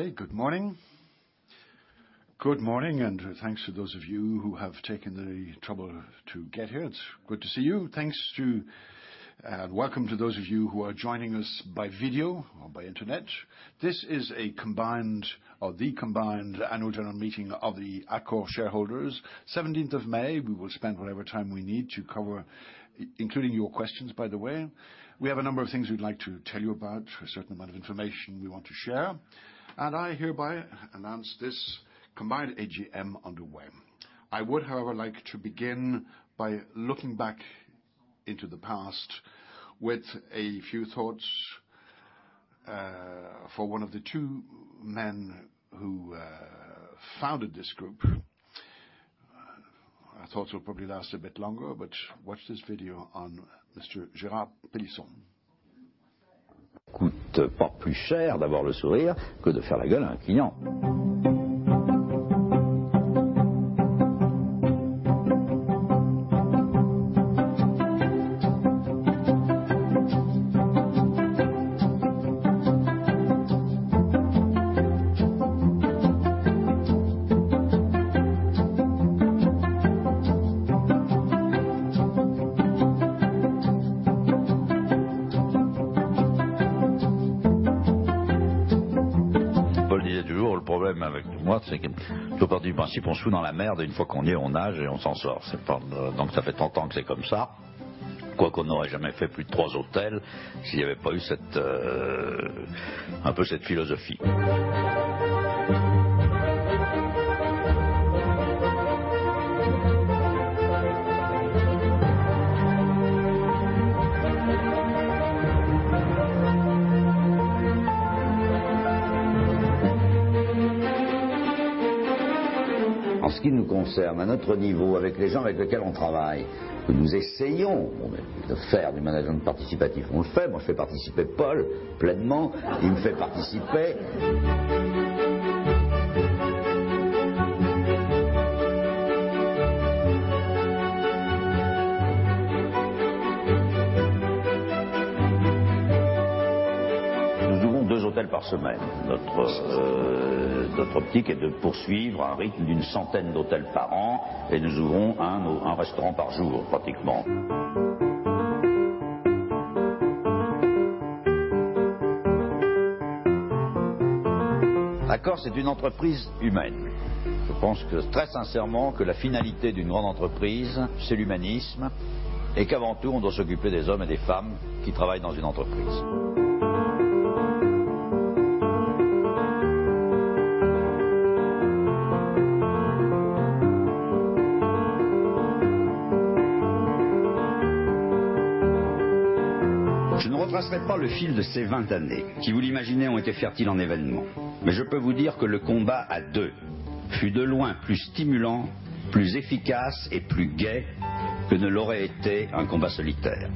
Okay. Good morning. Good morning. Thanks to those of you who have taken the trouble to get here. It's good to see you. Thanks to and welcome to those of you who are joining us by video or by internet. This is a combined or the combined annual general meeting of the Accor shareholders. 17th of May. We will spend whatever time we need to cover, including your questions, by the way. We have a number of things we'd like to tell you about, a certain amount of information we want to share. I hereby announce this combined AGM underway. I would, however, like to begin by looking back into the past with a few thoughts, for one of the two men who founded this group. I thought it would probably last a bit longer. Watch this video on Mr. Gérard Pélisson. En ce qui nous concerne, à notre niveau, avec les gens avec lesquels on travaille, nous essayons de faire du management participatif. On le fait. Moi, je fais participer Paul pleinement. Il me fait participer. Nous ouvrons 2 hôtels par semaine. Notre optique est de poursuivre à un rythme de 100 hôtels par an et nous ouvrons 1 restaurant par jour, pratiquement. Accor, c'est une entreprise humaine. Je pense que, très sincèrement, que la finalité d'une grande entreprise, c'est l'humanisme et qu'avant tout, on doit s'occuper des hommes et des femmes qui travaillent dans une entreprise. Je ne retransmette pas le fil de ces 20 années, qui, vous l'imaginez, ont été fertiles en événements. Je peux vous dire que le combat à 2 fut de loin plus stimulant, plus efficace et plus gai que ne l'aurait été un combat solitaire.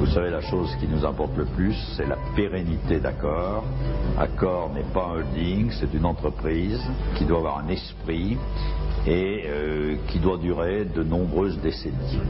Vous savez, la chose qui nous importe le plus, c'est la pérennité d'Accor. Accor n'est pas un holding, c'est une entreprise qui doit avoir un esprit et qui doit durer de nombreuses décennies.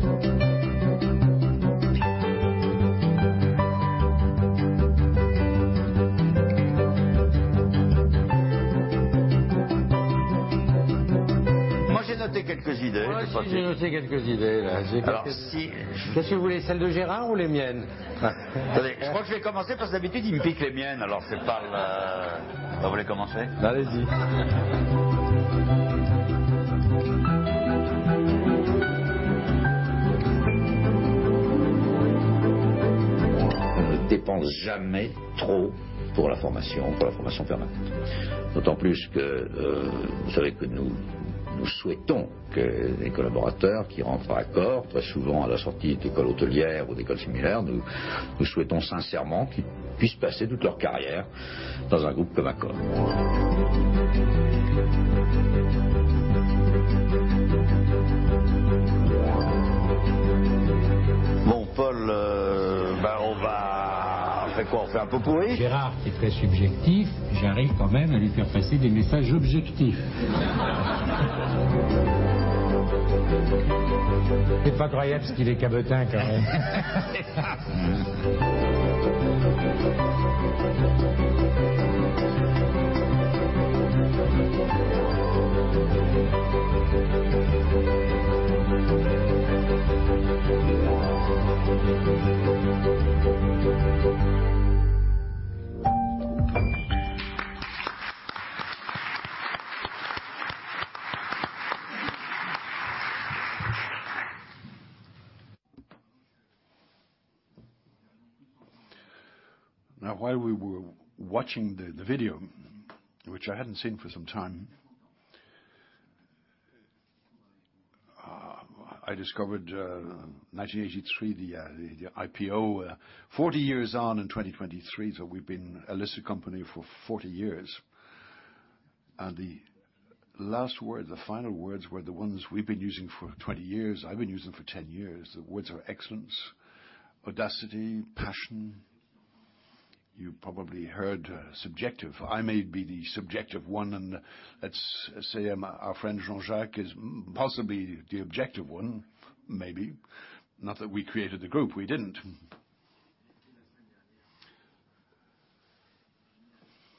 Moi, j'ai noté quelques idées. Moi aussi, j'ai noté quelques idées. Qu'est-ce que vous voulez? Celles de Gérard ou les miennes? Attendez, je crois que je vais commencer parce que d'habitude, il me pique les miennes. Vous voulez commencer? Allez-y. On ne dépense jamais trop pour la formation, pour la formation permanente. D'autant plus que vous savez que nous souhaitons que les collaborateurs qui rentrent à Accor, très souvent à la sortie d'écoles hôtelières ou d'écoles similaires, nous souhaitons sincèrement qu'ils puissent passer toute leur carrière dans un groupe comme Accor. Bon, Paul, on fait quoi? On fait un pot-pourri? Gérard est très subjectif. J'arrive quand même à lui faire passer des messages objectifs. C'est pas croyable ce qu'il est cabotin quand même. Now, while we were watching the video, which I hadn't seen for some time, I discovered, 1983, the IPO. 40 years on in 2023, so we've been a listed company for 40 years. The last words, the final words were the ones we've been using for 20 years. I've been using for 10 years. The words are excellence, audacity, passion. You probably heard subjective. I may be the subjective one, and let's say our friend Jean-Jacques is possibly the objective one, maybe. Not that we created the group. We didn't.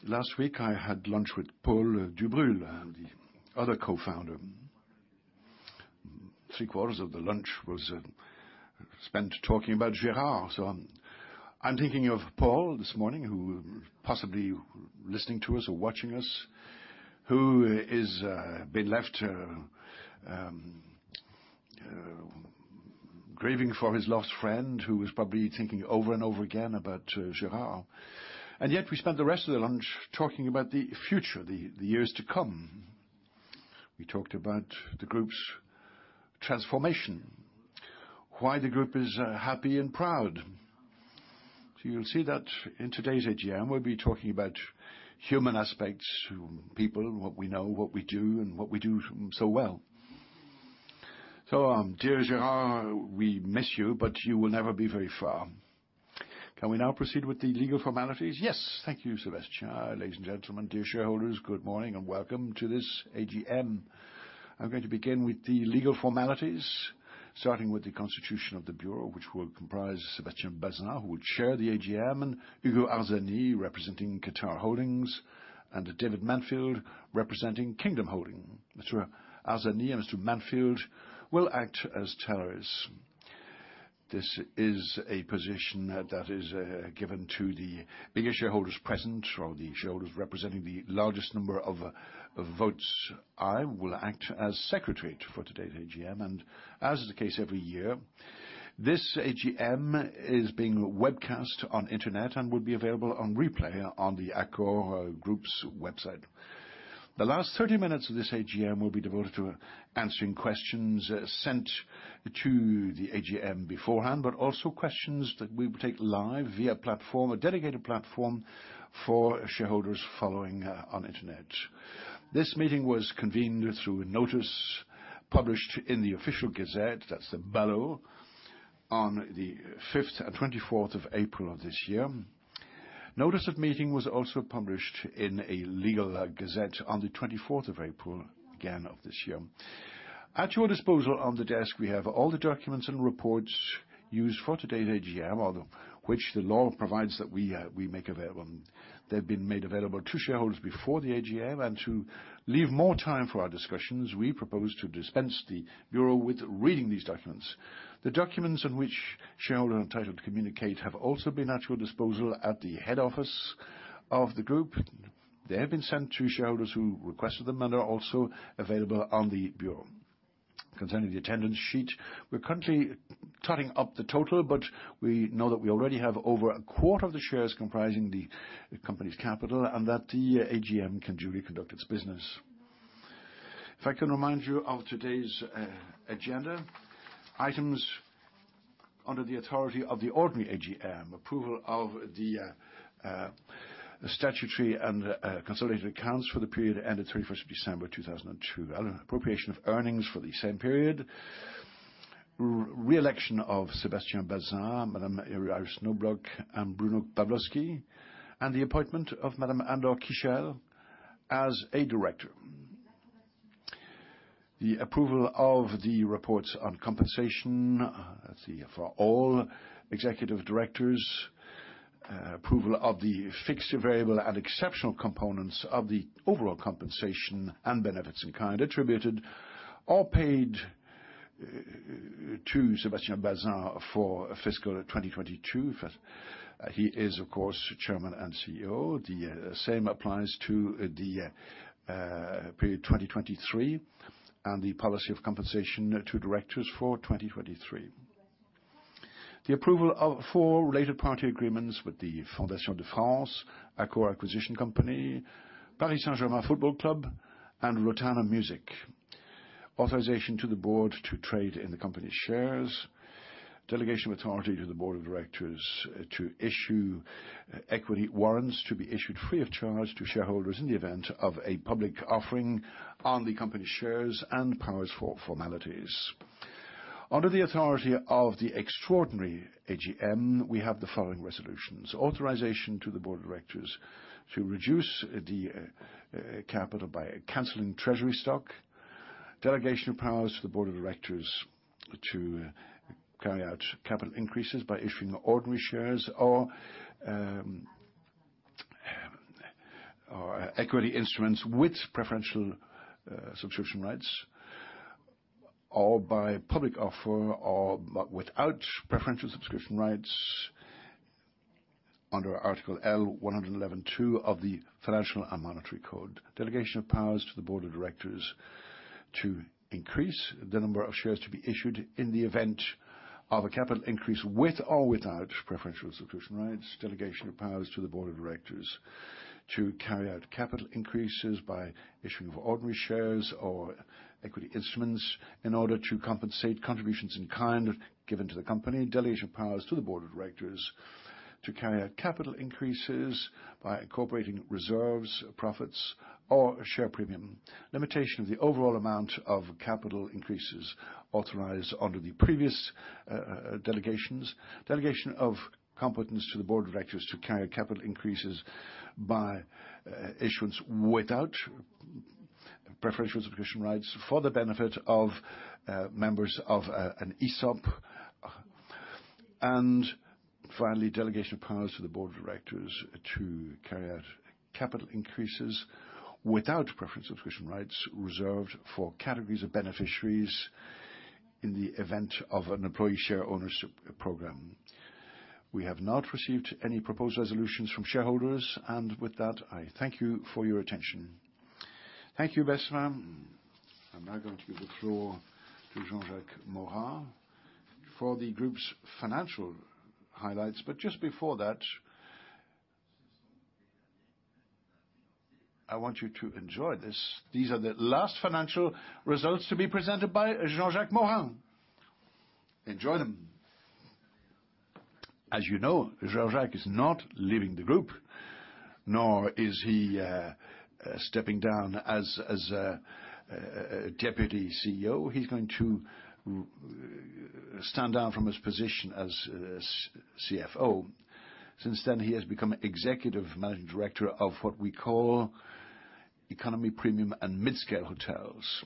Last week I had lunch with Paul Dubrule, the other Co-Founder. Three-quarters of the lunch was, spent talking about Gérard. I'm thinking of Paul this morning, who possibly listening to us or watching us, who is been left grieving for his lost friend, who is probably thinking over and over again about Gérard Pélisson. Yet we spent the rest of the lunch talking about the future, the years to come. We talked about the group's transformation, why the group is happy and proud. You'll see that in today's AGM, we'll be talking about human aspects, people, what we know, what we do, and what we do so well. Dear Gérard Pélisson, we miss you, but you will never be very far. Can we now proceed with the legal formalities? Yes. Thank you, Sébastien Bazin. Ladies and gentlemen, dear shareholders, good morning and welcome to this AGM. I'm going to begin with the legal formalities, starting with the constitution of the bureau, which will comprise Sébastien Bazin, who will chair the AGM, and Hugo Arzani, representing Qatar Holding, and David Mansfield, representing Kingdom Holding. Mr. Arzani and Mr. Mansfield will act as tellers. This is a position that is given to the biggest shareholders present or the shareholders representing the largest number of votes. I will act as secretary for today's AGM. As is the case every year, this AGM is being webcast on internet and will be available on replay on the Accor Group's website. The last 30 minutes of this AGM will be devoted to answering questions sent to the AGM beforehand, also questions that we will take live via platform, a dedicated platform for shareholders following on internet. This meeting was convened through a notice published in the Official Gazette, that's the BALO, on the fifth and 24th of April of this year. Notice of meeting was also published in a legal gazette on the 24th of April, again, of this year. At your disposal on the desk, we have all the documents and reports used for today's AGM, all of which the law provides that we make available. They've been made available to shareholders before the AGM. To leave more time for our discussions, we propose to dispense the bureau with reading these documents. The documents in which shareholder entitled to communicate have also been at your disposal at the head office of the group. They have been sent to shareholders who requested them and are also available on the bureau. Concerning the attendance sheet, we're currently totting up the total, but we know that we already have over a quarter of the shares comprising the company's capital and that the AGM can duly conduct its business. If I can remind you of today's agenda. Items under the authority of the ordinary AGM: approval of the statutory and consolidated accounts for the period ending 31st of December 2002; appropriation of earnings for the same period; re-election of Sébastien Bazin, Madame Iris Knobloch, and Bruno Pavlovsky; and the appointment of Madame Anne-Laure Kiechel as a director; the approval of the reports on compensation, let's see, for all executive directors; approval of the fixed variable and exceptional components of the overall compensation and benefits in kind attributed or paid to Sébastien Bazin for fiscal 2022. He is, of course, Chairman and CEO. The same applies to the period 2023 and the policy of compensation to directors for 2023. The approval of four related party agreements with the Fondation de France, Accor Acquisition Company, Paris Saint-Germain Football Club, and Rotana Music, authorization to the board to trade in the company's shares, delegation of authority to the board of directors to issue equity warrants to be issued free of charge to shareholders in the event of a public offering on the company's shares and powers for formalities. Under the authority of the extraordinary AGM, we have the following resolutions: authorization to the board of directors to reduce the capital by canceling treasury stock; delegation of powers to the board of directors to carry out capital increases by issuing ordinary shares or equity instruments with preferential subscription rights or by public offer or without preferential subscription rights under Article L. 111-2 of the Monetary and Financial Code; delegation of powers to the board of directors to increase the number of shares to be issued in the event of a capital increase with or without preferential subscription rights; delegation of powers to the board of directors to carry out capital increases by issuing of ordinary shares or equity instruments in order to compensate contributions in kind given to the company; delegation of powers to the board of directors to carry out capital increases by incorporating reserves, profits, or share premium; limitation of the overall amount of capital increases authorized under the previous delegations; delegation of competence to the board of directors to carry out capital increases by issuance without preferential subscription rights for the benefit of members of an ESOP. Finally, delegation of powers to the board of directors to carry out capital increases without preference subscription rights reserved for categories of beneficiaries in the event of an employee share ownership program. We have not received any proposed resolutions from shareholders. With that, I thank you for your attention. Thank you, Bertrand. I'm now going to give the floor to Jean-Jacques Morin for the group's financial highlights. Just before that, I want you to enjoy this. These are the last financial results to be presented by Jean-Jacques Morin. Enjoy them. As you know, Jean-Jacques is not leaving the group, nor is he stepping down as Deputy CEO. He's going to stand down from his position as CFO. Since then, he has become Executive Managing Director of what we call Economy Premium and Mid-scale Hotels.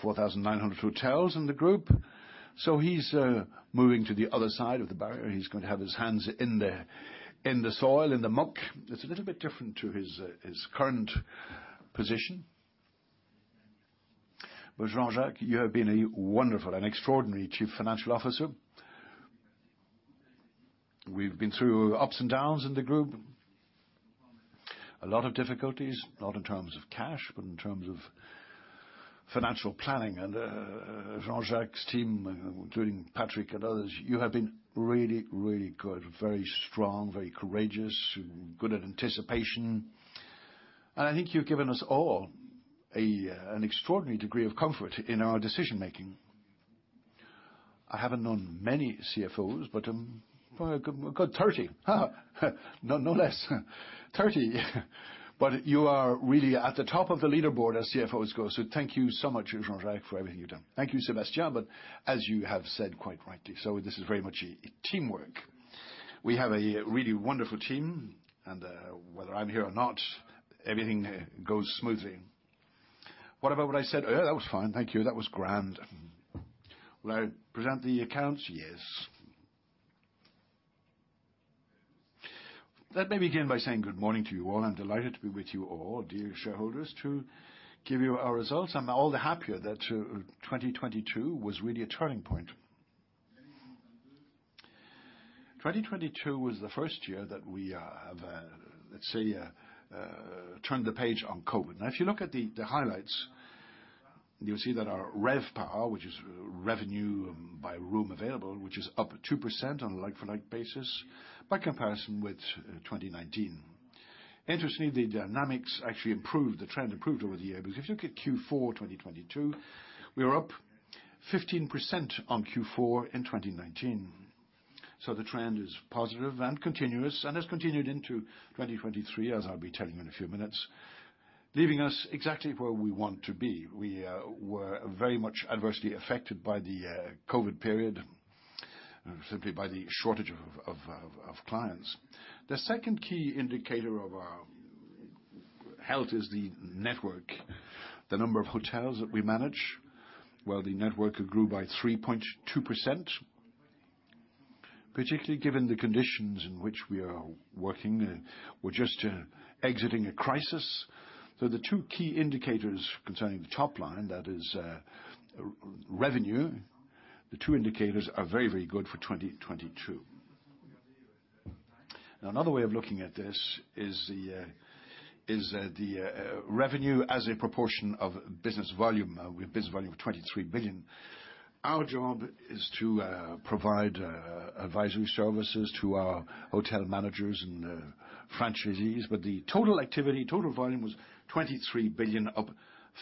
4,900 hotels in the group. He's moving to the other side of the barrier. He's going to have his hands in the, in the soil, in the muck. It's a little bit different to his current position. Jean-Jacques, you have been a wonderful and extraordinary Chief Financial Officer. We've been through ups and downs in the group. A lot of difficulties, not in terms of cash, but in terms of financial planning. Jean-Jacques' team, including Patrick and others, you have been really, really good, very strong, very courageous, good at anticipation. I think you've given us all an extraordinary degree of comfort in our decision-making. I haven't known many CFOs, a good 30. No less. 30. You are really at the top of the leaderboard as CFOs go. Thank you so much, Jean-Jacques, for everything you've done. Thank you, Sébastien, as you have said, quite rightly so, this is very much a teamwork. We have a really wonderful team, whether I'm here or not, everything goes smoothly. What about what I said earlier? That was fine. Thank you. That was grand. Will I present the accounts? Yes. Let me begin by saying good morning to you all. I'm delighted to be with you all, dear shareholders, to give you our results. I'm all the happier that 2022 was really a turning point. 2022 was the first year that we have, let's say, turned the page on COVID. If you look at the highlights, you'll see that our RevPAR, which is revenue by room available, which is up 2% on a like-for-like basis by comparison with 2019. Interestingly, the dynamics actually improved. The trend improved over the year, because if you look at Q4 2022, we are up 15% on Q4 in 2019. The trend is positive and continuous, and has continued into 2023, as I'll be telling you in a few minutes, leaving us exactly where we want to be. We were very much adversely affected by the COVID period, simply by the shortage of clients. The second key indicator of our health is the network, the number of hotels that we manage, while the network grew by 3.2%, particularly given the conditions in which we are working. We're just exiting a crisis. The two key indicators concerning the top line, that is, revenue, the two indicators are very, very good for 2022. Another way of looking at this is the revenue as a proportion of business volume. We have business volume of 23 billion. Our job is to provide advisory services to our hotel managers and franchisees. The total activity, total volume was 23 billion, up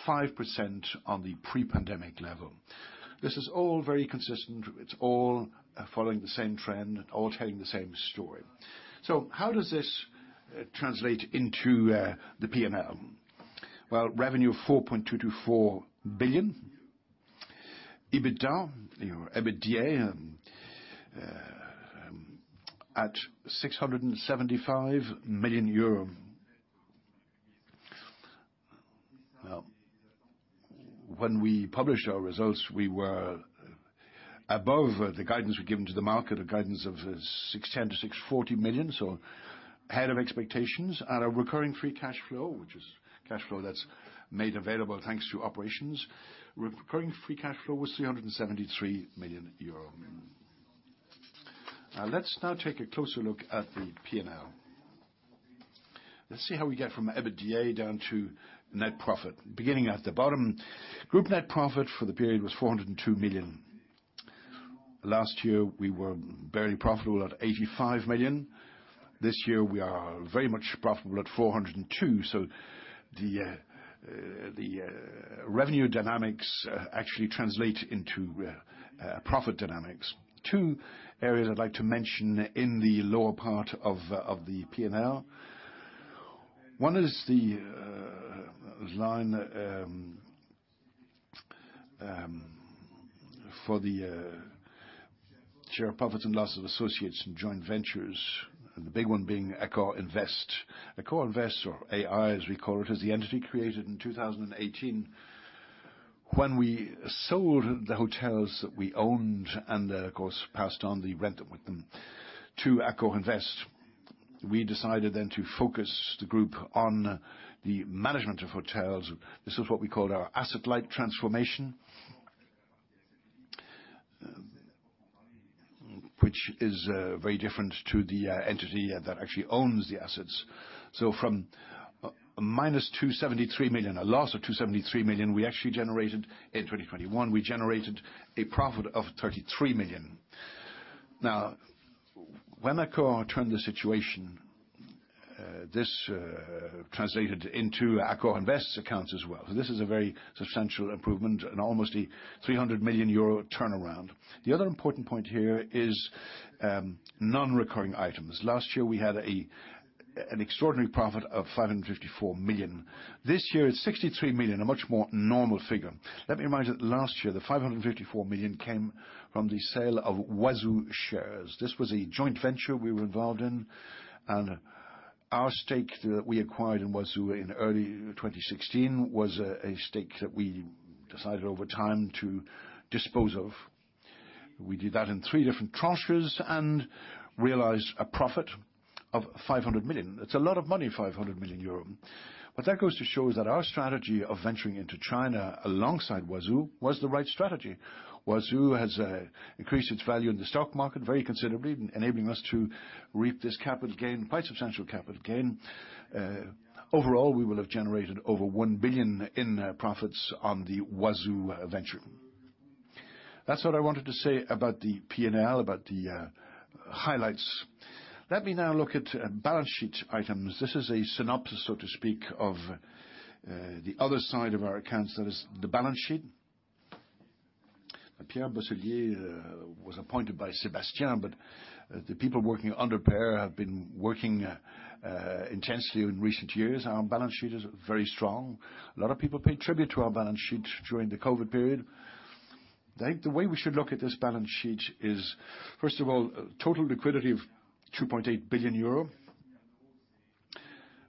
5% on the pre-pandemic level. This is all very consistent. It's all following the same trend and all telling the same story. How does this translate into the P&L? Well, revenue, 4.224 billion. EBITDA, or EBITDA, at EUR 675 million. Well, when we published our results, we were above the guidance we'd given to the market, a guidance of 610 million-640 million, so ahead of expectations. Our recurring free cash flow, which is cash flow that's made available thanks to operations, recurring free cash flow was 373 million euro. Let's now take a closer look at the P&L. Let's see how we get from EBITDA down to net profit. Beginning at the bottom, group net profit for the period was 402 million. Last year, we were barely profitable at 85 million. This year, we are very much profitable at 402 million, the revenue dynamics actually translate into profit dynamics. Two areas I'd like to mention in the lower part of the P&L. One is the line for the share profits and loss of associates and joint ventures, the big one being Accor Invest. Accor Invest, or AI as we call it, is the entity created in 2018. When we sold the hotels that we owned and, of course, passed on the rent with them to Accor Invest, we decided then to focus the group on the management of hotels. This is what we call our asset-light transformation. Which is very different to the entity that actually owns the assets. From minus 273 million, a loss of 273 million, we actually generated, in 2021, we generated a profit of 33 million. When Accor turned the situation, this translated into Accor Invest's accounts as well. This is a very substantial improvement and almost a 300 million euro turnaround. The other important point here is non-recurring items. Last year, we had an extraordinary profit of 554 million. This year, it's 63 million, a much more normal figure. Let me remind you that last year, the 554 million came from the sale of Huazhu shares. This was a joint venture we were involved in, and our stake that we acquired in Huazhu in early 2016 was a stake that we decided over time to dispose of. We did that in three different tranches and realized a profit of 500 million. It's a lot of money, 500 million euro. That goes to show is that our strategy of venturing into China alongside Huazhu was the right strategy. Huazhu has increased its value in the stock market very considerably, enabling us to reap this capital gain, quite substantial capital gain. Overall, we will have generated over 1 billion in profits on the Huazhu venture. That's what I wanted to say about the P&L, about the highlights. Let me now look at balance sheet items. This is a synopsis, so to speak, of the other side of our accounts. That is the balance sheet. Pierre Boisselier was appointed by Sébastien. The people working under Pierre have been working intensely in recent years. Our balance sheet is very strong. A lot of people paid tribute to our balance sheet during the COVID period. I think the way we should look at this balance sheet is, first of all, total liquidity of 28 billion euro.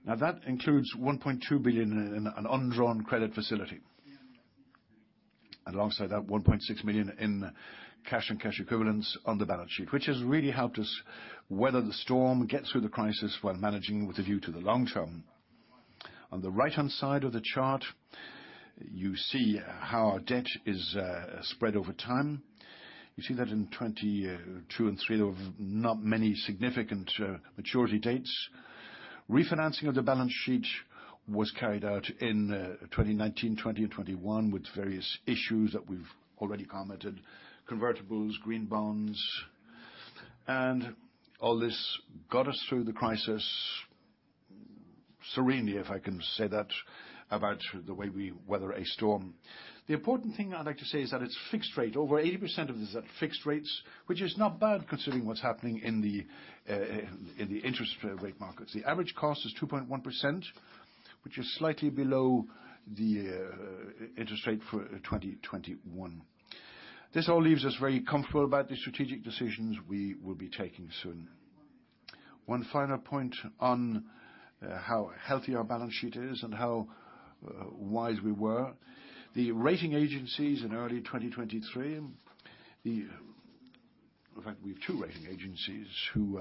That includes 1.2 billion in an undrawn credit facility. Alongside that, 1.6 million in cash and cash equivalents on the balance sheet, which has really helped us weather the storm, get through the crisis while managing with a view to the long term. On the right-hand side of the chart, you see how our debt is spread over time. You see that in 2022 and 2023, there were not many significant maturity dates. Refinancing of the balance sheet was carried out in 2019, 2020, and 2021 with various issues that we've already commented, convertibles, green bonds. All this got us through the crisis serenely, if I can say that about the way we weather a storm. The important thing I'd like to say is that it's fixed rate. Over 80% of this is at fixed rates, which is not bad considering what's happening in the interest rate markets. The average cost is 2.1%, which is slightly below the interest rate for 2021. This all leaves us very comfortable about the strategic decisions we will be taking soon. One final point on how healthy our balance sheet is and how wise we were. The rating agencies in early 2023. In fact, we have two rating agencies who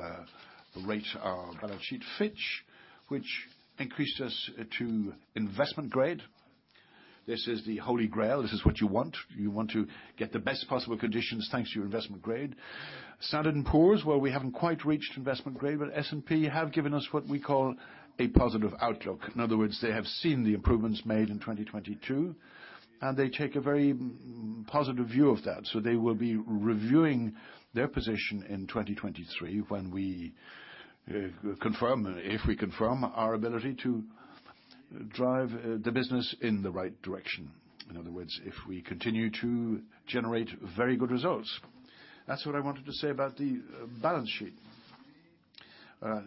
rate our balance sheet. Fitch, which increased us to investment grade. This is the Holy Grail. This is what you want. You want to get the best possible conditions, thanks to your investment grade. Standard & Poor's, well, we haven't quite reached investment grade, but S&P have given us what we call a positive outlook. In other words, they have seen the improvements made in 2022, they take a very positive view of that. They will be reviewing their position in 2023 when we confirm, if we confirm our ability to drive the business in the right direction. In other words, if we continue to generate very good results. That's what I wanted to say about the balance sheet.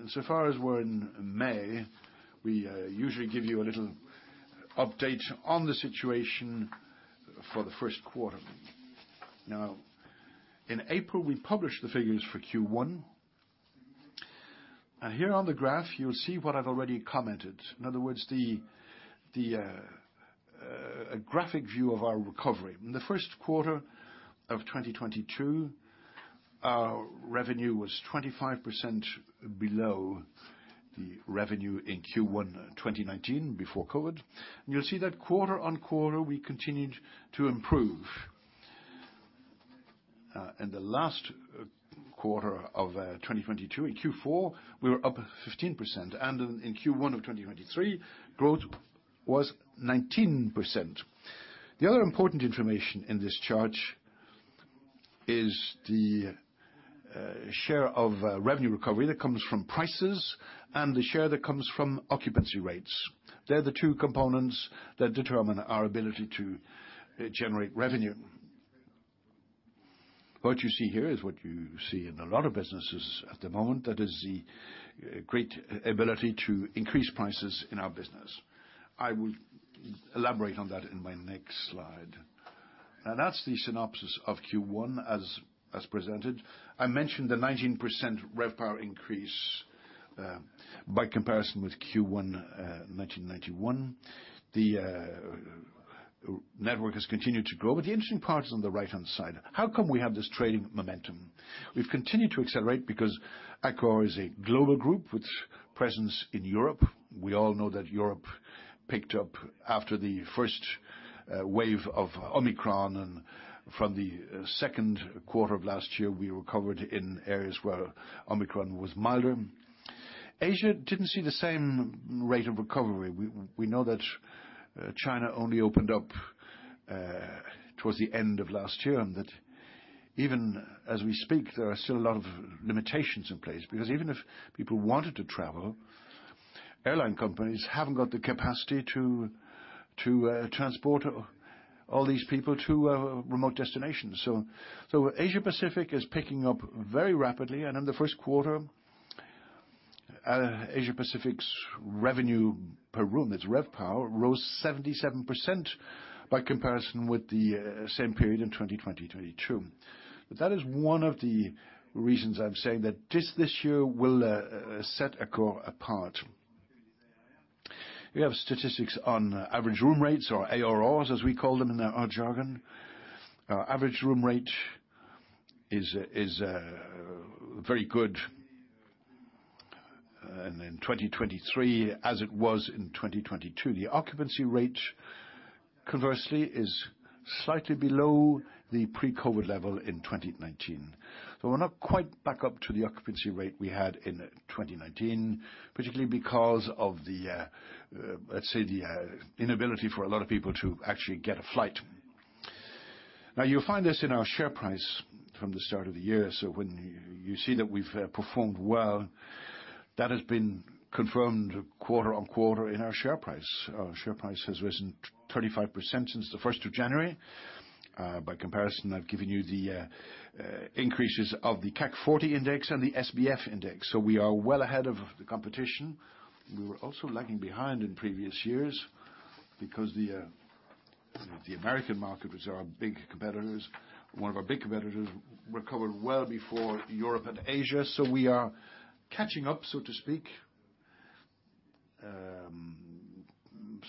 So far as we're in May, we usually give you a little update on the situation for the 1st quarter. In April, we published the figures for Q1. Here on the graph, you'll see what I've already commented. In other words, the graphic view of our recovery. In the 1st quarter of 2022, our revenue was 25% below the revenue in Q1 2019 before COVID. You'll see that quarter-on-quarter, we continued to improve. In the last quarter of 2022, in Q4, we were up 15%, and in Q1 of 2023, growth was 19%. The other important information in this chart is the share of revenue recovery that comes from prices and the share that comes from occupancy rates. They're the two components that determine our ability to generate revenue. What you see here is what you see in a lot of businesses at the moment. That is the great ability to increase prices in our business. I will elaborate on that in my next slide. That's the synopsis of Q1 as presented. I mentioned the 19% RevPAR increase by comparison with Q1, 1991. The network has continued to grow, but the interesting part is on the right-hand side. How come we have this trading momentum? We've continued to accelerate because Accor is a global group with presence in Europe. We all know that Europe picked up after the first wave of Omicron, and from the second quarter of last year, we recovered in areas where Omicron was milder. Asia didn't see the same rate of recovery. We know that China only opened up towards the end of last year, and that even as we speak, there are still a lot of limitations in place. Because even if people wanted to travel, airline companies haven't got the capacity to transport all these people to remote destinations. Asia-Pacific is picking up very rapidly. In the first quarter, Asia-Pacific's revenue per room, its RevPAR, rose 77% by comparison with the same period in 2022. That is one of the reasons I'm saying that this year will set Accor apart. We have statistics on average room rates, or ARRs as we call them in our jargon. Our average room rate is very good. In 2023, as it was in 2022, the occupancy rate, conversely, is slightly below the pre-COVID level in 2019. We're not quite back up to the occupancy rate we had in 2019, particularly because of the, let's say, the inability for a lot of people to actually get a flight. Now, you'll find this in our share price from the start of the year. When you see that we've performed well, that has been confirmed quarter-on-quarter in our share price. Our share price has risen 35% since the 1st of January. By comparison, I've given you the increases of the CAC 40 index and the SBF index. We are well ahead of the competition. We were also lagging behind in previous years because the American market, which are our big competitors, one of our big competitors, recovered well before Europe and Asia. We are catching up, so to speak,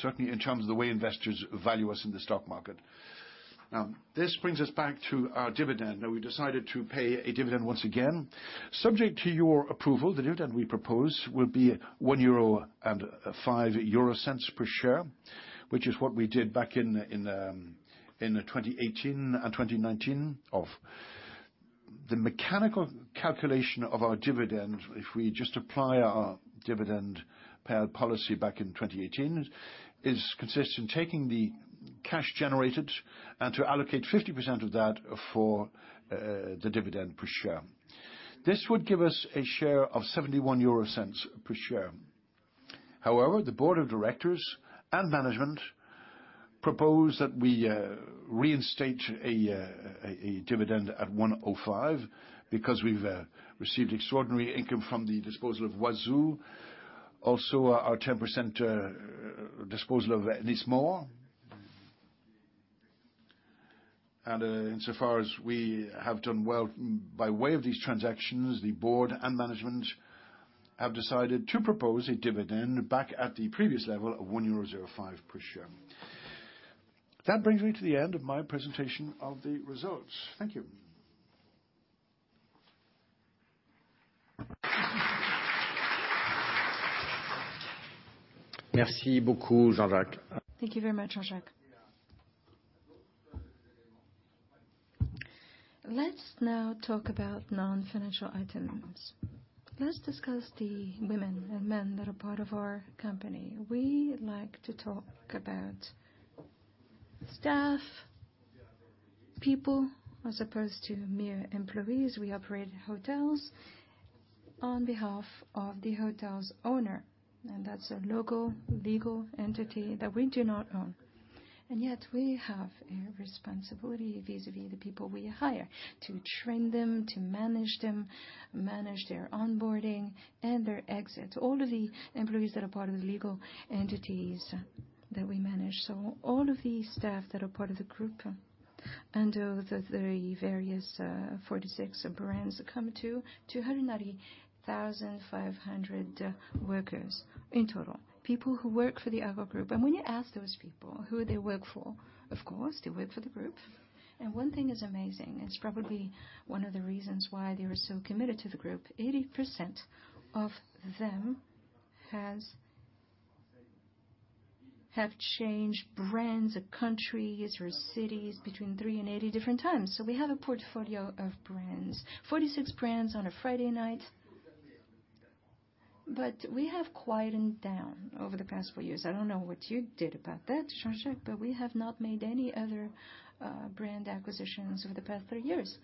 certainly in terms of the way investors value us in the stock market. This brings us back to our dividend. We've decided to pay a dividend once again. Subject to your approval, the dividend we propose will be 1.05 euro per share, which is what we did back in 2018 and 2019. The mechanical calculation of our dividend, if we just apply our dividend payout policy back in 2018, is consistent taking the cash generated and to allocate 50% of that for the dividend per share. This would give us a share of 0.71 per share. The board of directors and management propose that we reinstate a dividend at 1.05 because we've received extraordinary income from the disposal of Huazhu. Our 10% disposal of Ennismore. Insofar as we have done well by way of these transactions, the board and management have decided to propose a dividend back at the previous level of 1.05 euro per share. That brings me to the end of my presentation of the results. Thank you. Thank you very much, Jean-Jacques. Let's now talk about non-financial items. Let's discuss the women and men that are part of our company. We like to talk about staff, people, as opposed to mere employees. We operate hotels on behalf of the hotel's owner, and that's a local legal entity that we do not own. Yet, we have a responsibility vis-à-vis the people we hire to train them, to manage them, manage their onboarding and their exits, all of the employees that are part of the legal entities that we manage. All of the staff that are part of the group under the various, 46 brands come to 290,500 workers in total, people who work for the Accor group. When you ask those people who they work for, of course, they work for the group. One thing is amazing, it's probably one of the reasons why they are so committed to the group. 80% of them have changed brands or countries or cities between three and 80 different times. We have a portfolio of brands, 46 brands on a Friday night. We have quietened down over the past four years. I don't know what you did about that, Jean-Jacques, but we have not made any other brand acquisitions over the past three years.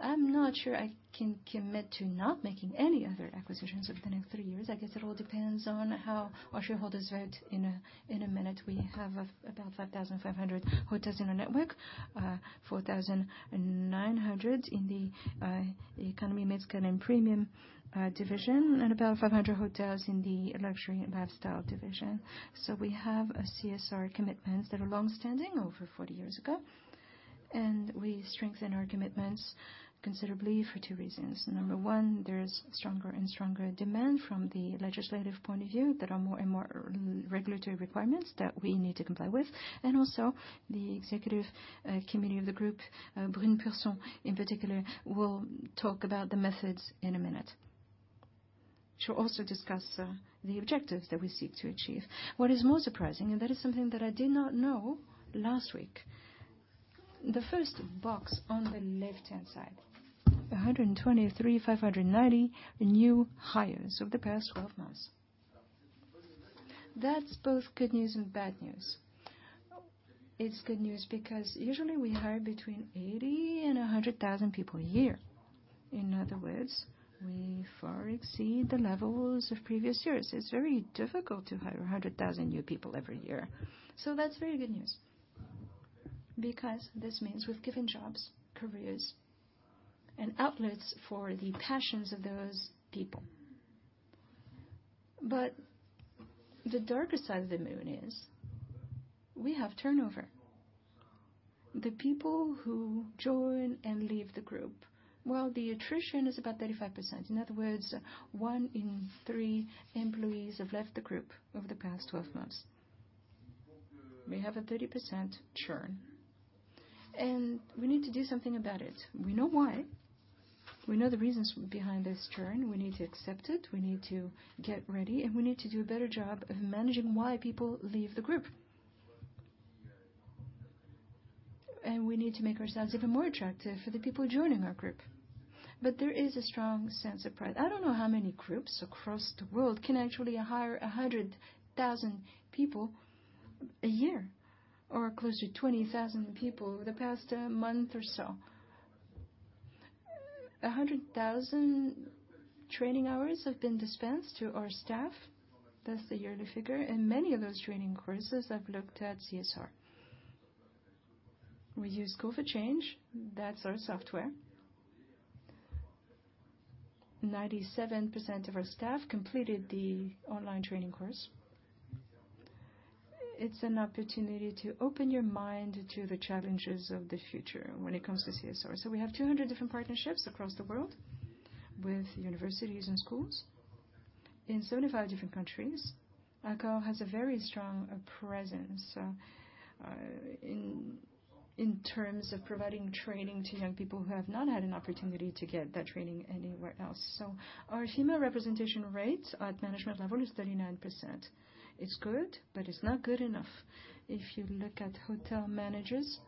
I'm not sure I can commit to not making any other acquisitions over the next three years. I guess it all depends on how our shareholders vote in a, in a minute. We have about 5,500 hotels in our network. 4,900 in the economy, mid-scale, and premium division, and about 500 hotels in the luxury and lifestyle division. We have a CSR commitments that are longstanding over 40 years ago, and we strengthen our commitments considerably for two reasons. Number one, there's stronger and stronger demand from the legislative point of view. There are more and more regulatory requirements that we need to comply with. Also the executive committee of the group, Brune Poirson, in particular, will talk about the methods in a minute. She'll also discuss the objectives that we seek to achieve. What is most surprising, and that is something that I did not know last week. The first box on the left-hand side, 123,590 new hires over the past 12 months. That's both good news and bad news. It's good news because usually we hire between 80 and 100,000 people a year. In other words, we far exceed the levels of previous years. It's very difficult to hire 100,000 new people every year. That's very good news because this means we've given jobs, careers, and outlets for the passions of those people. The darker side of the moon is we have turnover. The people who join and leave the group, well, the attrition is about 35%. In other words, one in three employees have left the group over the past 12 months. We have a 30% churn, and we need to do something about it. We know why. We know the reasons behind this churn. We need to accept it, we need to get ready, we need to do a better job of managing why people leave the group. We need to make ourselves even more attractive for the people joining our group. There is a strong sense of pride. I don't know how many groups across the world can actually hire 100,000 people a year or close to 20,000 people over the past month or so. 100,000 training hours have been dispensed to our staff. That's the yearly figure. Many of those training courses have looked at CSR. We use School for Change. That's our software. 97% of our staff completed the online training course. It's an opportunity to open your mind to the challenges of the future when it comes to CSR. We have 200 different partnerships across the world with universities and schools in 35 different countries. Accor has a very strong presence in terms of providing training to young people who have not had an opportunity to get that training anywhere else. Our female representation rate at management level is 39%. It's good, but it's not good enough. If you look at hotel managers,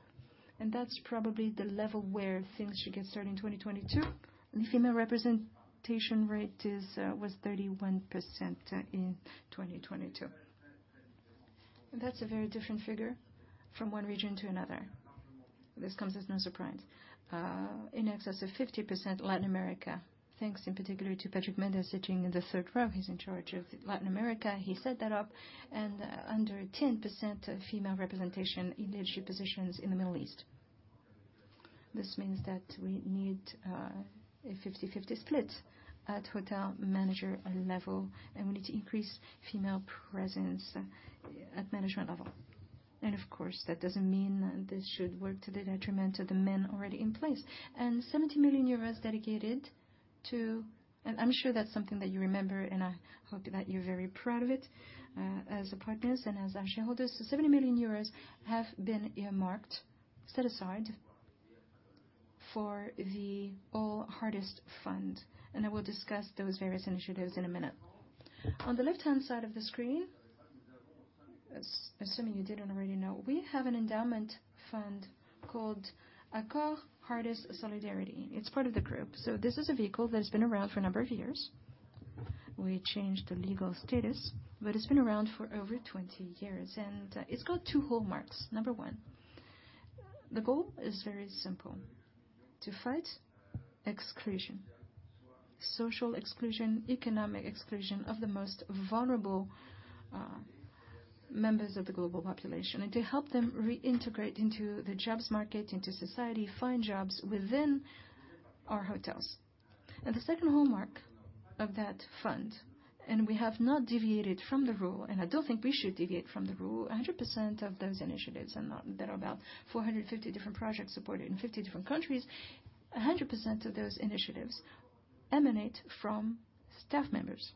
and that's probably the level where things should get started in 2022, the female representation rate is was 31% in 2022. That's a very different figure from one region to another. This comes as no surprise. In excess of 50% Latin America. Thanks in particular to Patrick Mendes sitting in the 3rd row. He's in charge of Latin America. He set that up under 10% female representation in leadership positions in the Middle East. This means that we need a 50/50 split at hotel manager level, and we need to increase female presence at management level. Of course, that doesn't mean this should work to the detriment of the men already in place. 70 million euros dedicated to... I'm sure that's something that you remember, and I hope that you're very proud of it, as partners and as our shareholders. 70 million euros have been earmarked, set aside for the ALL Heartist Fund, and I will discuss those various initiatives in a minute. On the left-hand side of the screen, assuming you didn't already know, we have an endowment fund called Accor Heartist Solidarity. It's part of the group. This is a vehicle that's been around for a number of years. We changed the legal status, but it's been around for over 20 years, and it's got two hallmarks. Number one, the goal is very simple: to fight exclusion, social exclusion, economic exclusion of the most vulnerable members of the global population and to help them reintegrate into the jobs market, into society, find jobs within our hotels. The second hallmark of that fund, and we have not deviated from the rule, and I don't think we should deviate from the rule. 100% of those initiatives, and there are about 450 different projects supported in 50 different countries. 100% of those initiatives emanate from staff members.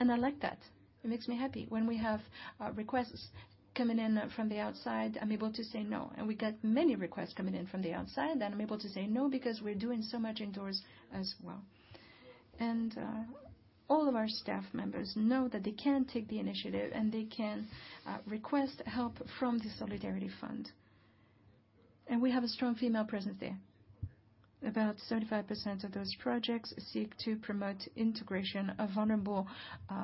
I like that. It makes me happy. When we have requests coming in from the outside, I'm able to say no. We get many requests coming in from the outside, and I'm able to say no, because we're doing so much indoors as well. All of our staff members know that they can take the initiative, and they can request help from the Solidarity Fund. We have a strong female presence there. About 35% of those projects seek to promote integration of vulnerable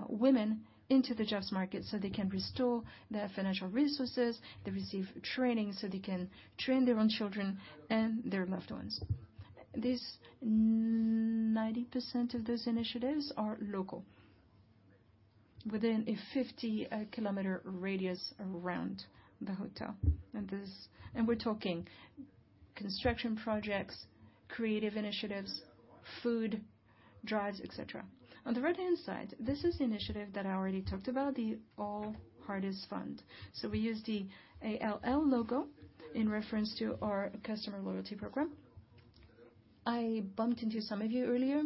women into the jobs market, so they can restore their financial resources. They receive training, so they can train their own children and their loved ones. This, 90% of these initiatives are local, within a 50 km radius around the hotel. We're talking construction projects, creative initiatives, food drives, et cetera. On the right-hand side, this is the initiative that I already talked about, the ALL Heartist Fund. We use the ALL logo in reference to our customer loyalty program. I bumped into some of you earlier,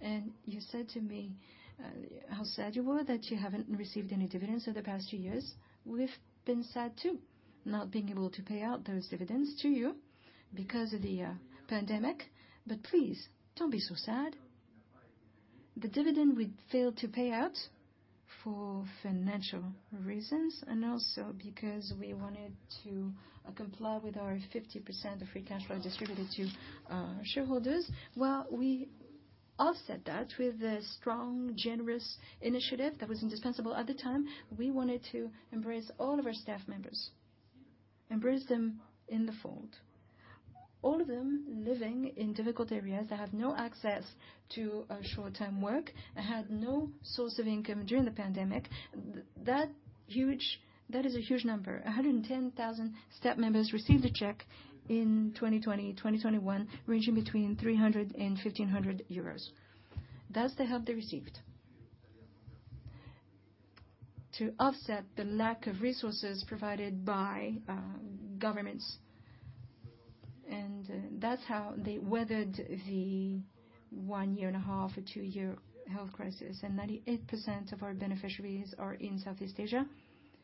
and you said to me, how sad you were that you haven't received any dividends over the past two years. We've been sad too, not being able to pay out those dividends to you because of the pandemic. Please, don't be so sad. The dividend we failed to pay out for financial reasons and also because we wanted to comply with our 50% of free cash flow distributed to shareholders. Well, we offset that with a strong, generous initiative that was indispensable at the time. We wanted to embrace all of our staff members, embrace them in the fold. All of them living in difficult areas that have no access to short-term work and had no source of income during the pandemic. That is a huge number. 110,000 staff members received a check in 2020, 2021, ranging between 300 and 1,500 euros. That's the help they received. To offset the lack of resources provided by governments, that's how they weathered the one year and a half or two year health crisis. 98% of our beneficiaries are in Southeast Asia,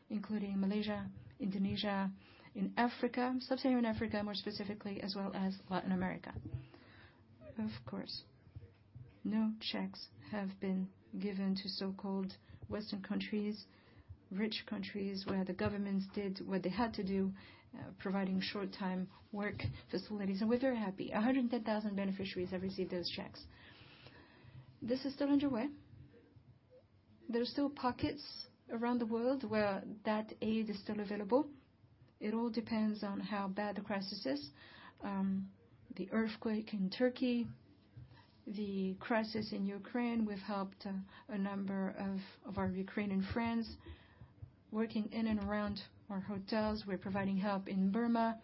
including Malaysia, Indonesia, in Africa, Sub-Saharan Africa, more specifically, as well as Latin America. Of course, no checks have been given to so-called Western countries, rich countries, where the governments did what they had to do, providing short-time work facilities. We're very happy. 110,000 beneficiaries have received those checks. This is still underway. There are still pockets around the world where that aid is still available. It all depends on how bad the crisis is. The earthquake in Turkey, the crisis in Ukraine, we've helped a number of our Ukrainian friends working in and around our hotels. We're providing help in Burma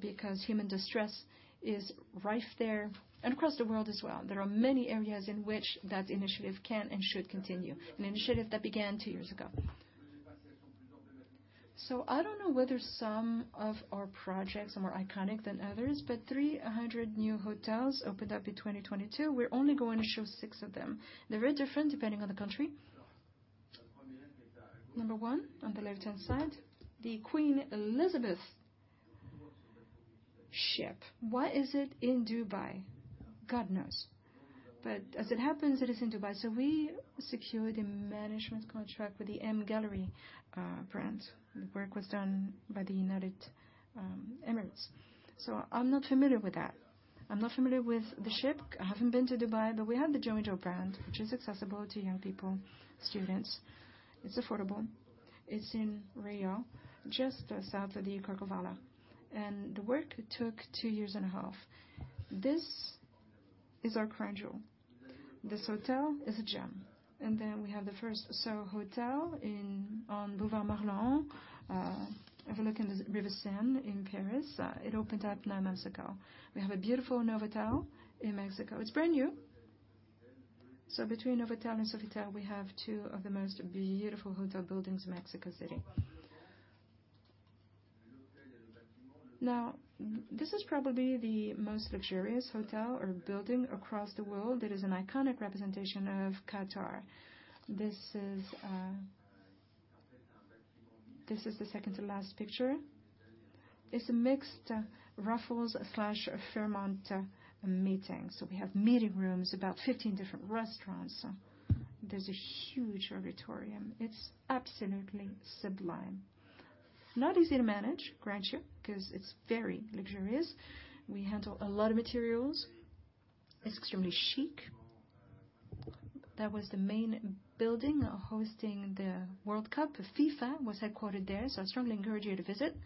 because human distress is rife there and across the world as well. There are many areas in which that initiative can and should continue, an initiative that began two years ago. I don't know whether some of our projects are more iconic than others, but 300 new hotels opened up in 2022. We're only going to show six of them. They're very different depending on the country. Number one, on the left-hand side, the Queen Elizabeth 2. Why is it in Dubai? God knows. As it happens, it is in Dubai. We secured a management contract with the MGallery brand. The work was done by the United Emirates. I'm not familiar with that. I'm not familiar with the ship. I haven't been to Dubai, but we have the JO&JOE brand, which is accessible to young people, students. It's affordable. It's in Rio, just south of the Corcovado. The work took two years and a half. This is our crown jewel. This hotel is a gem. We have the first SO Hotel in, on Boulevard Malesherbes, overlooking the River Seine in Paris. It opened up nine months ago. We have a beautiful Novotel in Mexico. It's brand new. Between Novotel and Sofitel, we have two of the most beautiful hotel buildings in Mexico City. This is probably the most luxurious hotel or building across the world. It is an iconic representation of Qatar. This is the second to last picture. It's a mixed Raffles/Fairmont meeting. We have meeting rooms, about 15 different restaurants. There's a huge auditorium. It's absolutely sublime. Not easy to manage, grant you, 'cause it's very luxurious. We handle a lot of materials. It's extremely chic. That was the main building hosting the World Cup. FIFA was headquartered there. I strongly encourage you to visit.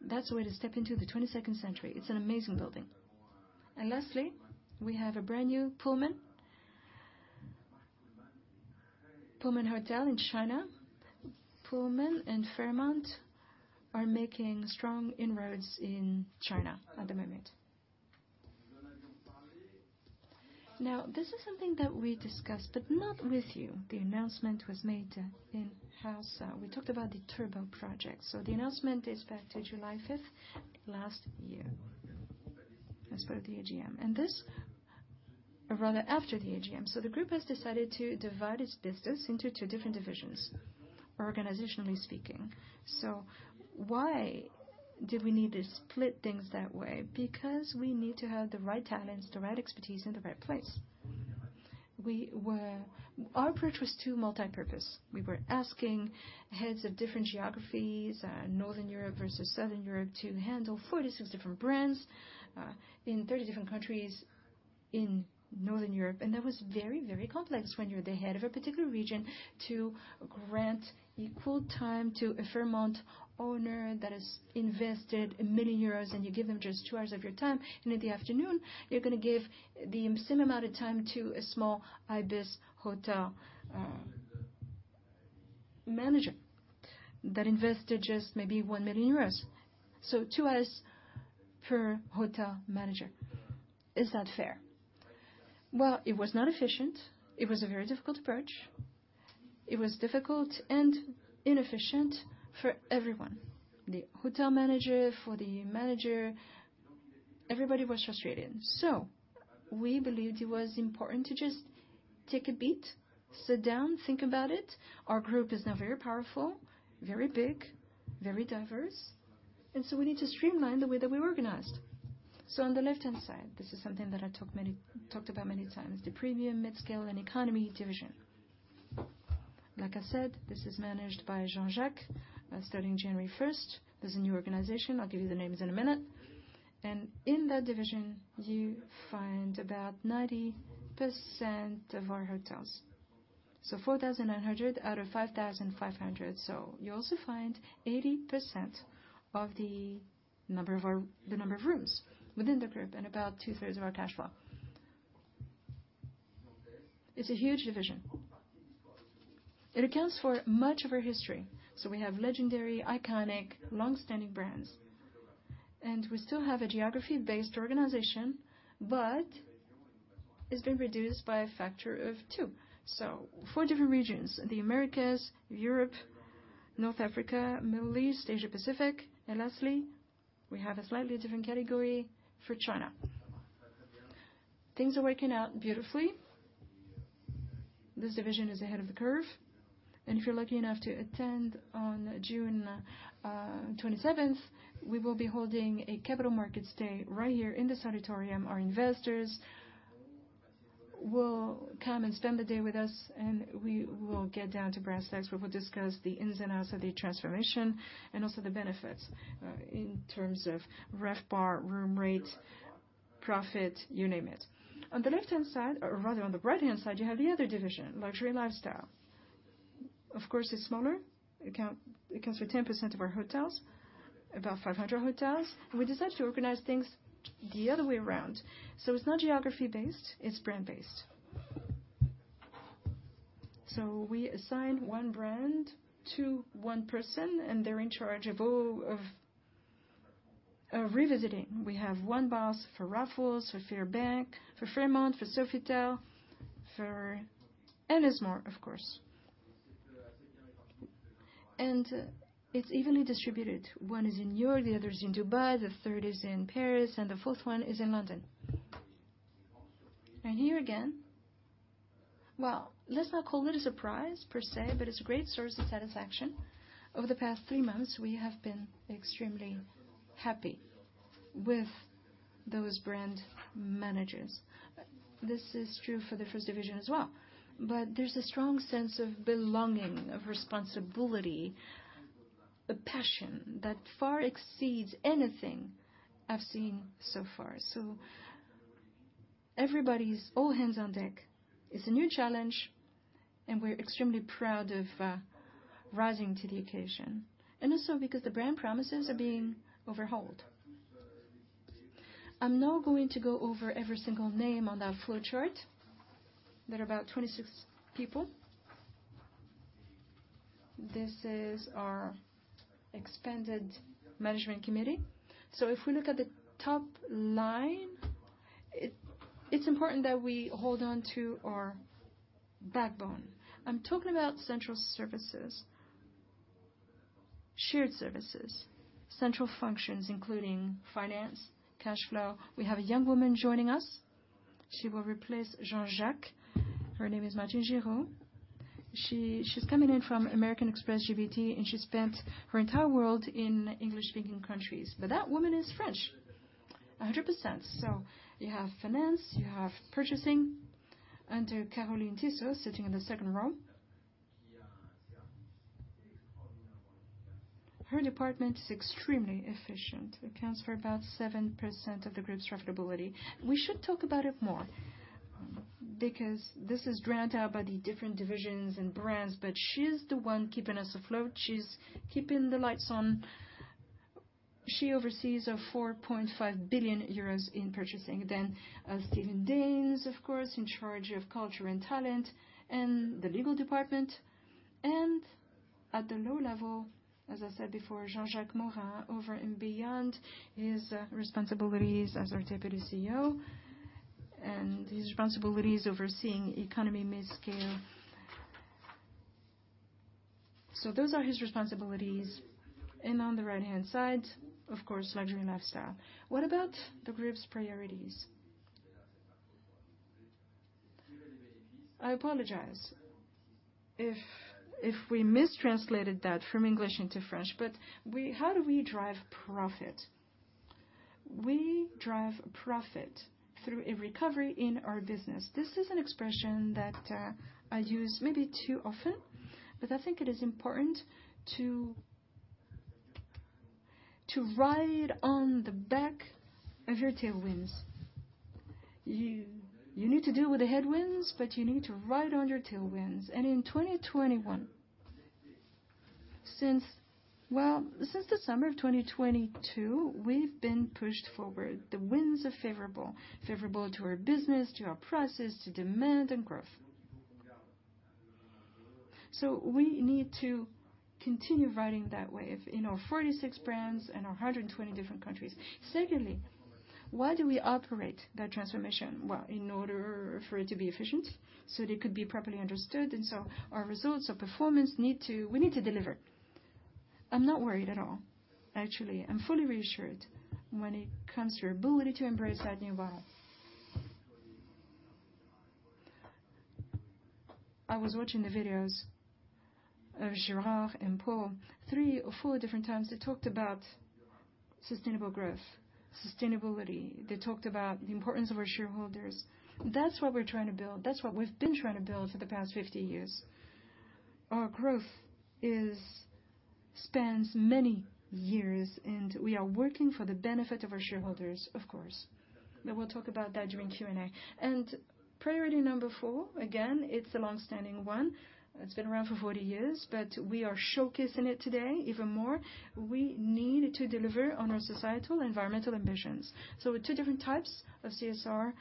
That's the way to step into the 22nd century. It's an amazing building. Lastly, we have a brand new Pullman hotel in China. Pullman and Fairmont are making strong inroads in China at the moment. This is something that we discussed, not with you. The announcement was made in-house. We talked about the TURBO project. The announcement is back to July 5th last year, as per the AGM. Rather after the AGM. The group has decided to divide its business into two different divisions, organizationally speaking. Why did we need to split things that way? We need to have the right talents, the right expertise in the right place. Our approach was too multipurpose. We were asking heads of different geographies, Northern Europe versus Southern Europe, to handle 46 different brands in 30 different countries in Northern Europe. That was very, very complex when you're the head of a particular region to grant equal time to a Fairmont owner that has invested 1 million euros, and you give them just two hours of your time. In the afternoon, you're gonna give the same amount of time to a small ibis hotel manager that invested just maybe 1 million euros. Two hours per hotel manager. Is that fair? Well, it was not efficient. It was a very difficult approach. It was difficult and inefficient for everyone, the hotel manager, for the manager, everybody was frustrated. We believed it was important to just take a beat, sit down, think about it. Our group is now very powerful, very big, very diverse, we need to streamline the way that we're organized. On the left-hand side, this is something that I talked about many times, the premium, mid-scale, and economy division. Like I said, this is managed by Jean-Jacques, starting January 1. There's a new organization. I'll give you the names in a minute. In that division, you find about 90% of our hotels, so 4,900 out of 5,500. You also find 80% of the number of rooms within the group and about two-thirds of our cash flow. It's a huge division. It accounts for much of our history. We have legendary, iconic, long-standing brands. We still have a geography-based organization, but it's been reduced by a factor of 2. 4 different regions, the Americas, Europe, North Africa, Middle East, Asia Pacific. Lastly, we have a slightly different category for China. Things are working out beautifully. This division is ahead of the curve. If you're lucky enough to attend on June 27th, we will be holding a capital markets day right here in this auditorium. Our investors will come and spend the day with us, and we will get down to brass tacks. We will discuss the ins and outs of the transformation and also the benefits in terms of RevPAR, room rate, profit, you name it. On the left-hand side or rather on the right-hand side, you have the other division, luxury and lifestyle. Of course, it's smaller. It accounts for 10% of our hotels, about 500 hotels. We decided to organize things the other way around, so it's not geography-based, it's brand based. So we assign one brand to one person, and they're in charge of all of revisiting. We have one boss for Raffles, for Fairmont, for Fairmont, for Sofitel, and there's more, of course. It's evenly distributed. One is in New York, the other is in Dubai, the third is in Paris, and the fourth one is in London. Here again, well, let's not call it a surprise per se, but it's a great source of satisfaction. Over the past three months, we have been extremely happy with those brand managers. This is true for the first division as well. There's a strong sense of belonging, of responsibility, a passion that far exceeds anything I've seen so far. Everybody's all hands on deck. It's a new challenge, and we're extremely proud of rising to the occasion and also because the brand promises are being overhauled. I'm now going to go over every single name on that flowchart. There are about 26 people. This is our expanded management committee. If we look at the top line, it's important that we hold on to our backbone. I'm talking about central services, shared services, central functions, including finance, cash flow. We have a young woman joining us. She will replace Jean-Jacques. Her name is Martine Gerow. She's coming in from American Express GBT, and she spent her entire world in English-speaking countries. That woman is French, 100%. You have finance, you have purchasing under Caroline Tissot, sitting in the second row. Her department is extremely efficient. It accounts for about 7% of the group's profitability. We should talk about it more because this is granted out by the different divisions and brands, but she's the one keeping us afloat. She's keeping the lights on. She oversees 4.5 billion euros in purchasing. Steven Daines, of course, in charge of culture and talent and the legal department. At the low level, as I said before, Jean-Jacques Morin over and beyond his responsibilities as our Deputy CEO and his responsibilities overseeing economy, midscale. Those are his responsibilities. On the right-hand side, of course, Luxury and Lifestyle. What about the group's priorities? I apologize if we mistranslated that from English into French, but how do we drive profit? We drive profit through a recovery in our business. This is an expression that I use maybe too often, but I think it is important to ride on the back of your tailwinds. You need to deal with the headwinds, but you need to ride on your tailwinds. In 2021, since Well, since the summer of 2022, we've been pushed forward. The winds are favorable to our business, to our prices, to demand and growth. We need to continue riding that wave in our 46 brands and our 120 different countries. Secondly, why do we operate that transformation? Well, in order for it to be efficient, it could be properly understood. Our results, our performance we need to deliver. I'm not worried at all. Actually, I'm fully reassured when it comes to our ability to embrace that new world. I was watching the videos of Gérard and Paul three or four different times. They talked about sustainable growth, sustainability. They talked about the importance of our shareholders. That's what we're trying to build. That's what we've been trying to build for the past 50 years. Our growth spans many years. We are working for the benefit of our shareholders, of course. We'll talk about that during Q&A. Priority number four, again, it's a long-standing one. It's been around for 40 years. We are showcasing it today even more. We need to deliver on our societal environmental ambitions. With two different types of CSR,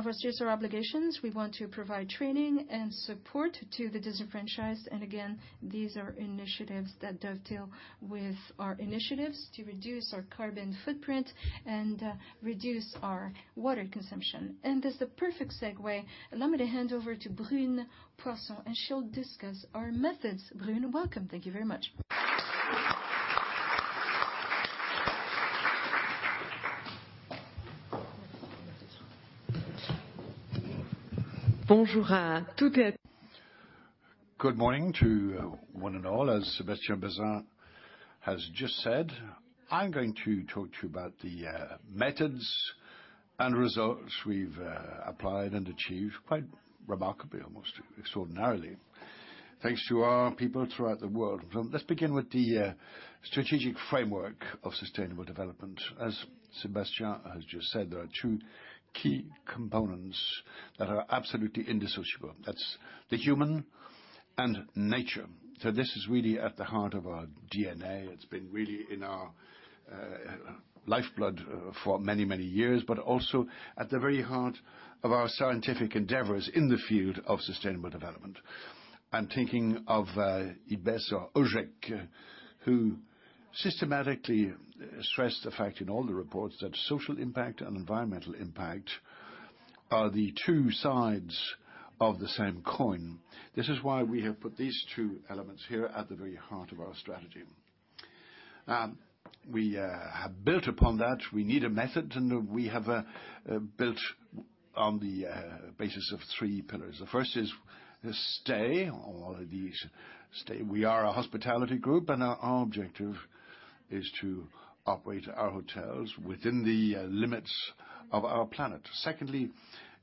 of our CSR obligations, we want to provide training and support to the disenfranchised. Again, these are initiatives that dovetail with our initiatives to reduce our carbon footprint and reduce our water consumption. That's the perfect segue. Allow me to hand over to Brune Poirson. She'll discuss our methods. Brune, welcome. Thank you very much. Good morning to one and all. As Sébastien Bazin has just said, I'm going to talk to you about the methods and results we've applied and achieved quite remarkably, almost extraordinarily, thanks to our people throughout the world. Let's begin with the strategic framework of sustainable development. As Sébastien has just said, there are two key components that are absolutely indisociable. That's the human and nature. This is really at the heart of our DNA. It's been really in our lifeblood for many, many years, but also at the very heart of our scientific endeavors in the field of sustainable development. I'm thinking of Ibès or Hautjeb, who systematically stressed the fact in all the reports that social impact and environmental impact are the two sides of the same coin. This is why we have put these two elements here at the very heart of our strategy. We have built upon that. We need a method. We have built on the basis of three pillars. The first is stay. All of these stay. We are a hospitality group. Our objective is to operate our hotels within the limits of our planet. Secondly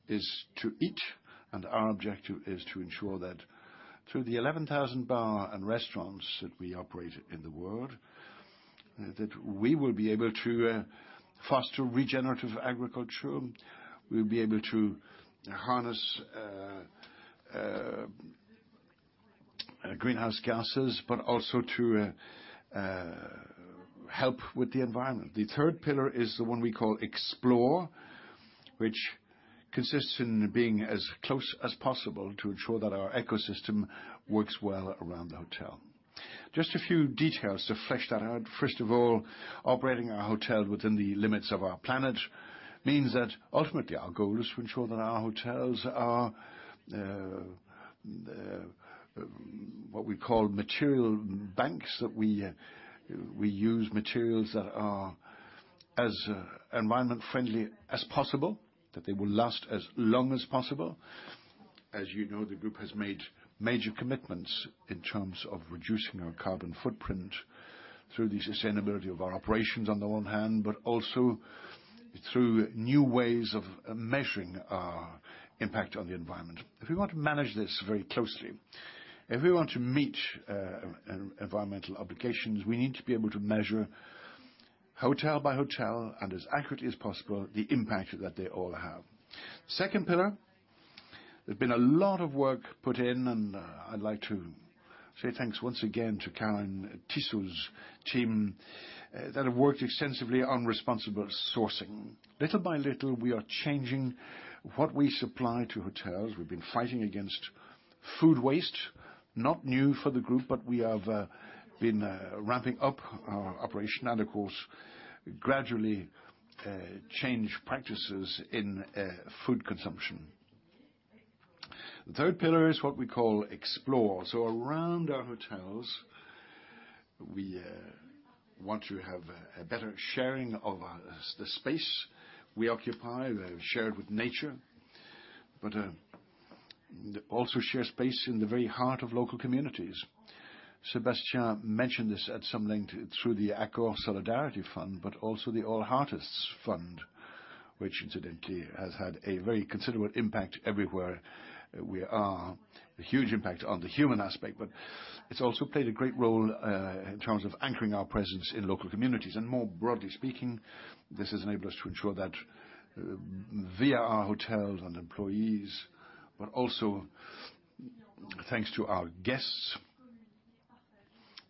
is to eat. Our objective is to ensure that through the 11,000 bar and restaurants that we operate in the world, that we will be able to foster regenerative agriculture, we'll be able to harness greenhouse gases, but also to help with the environment. The third pillar is the one we call explore, which consists in being as close as possible to ensure that our ecosystem works well around the hotel. Just a few details to flesh that out. First of all, operating our hotel within the limits of our planet means that ultimately, our goal is to ensure that our hotels are what we call material banks, that we use materials that are as environment-friendly as possible, that they will last as long as possible. As you know, the group has made major commitments in terms of reducing our carbon footprint through the sustainability of our operations on the one hand, but also through new ways of measuring our impact on the environment. If we want to manage this very closely, if we want to meet environmental obligations, we need to be able to measure hotel by hotel and as accurately as possible, the impact that they all have. Second pillar, there's been a lot of work put in. I'd like to say thanks once again to Caroline Tissot's team that have worked extensively on responsible sourcing. Little by little, we are changing what we supply to hotels. We've been fighting against food waste. Not new for the group, but we have been ramping up our operation and of course, gradually change practices in food consumption. The third pillar is what we call explore. Around our hotels, we want to have a better sharing of the space we occupy, share it with nature, but also share space in the very heart of local communities. Sébastien mentioned this at some length through the Accor Solidarity Fund, but also the ALL Heartist Fund. Which incidentally has had a very considerable impact everywhere we are. A huge impact on the human aspect, but it's also played a great role in terms of anchoring our presence in local communities. More broadly speaking, this has enabled us to ensure that via our hotels and employees, but also thanks to our guests,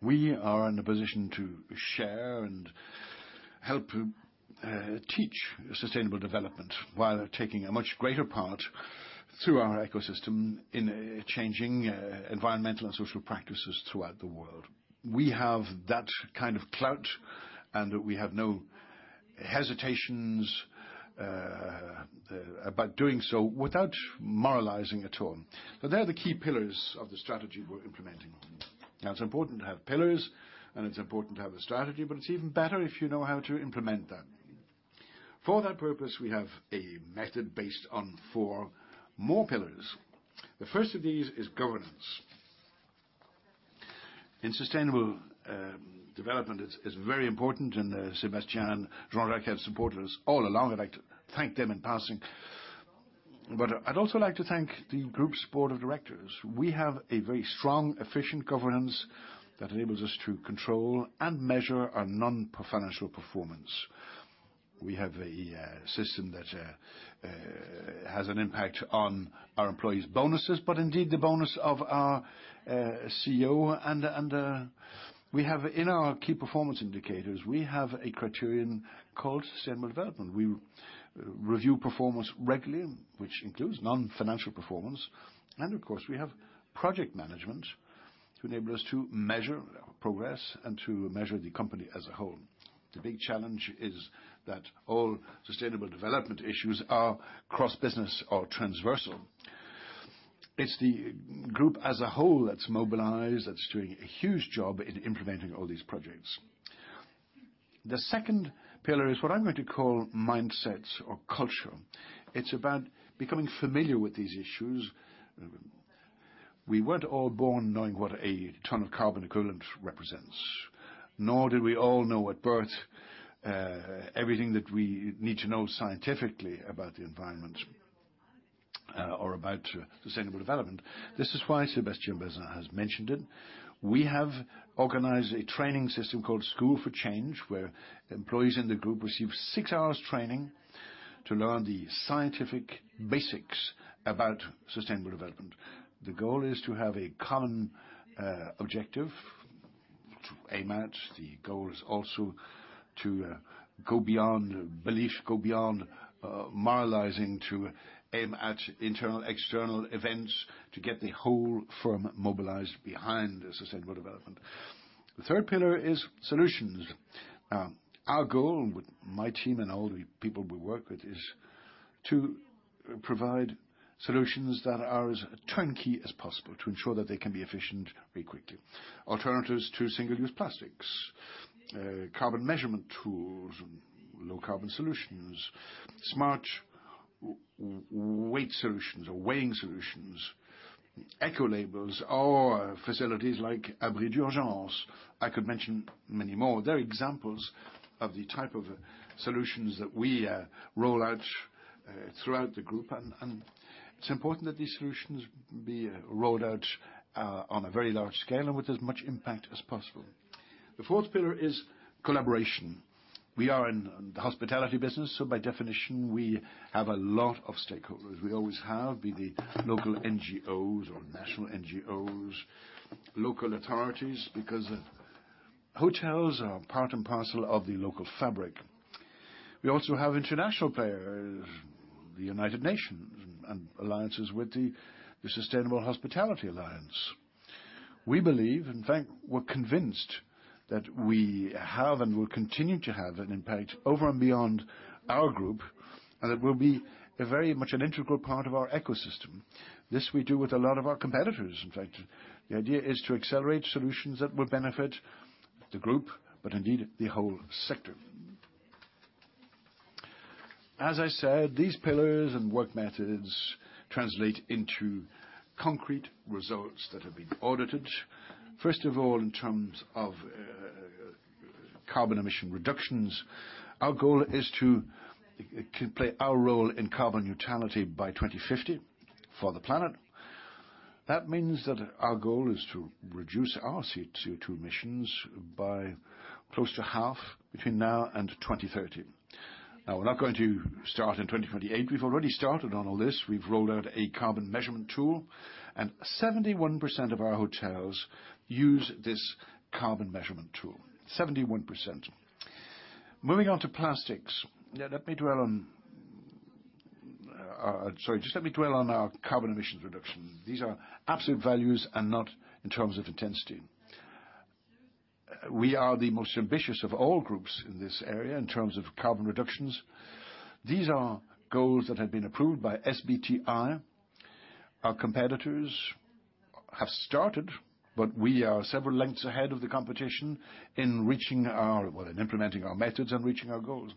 we are in a position to share and help teach sustainable development while taking a much greater part through our ecosystem in changing environmental and social practices throughout the world. We have that kind of clout, and we have no hesitations about doing so without moralizing at all. They are the key pillars of the strategy we're implementing. It's important to have pillars, and it's important to have a strategy, but it's even better if you know how to implement them. For that purpose, we have a method based on four more pillars. The first of these is governance. elopment, it's very important, and Sébastien and Jean-Jacques Morin have supported us all along. I'd like to thank them in passing. But I'd also like to thank the group's board of directors. We have a very strong, efficient governance that enables us to control and measure our non-financial performance. We have a system that has an impact on our employees' bonuses, but indeed the bonus of our CEO, and we have in our key performance indicators, we have a criterion called sustainable development. We review performance regularly, which includes non-financial performance. And of course, we have project management to enable us to measure progress and to measure the company as a whole. The big challenge is that all sustainable development issues are cross-business or transversal. It's the group as a whole that's mobilized, that's doing a huge job in implementing all these projects. The second pillar is what I'm going to call mindsets or culture. It's about becoming familiar with these issues. We weren't all born knowing what a ton of carbon equivalent represents, nor did we all know at birth everything that we need to know scientifically about the environment or about sustainable development. This is why Sébastien Bazin has mentioned it. We have organized a training system called School for Change, where employees in the group receive 6 hours training to learn the scientific basics about sustainable development. The goal is to have a common objective to aim at. The goal is also to go beyond belief, go beyond moralizing, to aim at internal, external events to get the whole firm mobilized behind the sustainable development. The third pillar is solutions. Our goal with my team and all the people we work with is to provide solutions that are as turnkey as possible to ensure that they can be efficient very quickly. Alternatives to single-use plastics, carbon measurement tools, low carbon solutions, smart weight solutions or weighing solutions, eco labels, or facilities like Abri d'Urgence. I could mention many more. They're examples of the type of solutions that we roll out throughout the group. It's important that these solutions be rolled out on a very large scale and with as much impact as possible. The fourth pillar is collaboration. We are in the hospitality business, so by definition, we have a lot of stakeholders. We always have, be they local NGOs or national NGOs, local authorities, because hotels are part and parcel of the local fabric. We also have international players, the United Nations, and alliances with the Sustainable Hospitality Alliance. We believe, in fact, we're convinced that we have and will continue to have an impact over and beyond our group, and it will be a very much an integral part of our ecosystem. This we do with a lot of our competitors, in fact. The idea is to accelerate solutions that will benefit the group, but indeed the whole sector. As I said, these pillars and work methods translate into concrete results that have been audited. First of all, in terms of carbon emission reductions, our goal is to play our role in carbon neutrality by 2050 for the planet. That means that our goal is to reduce our CO2 emissions by close to half between now and 2030. Now, we're not going to start in 2028. We've already started on all this. We've rolled out a carbon measurement tool. 71% of our hotels use this carbon measurement tool. 71%. Moving on to plastics. Let me dwell on our carbon emissions reduction. These are absolute values and not in terms of intensity. We are the most ambitious of all groups in this area in terms of carbon reductions. These are goals that have been approved by SBTI. Our competitors have started. We are several lengths ahead of the competition in implementing our methods and reaching our goals.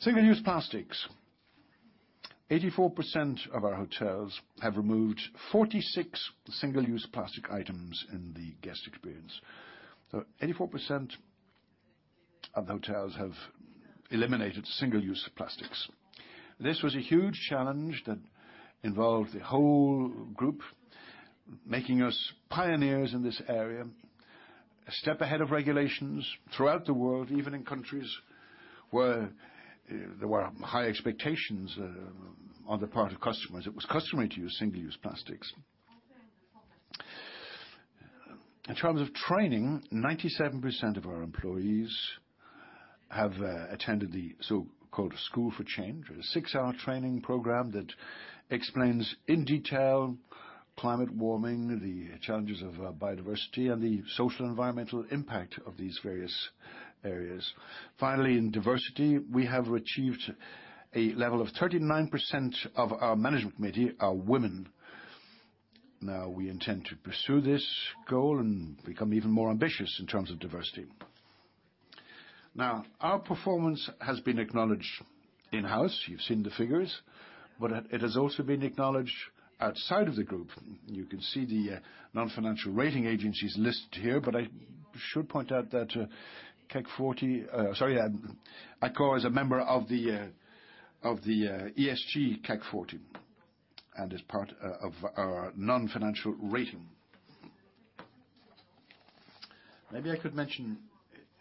Single-use plastics. 84% of our hotels have removed 46 single-use plastic items in the guest experience. 84% of the hotels have eliminated single-use plastics. This was a huge challenge that involved the whole group, making us pioneers in this area, a step ahead of regulations throughout the world, even in countries where there were high expectations on the part of customers. It was customary to use single-use plastics. In terms of training, 97% of our employees have attended the so-called School for Change, a six-hour training program that explains in detail climate warming, the challenges of biodiversity, and the social environmental impact of these various areas. Finally, in diversity, we have achieved a level of 39% of our management committee are women. Now, we intend to pursue this goal and become even more ambitious in terms of diversity. Now, our performance has been acknowledged in-house. You've seen the figures, but it has also been acknowledged outside of the group. You can see the non-financial rating agencies listed here, but I should point out that CAC 40, sorry, Accor is a member of the, of the, ESG CAC 40, and is part of our non-financial rating. Maybe I could mention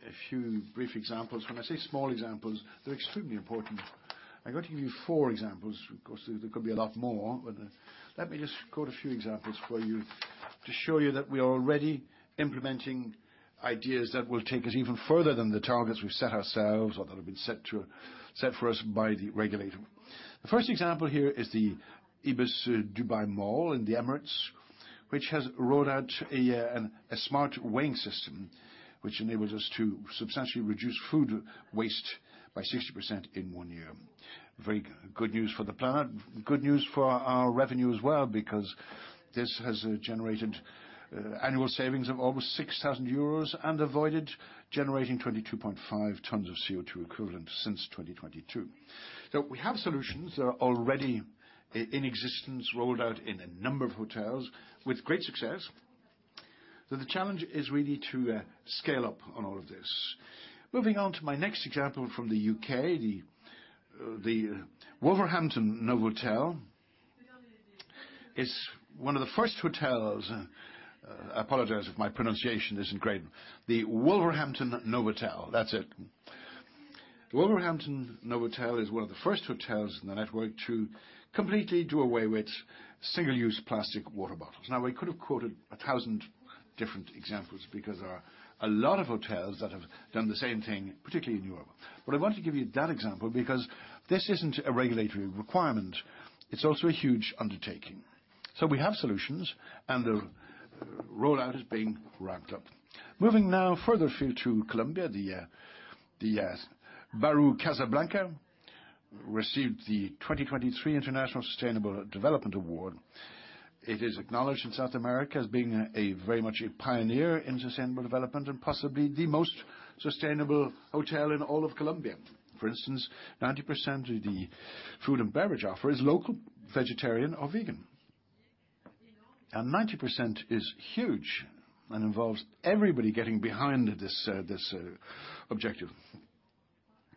a few brief examples. When I say small examples, they're extremely important. I'm going to give you four examples. Of course, there could be a lot more, but let me just quote a few examples for you to show you that we are already implementing ideas that will take us even further than the targets we've set ourselves or that have been set for us by the regulator. The first example here is the ibis Dubai Mall of the Emirates, which has rolled out a smart weighing system, which enables us to substantially reduce food waste by 60% in one year. Very good news for the planet, good news for our revenue as well, because this has generated annual savings of over 6,000 euros and avoided generating 22.5 tons of CO₂ equivalent since 2022. We have solutions that are already in existence, rolled out in a number of hotels with great success. The challenge is really to scale up on all of this. Moving on to my next example from the U.K., the Wolverhampton Novotel. It's one of the first hotels, I apologize if my pronunciation isn't great. The Wolverhampton Novotel. That's it. The Wolverhampton Novotel is one of the first hotels in the network to completely do away with single-use plastic water bottles. We could have quoted 1,000 different examples because there are a lot of hotels that have done the same thing, particularly in Europe. I want to give you that example because this isn't a regulatory requirement. It's also a huge undertaking. We have solutions and the rollout is being ramped up. Moving now further afield to Colombia, the Barú Calablanca received the 2023 International Sustainable Development Award. It is acknowledged in South America as being a very much a pioneer in sustainable development and possibly the most sustainable hotel in all of Colombia. For instance, 90% of the food and beverage offer is local, vegetarian, or vegan. 90% is huge and involves everybody getting behind this objective.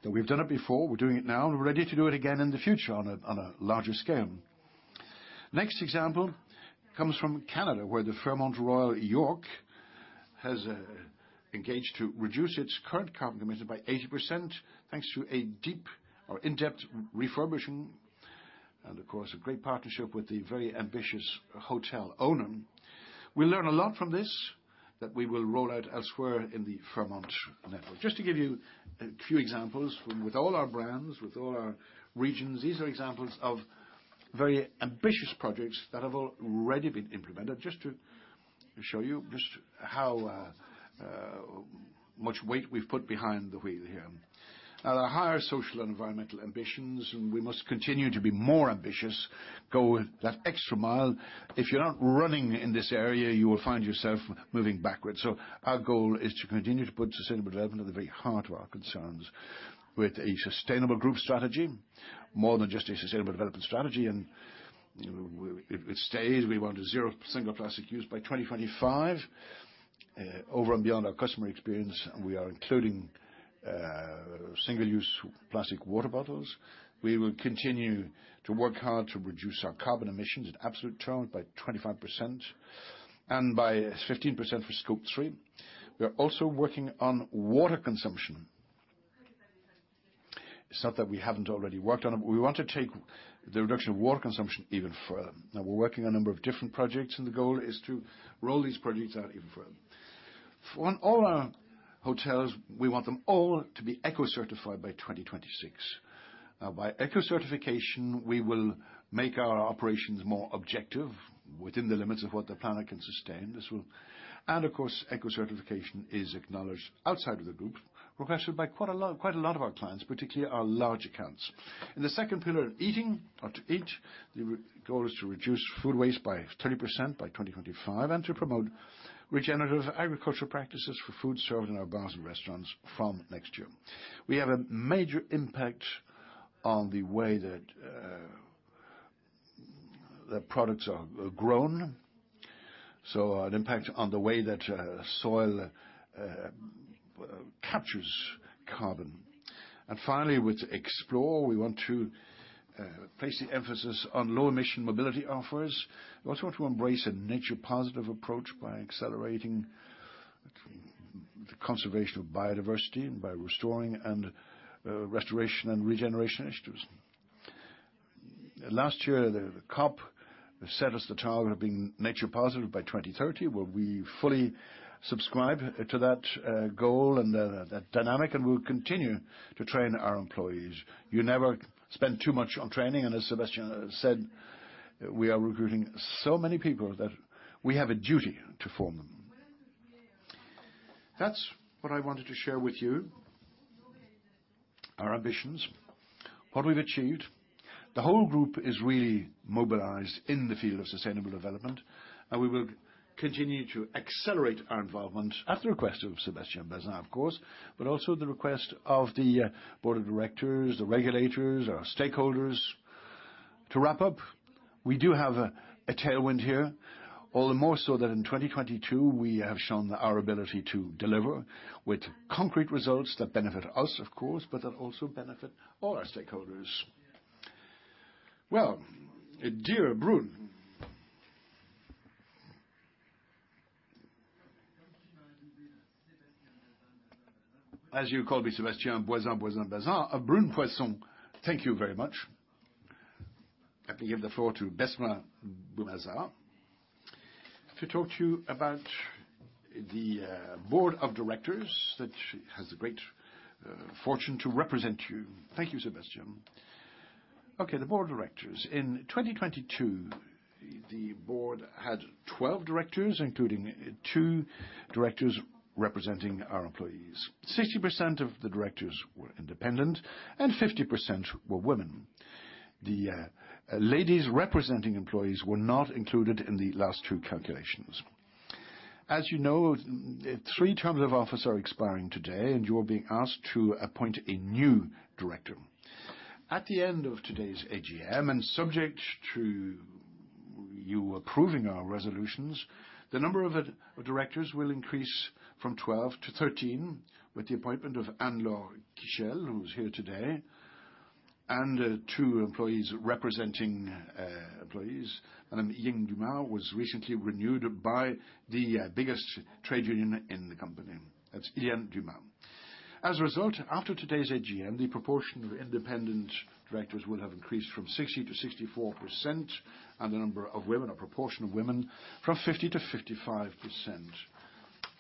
We've done it before, we're doing it now, and we're ready to do it again in the future on a larger scale. Next example comes from Canada, where the Fairmont Royal York has engaged to reduce its current carbon emission by 80%, thanks to a deep or in-depth refurbishing, and of course, a great partnership with the very ambitious hotel owner. We learn a lot from this that we will roll out elsewhere in the Fairmont network. Just to give you a few examples, with all our brands, with all our regions, these are examples of very ambitious projects that have already been implemented, just to show you just how much weight we've put behind the wheel here. There are higher social and environmental ambitions, and we must continue to be more ambitious, go that extra mile. If you're not running in this area, you will find yourself moving backwards. Our goal is to continue to put sustainable development at the very heart of our concerns with a sustainable group strategy, more than just a sustainable development strategy. We want a zero single plastic use by 2025. Over and beyond our customer experience, we are including single-use plastic water bottles. We will continue to work hard to reduce our carbon emissions in absolute terms by 25% and by 15% for Scope 3. We are also working on water consumption. It's not that we haven't already worked on it, but we want to take the reduction of water consumption even further. Now, we're working on a number of different projects, and the goal is to roll these projects out even further. For all our hotels, we want them all to be eco-certified by 2026. By eco-certification, we will make our operations more objective within the limits of what the planet can sustain. Of course, eco-certification is acknowledged outside of the group, requested by quite a lot of our clients, particularly our large accounts. In the second pillar, eating or to eat, the goal is to reduce food waste by 30% by 2025 and to promote regenerative agricultural practices for food served in our bars and restaurants from next year. We have a major impact on the way that The products are grown, so an impact on the way that soil captures carbon. Finally, with Explore, we want to place the emphasis on low emission mobility offers. We also want to embrace a nature positive approach by accelerating the conservation of biodiversity and by restoration and regeneration initiatives. Last year, the COP set us the target of being nature positive by 2030, where we fully subscribe to that goal and that dynamic. We will continue to train our employees. You never spend too much on training. As Sébastien said, we are recruiting so many people that we have a duty to form them. That's what I wanted to share with you, our ambitions, what we've achieved. The whole group is really mobilized in the field of sustainable development, we will continue to accelerate our involvement at the request of Sébastien Bazin, of course, also the request of the board of directors, the regulators, our stakeholders. To wrap up, we do have a tailwind here. All the more so that in 2022 we have shown our ability to deliver with concrete results that benefit us, of course, but that also benefit all our stakeholders. Dear Brune. As you call me Sébastien Bazin. Brune Poirson, thank you very much. Happy to give the floor to Besma Boumaza to talk to you about the board of directors that she has the great fortune to represent you. Thank you, Sébastien. The board of directors. In 2022, the board had 12 directors, including two directors representing our employees. 60% of the directors were independent and 50% were women. The ladies representing employees were not included in the last two calculations. As you know, three terms of office are expiring today, you are being asked to appoint a new director. At the end of today's AGM, and subject to you approving our resolutions, the number of directors will increase from 12 to 13 with the appointment of Anne-Laure Kiechel, who's here today, and two employees representing employees. Iliane Dumas was recently renewed by the biggest trade union in the company. That's Iliane Dumas. As a result, after today's AGM, the proportion of independent directors will have increased from 60 to 64%, and the number of women, or proportion of women from 50 to 55%.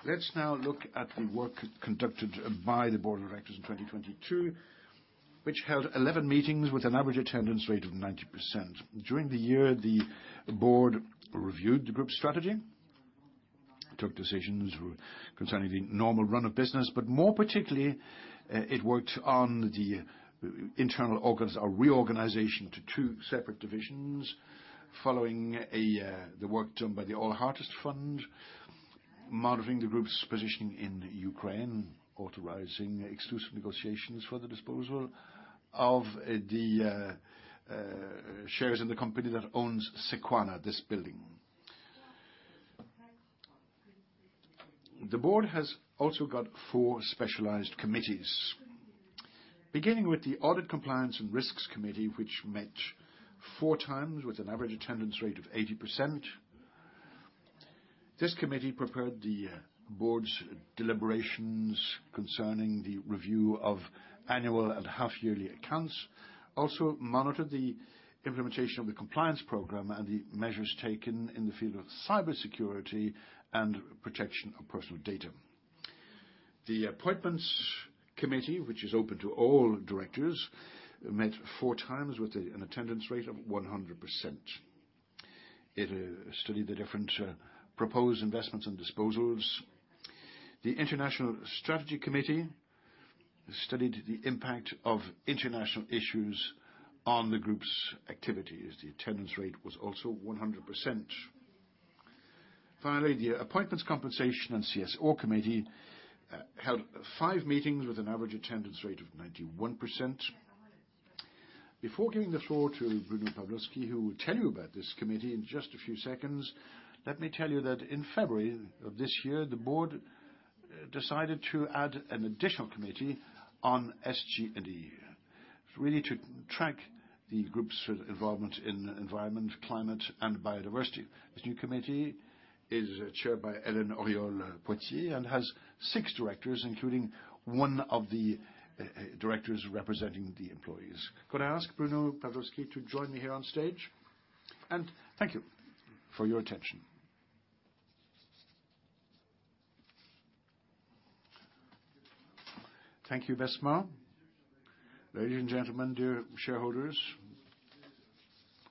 Let's now look at the work conducted by the board of directors in 2022, which held 11 meetings with an average attendance rate of 90%. During the year, the board reviewed the group's strategy, took decisions concerning the normal run of business, but more particularly, it worked on the internal reorganization to two separate divisions following the work done by the ALL Heartist Fund, monitoring the group's positioning in Ukraine, authorizing exclusive negotiations for the disposal of the shares in the company that owns Sequana, this building. The board has also got four specialized committees, beginning with the Audit Compliance and Risks Committee, which met four times with an average attendance rate of 80%. This committee prepared the board's deliberations concerning the review of annual and half yearly accounts, also monitored the implementation of the compliance program and the measures taken in the field of cybersecurity and protection of personal data. The Appointments Committee, which is open to all directors, met four times with an attendance rate of 100%. It studied the different proposed investments and disposals. The International Strategy Committee studied the impact of international issues on the group's activities. The attendance rate was also 100%. Finally, the Appointments Compensation and CSR Committee held five meetings with an average attendance rate of 91%. Before giving the floor to Bruno Pavlovsky, who will tell you about this committee in just a few seconds, let me tell you that in February of this year, the board decided to add an additional committee on ESG, really to track the group's involvement in environment, climate, and biodiversity. This new committee is chaired by Hélène Auriol-Potier and has six directors, including one of the directors representing the employees. Could I ask Bruno Pavlovsky to join me here on stage? Thank you for your attention. Thank you, Besma. Ladies and gentlemen, dear shareholders,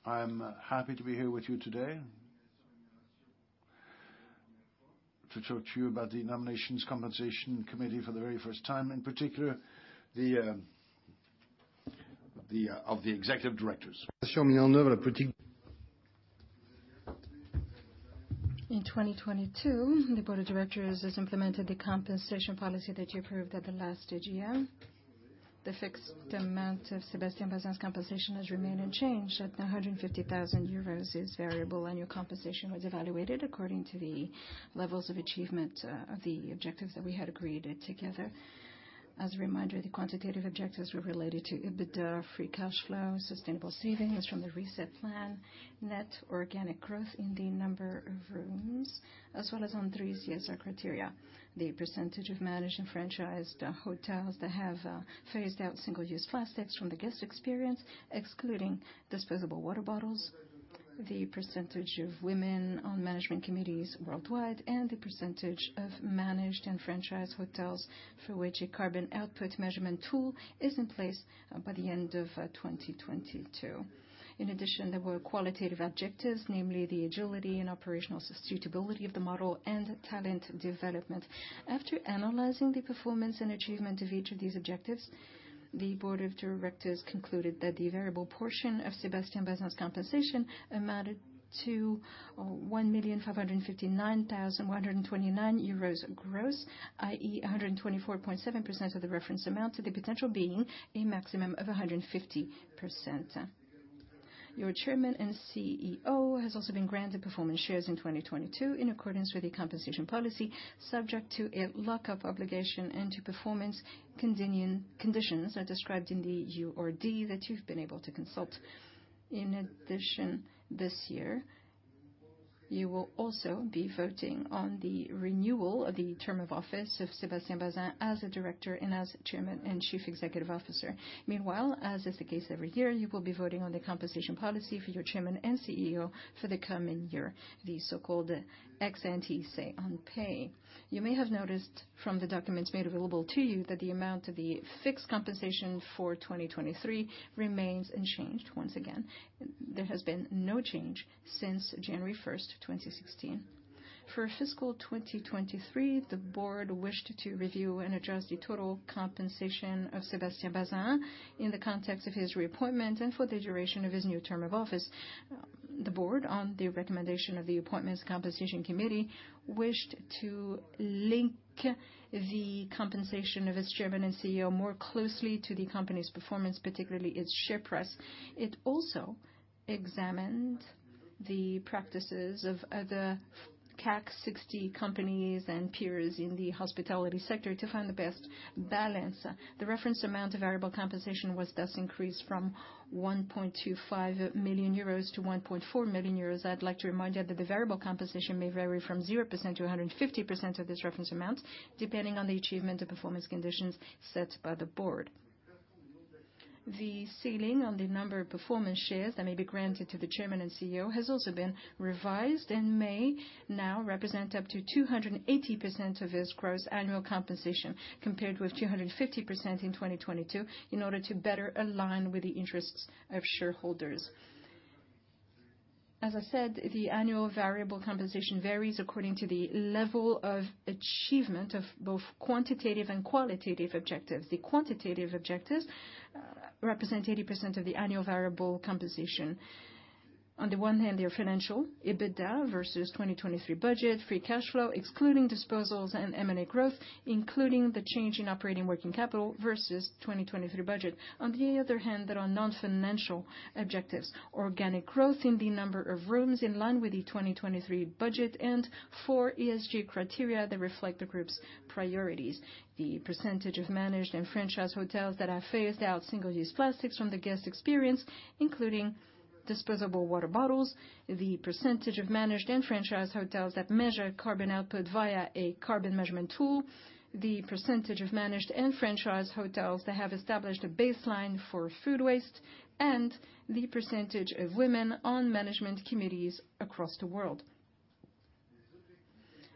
I'm happy to be here with you today to talk to you about the Nominations Compensation Committee for the very first time, in particular the of the executive directors. In 2022, the board of directors has implemented the compensation policy that you approved at the last AGM. The fixed amount of Sébastien Bazin's compensation has remained unchanged at 150,000 euros is variable, and your compensation was evaluated according to the levels of achievement of the objectives that we had agreed together. As a reminder, the quantitative objectives were related to EBITDA, free cash flow, sustainable savings from the Reset Plan, net organic growth in the number of rooms, as well as on three CSR criteria. The % of managed and franchised hotels that have phased out single-use plastics from the guest experience, excluding disposable water bottles, the % of women on management committees worldwide, and the percentage of managed and franchised hotels for which a carbon output measurement tool is in place by the end of 2022. In addition, there were qualitative objectives, namely the agility and operational suitability of the model and talent development. After analyzing the performance and achievement of each of these objectives, the board of directors concluded that the variable portion of Sébastien Bazin's compensation amounted to 1,559,129 euros gross, i.e., 124.7% of the reference amount, to the potential being a maximum of 150%. Your Chairman and CEO has also been granted performance shares in 2022 in accordance with the compensation policy, subject to a lock-up obligation and to performance conditions as described in the URD that you've been able to consult. In addition, this year, you will also be voting on the renewal of the term of office of Sébastien Bazin as a director and as Chairman and Chief Executive Officer. Meanwhile, as is the case every year, you will be voting on the compensation policy for your Chairman and CEO for the coming year, the so-called ex-ante say-on-pay. You may have noticed from the documents made available to you that the amount of the fixed compensation for 2023 remains unchanged once again. There has been no change since January 1, 2016. For fiscal 2023, the board wished to review and adjust the total compensation of Sébastien Bazin in the context of his reappointment and for the duration of his new term of office. The board, on the recommendation of the Appointments Compensation Committee, wished to link the compensation of its chairman and CEO more closely to the company's performance, particularly its share price. It also examined the practices of other CAC 60 companies and peers in the hospitality sector to find the best balance. The reference amount of variable compensation was thus increased from 1.25 million euros to 1.4 million euros. I'd like to remind you that the variable compensation may vary from 0% to 150% of this reference amount, depending on the achievement of performance conditions set by the board. The ceiling on the number of performance shares that may be granted to the Chairman and CEO has also been revised and may now represent up to 280% of his gross annual compensation, compared with 250% in 2022, in order to better align with the interests of shareholders. As I said, the annual variable compensation varies according to the level of achievement of both quantitative and qualitative objectives. The quantitative objectives represent 80% of the annual variable compensation. On the one hand, they are financial, EBITDA versus 2023 budget, free cash flow, excluding disposals and M&A growth, including the change in operating working capital versus 2023 budget. On the other hand, there are non-financial objectives: organic growth in the number of rooms in line with the 2023 budget and four ESG criteria that reflect the group's priorities. The percentage of managed and franchised hotels that have phased out single-use plastics from the guest experience, including disposable water bottles, the percentage of managed and franchised hotels that measure carbon output via a carbon measurement tool, the percentage of managed and franchised hotels that have established a baseline for food waste, and the percentage of women on management committees across the world.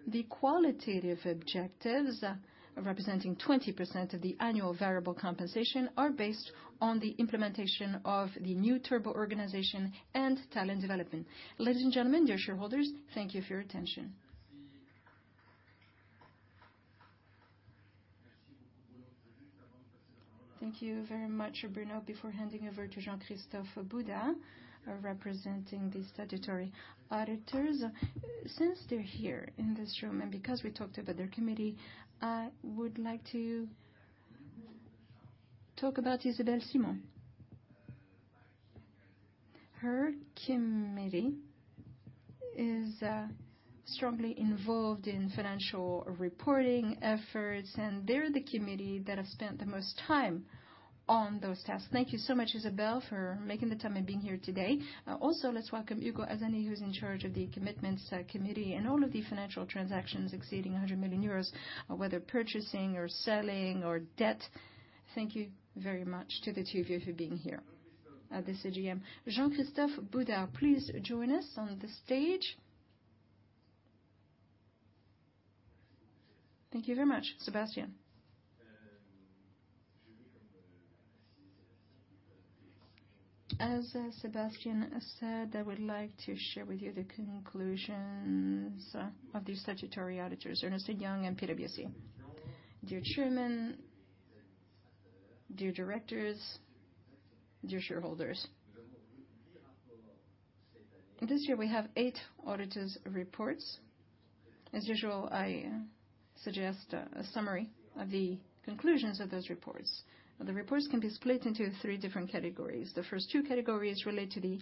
The qualitative objectives, representing 20% of the annual variable compensation, are based on the implementation of the new turbo organization and talent development. Ladies and gentlemen, dear shareholders, thank you for your attention. Thank you very much, Bruno. Before handing over to Jean-Christophe Goudard, representing the statutory auditors. Since they're here in this room, because we talked about their committee, I would like to talk about Isabelle Simon. Her committee is strongly involved in financial reporting efforts. They're the committee that has spent the most time on those tasks. Thank you so much, Isabelle, for making the time and being here today. Also, let's welcome Ugo Arzani, who's in charge of the Commitments Committee and all of the financial transactions exceeding 100 million euros, whether purchasing or selling or debt. Thank you very much to the two of you for being here at this AGM. Jean-Christophe Goudard, please join us on the stage. Thank you very much. Sébastien As Sébastien said, I would like to share with you the conclusions of the statutory auditors, Ernst & Young and PwC. Dear Chairman- Dear directors, dear shareholders. This year, we have eight auditors' reports. As usual, I suggest a summary of the conclusions of those reports. The reports can be split into three different categories. The first two categories relate to the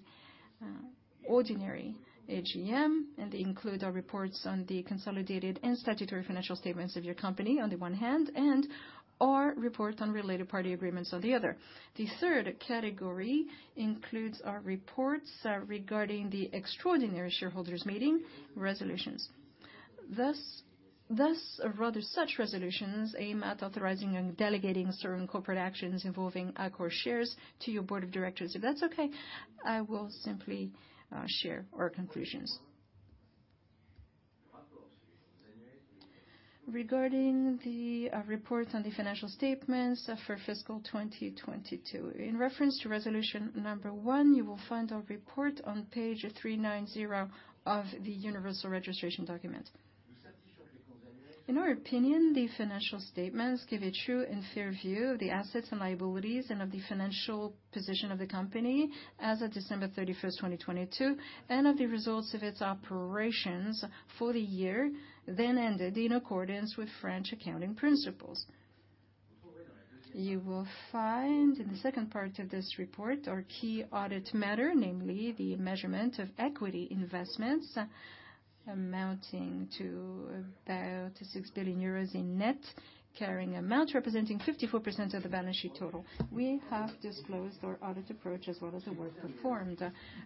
ordinary AGM, and they include our reports on the consolidated and statutory financial statements of your company on the one hand, and our report on related party agreements on the other. The third category includes our reports regarding the extraordinary shareholders meeting resolutions. Thus rather such resolutions aim at authorizing and delegating certain corporate actions involving Accor shares to your board of directors. If that's okay, I will simply share our conclusions. Regarding the reports on the financial statements for fiscal 2022. In reference to resolution number one, you will find our report on page 390 of the Universal Registration Document. In our opinion, the financial statements give a true and fair view of the assets and liabilities and of the financial position of the company as of December 31st, 2022, and of the results of its operations for the year then ended in accordance with French accounting principles. You will find in the second part of this report our key audit matter, namely the measurement of equity investments amounting to about 6 billion euros in net, carrying amount representing 54% of the balance sheet total. We have disclosed our audit approach as well as the work performed.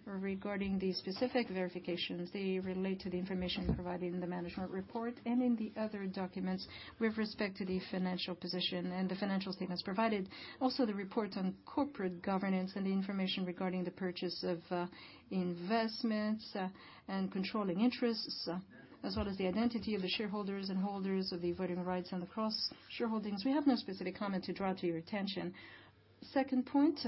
Regarding the specific verifications, they relate to the information provided in the management report and in the other documents with respect to the financial position and the financial statements provided. Also, the report on corporate governance and the information regarding the purchase of investments and controlling interests, as well as the identity of the shareholders and holders of the voting rights and the cross-shareholdings. We have no specific comment to draw to your attention. Second point,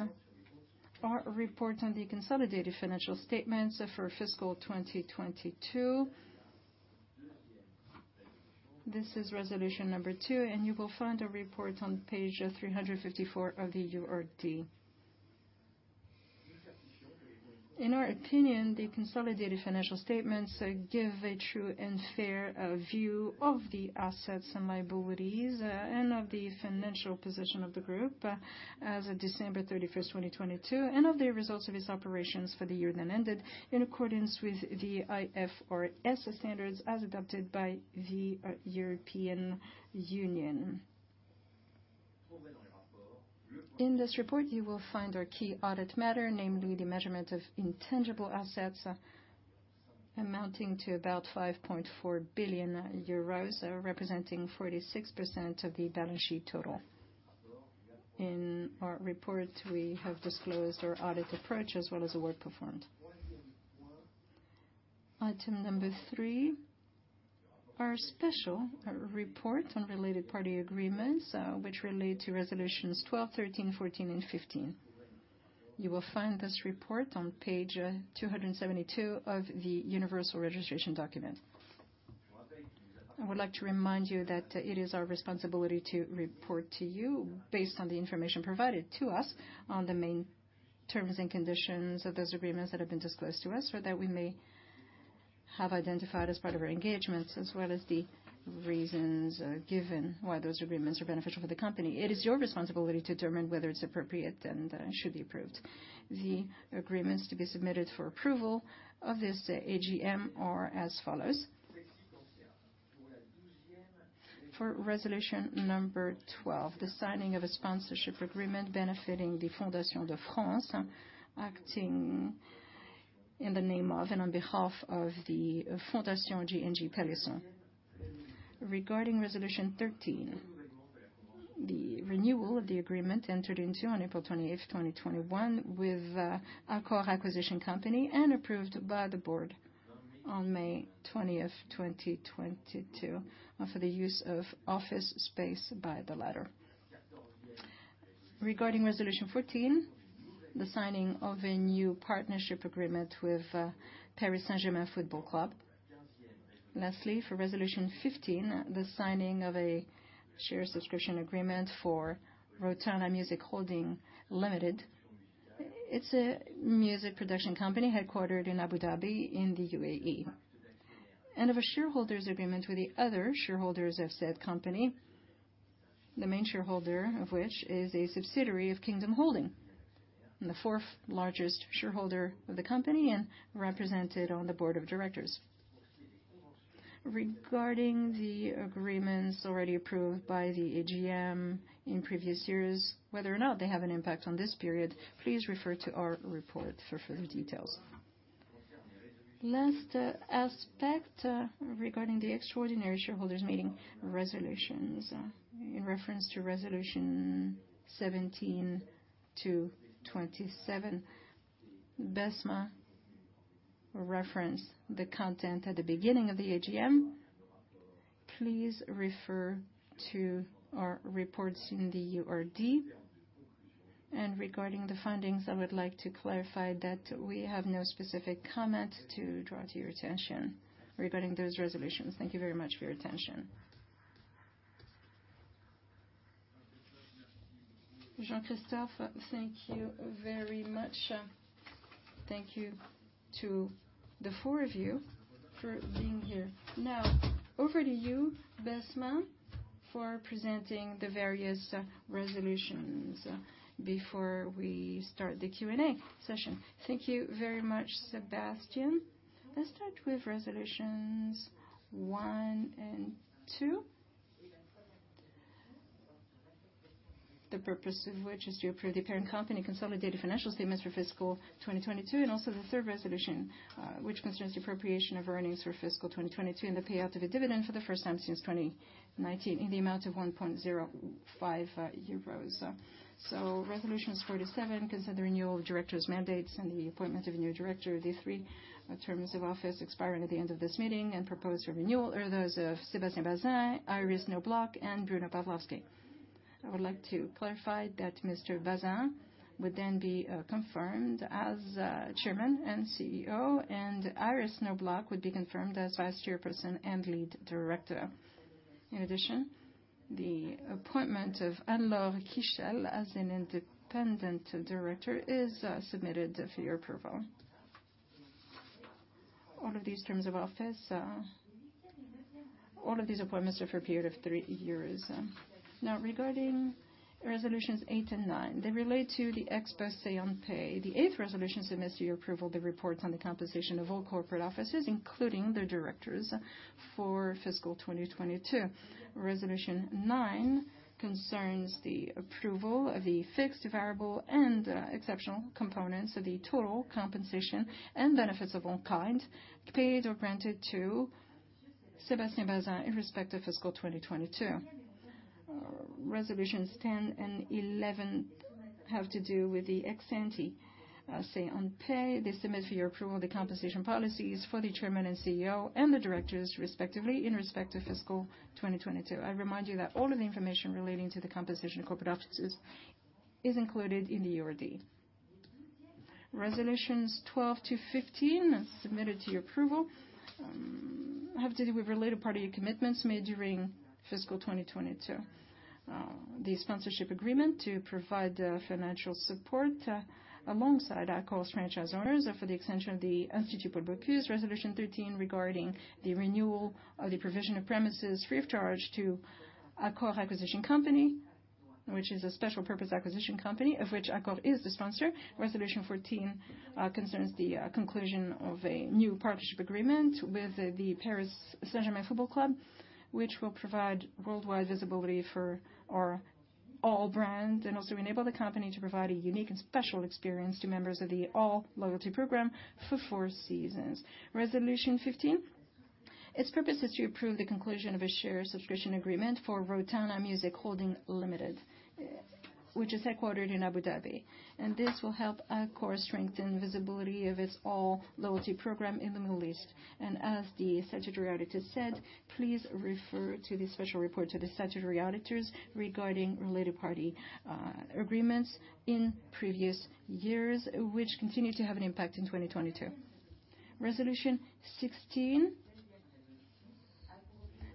our report on the consolidated financial statements for fiscal 2022. This is resolution number two, and you will find a report on page 354 of the URD. In our opinion, the consolidated financial statements give a true and fair view of the assets and liabilities and of the financial position of the group as of December 31st, 2022, and of the results of its operations for the year then ended in accordance with the IFRS standards as adopted by the European Union. In this report, you will find our key audit matter, namely the measurement of intangible assets amounting to about 5.4 billion euros, representing 46% of the balance sheet total. In our report, we have disclosed our audit approach as well as the work performed. Item number three, our special report on related party agreements, which relate to resolutions 12, 13, 14, and 15. You will find this report on page 272 of the universal registration document. I would like to remind you that it is our responsibility to report to you based on the information provided to us on the main terms and conditions of those agreements that have been disclosed to us or that we may have identified as part of our engagements, as well as the reasons given why those agreements are beneficial for the company. It is your responsibility to determine whether it's appropriate and should be approved. The agreements to be submitted for approval of this AGM are as follows. For resolution number 12, the signing of a sponsorship agreement benefiting the Fondation de France, acting in the name of and on behalf of the Fondation G&G Pélisson. Regarding resolution 13, the renewal of the agreement entered into on April 20th, 2021 with Accor Acquisition Company and approved by the board on May 20th, 2022 for the use of office space by the latter. Regarding resolution 14, the signing of a new partnership agreement with Paris Saint-Germain Football Club. Lastly, for resolution 15, the signing of a share subscription agreement for Rotana Music Holding Limited. It's a music production company headquartered in Abu Dhabi in the UAE. Of a shareholders' agreement with the other shareholders of said company, the main shareholder of which is a subsidiary of Kingdom Holding, the fourth-largest shareholder of the company and represented on the board of directors. Regarding the agreements already approved by the AGM in previous years, whether or not they have an impact on this period, please refer to our report for further details. Last aspect, regarding the extraordinary shareholders meeting resolutions. In reference to resolution 17 to 27, Besma referenced the content at the beginning of the AGM. Please refer to our reports in the URD. Regarding the findings, I would like to clarify that we have no specific comment to draw to your attention regarding those resolutions. Thank you very much for your attention. Jean-Christophe, thank you very much. Thank you to the four of you for being here. Over to you, Besma, for presenting the various resolutions before we start the Q&A session. Thank you very much, Sébastien. Let's start with resolutions one and two. The purpose of which is to approve the parent company consolidated financial statements for fiscal 2022, and also the third resolution, which concerns the appropriation of earnings for fiscal 2022, and the payout of the dividend for the first time since 2019 in the amount of 1.05 euros. Resolutions 47 consider the renewal of directors' mandates and the appointment of a new director. The three terms of office expiring at the end of this meeting and proposed for renewal are those of Sébastien Bazin, Iris Knobloch, and Bruno Pavlovsky. I would like to clarify that Mr. Bazin would then be confirmed as Chairman and CEO, Iris Knobloch would be confirmed as Vice Chairperson and Lead Director. In addition, the appointment of Anne-Laure Kiechel as an independent director is submitted for your approval. All of these terms of office, all of these appointments are for a period of three years. Regarding resolutions eight and nine, they relate to the ex post say on pay. The eighth resolution submits to your approval the reports on the compensation of all corporate officers, including their directors, for fiscal 2022. Resolution nine concerns the approval of the fixed variable and exceptional components of the total compensation and benefits of all kind paid or granted to Sébastien Bazin in respect to fiscal 2022. Resolutions 10 and 11 have to do with the ex ante say on pay. They submit for your approval the compensation policies for the Chairman and CEO and the directors, respectively, in respect to fiscal 2022. I remind you that all of the information relating to the compensation of corporate officers is included in the URD. Resolutions 12 to 15 submitted to your approval have to do with related party commitments made during fiscal 2022. The sponsorship agreement to provide financial support alongside Accor's franchise owners for the extension of the Institut Paul Bocuse. Resolution 13 regarding the renewal of the provision of premises free of charge to Accor Acquisition Company, which is a special purpose acquisition company of which Accor is the sponsor. Resolution 14 concerns the conclusion of a new partnership agreement with the Paris Saint-Germain Football Club, which will provide worldwide visibility for our ALL brands and also enable the company to provide a unique and special experience to members of the ALL loyalty program for four seasons. Resolution 15, its purpose is to approve the conclusion of a share subscription agreement for Rotana Music Holding Limited, which is headquartered in Abu Dhabi. This will help Accor strengthen visibility of its ALL loyalty program in the Middle East. As the statutory auditor said, please refer to the special report to the statutory auditors regarding related party agreements in previous years, which continue to have an impact in 2022. Resolution 16.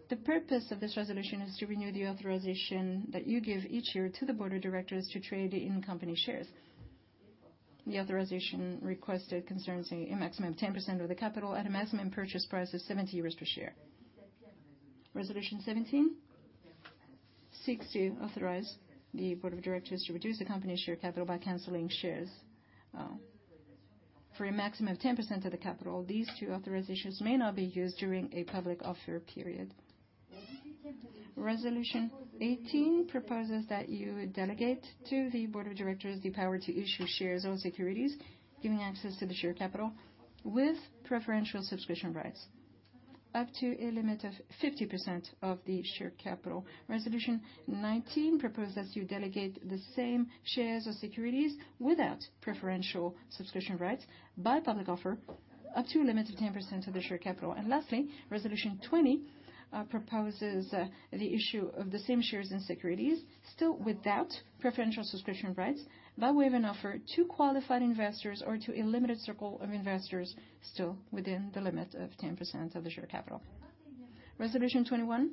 The purpose of this resolution is to renew the authorization that you give each year to the board of directors to trade in-company shares. The authorization requested concerns a maximum of 10% of the capital at a maximum purchase price of 70 euros per share. Resolution 17 seeks to authorize the board of directors to reduce the company share capital by canceling shares for a maximum of 10% of the capital. These two authorizations may not be used during a public offer period. Resolution 18 proposes that you delegate to the board of directors the power to issue shares or securities, giving access to the share capital with preferential subscription rights up to a limit of 50% of the share capital. Resolution 19 proposes that you delegate the same shares or securities without preferential subscription rights by public offer up to a limit of 10% of the share capital. Lastly, resolution 20 proposes the issue of the same shares and securities still without preferential subscription rights, by way of an offer to qualified investors or to a limited circle of investors still within the limit of 10% of the share capital. Resolution 21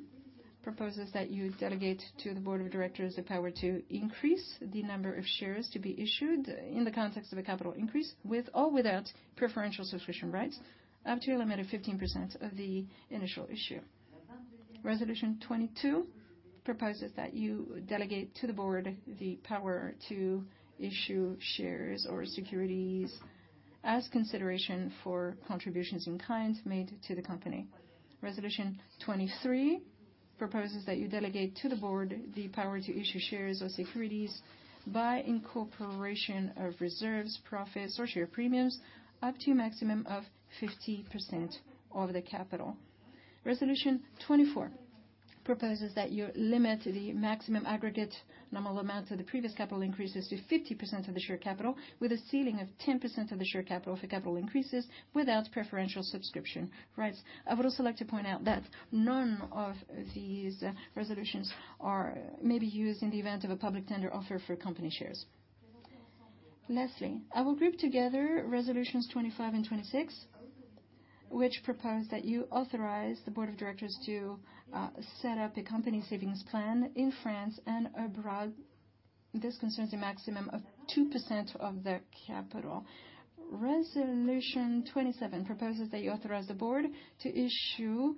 proposes that you delegate to the board of directors the power to increase the number of shares to be issued in the context of a capital increase, with or without preferential subscription rights up to a limit of 15% of the initial issue. Resolution 22 proposes that you delegate to the board the power to issue shares or securities as consideration for contributions in kind made to the company. Resolution 23 proposes that you delegate to the board the power to issue shares or securities by incorporation of reserves, profits, or share premiums up to a maximum of 50% of the capital. Resolution 24 proposes that you limit the maximum aggregate nominal amount of the previous capital increases to 50% of the share capital with a ceiling of 10% of the share capital for capital increases without preferential subscription rights. I would also like to point out that none of these resolutions are maybe used in the event of a public tender offer for company shares. I will group together Resolutions 25 and 26, which propose that you authorize the board of directors to set up a company savings plan in France and abroad. This concerns a maximum of 2% of the capital. Resolution 27 proposes that you authorize the board to issue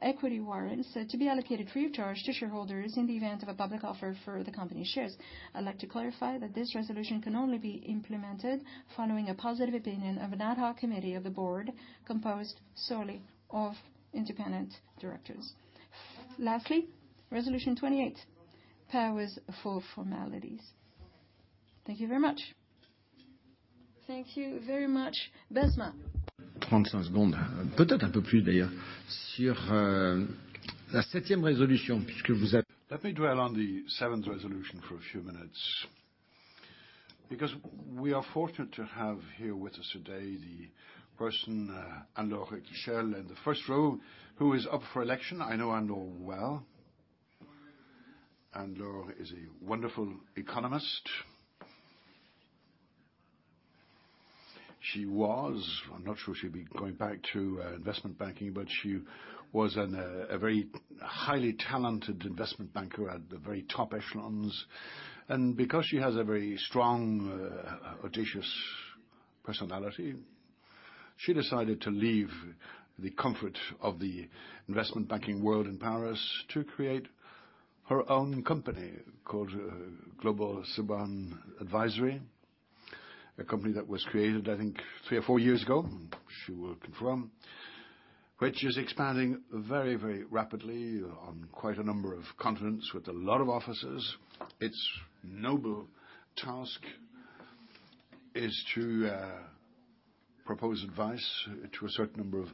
equity warrants to be allocated free of charge to shareholders in the event of a public offer for the company shares. I'd like to clarify that this resolution can only be implemented following a positive opinion of an ad hoc committee of the board composed solely of independent directors. Lastly, Resolution 28, powers for formalities. Thank you very much. Thank you very much. Besma. Let me dwell on the seventh resolution for a few minutes. Because we are fortunate to have here with us today the person, Anne-Laure Kiechel, in the first row, who is up for election. I know Anne-Laure well. Anne-Laure is a wonderful economist. She was, I'm not sure she'll be going back to investment banking, but she was a very highly talented investment banker at the very top echelons. Because she has a very strong, audacious personality, she decided to leave the comfort of the investment banking world in Paris to create her own company called Global Saban Advisory, a company that was created, I think, three or four years ago. She will confirm. Which is expanding very, very rapidly on quite a number of continents with a lot of offices. Its noble task is to propose advice to a certain number of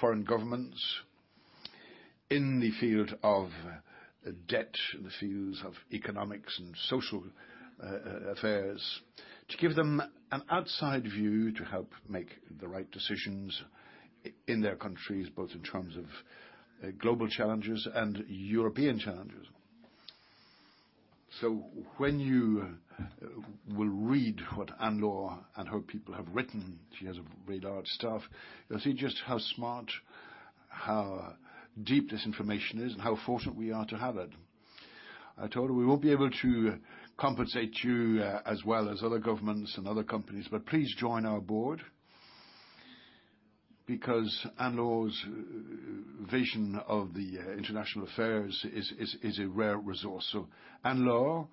foreign governments in the field of debt, in the fields of economics and social affairs. To give them an outside view to help make the right decisions in their countries, both in terms of global challenges and European challenges. When you will read what Anne-Laure and her people have written, she has a very large staff. You'll see just how smart, how deep this information is, and how fortunate we are to have it. I told her we won't be able to compensate you as well as other governments and other companies, but please join our board because Anne-Laure's vision of the international affairs is a rare resource. Anne-Laure,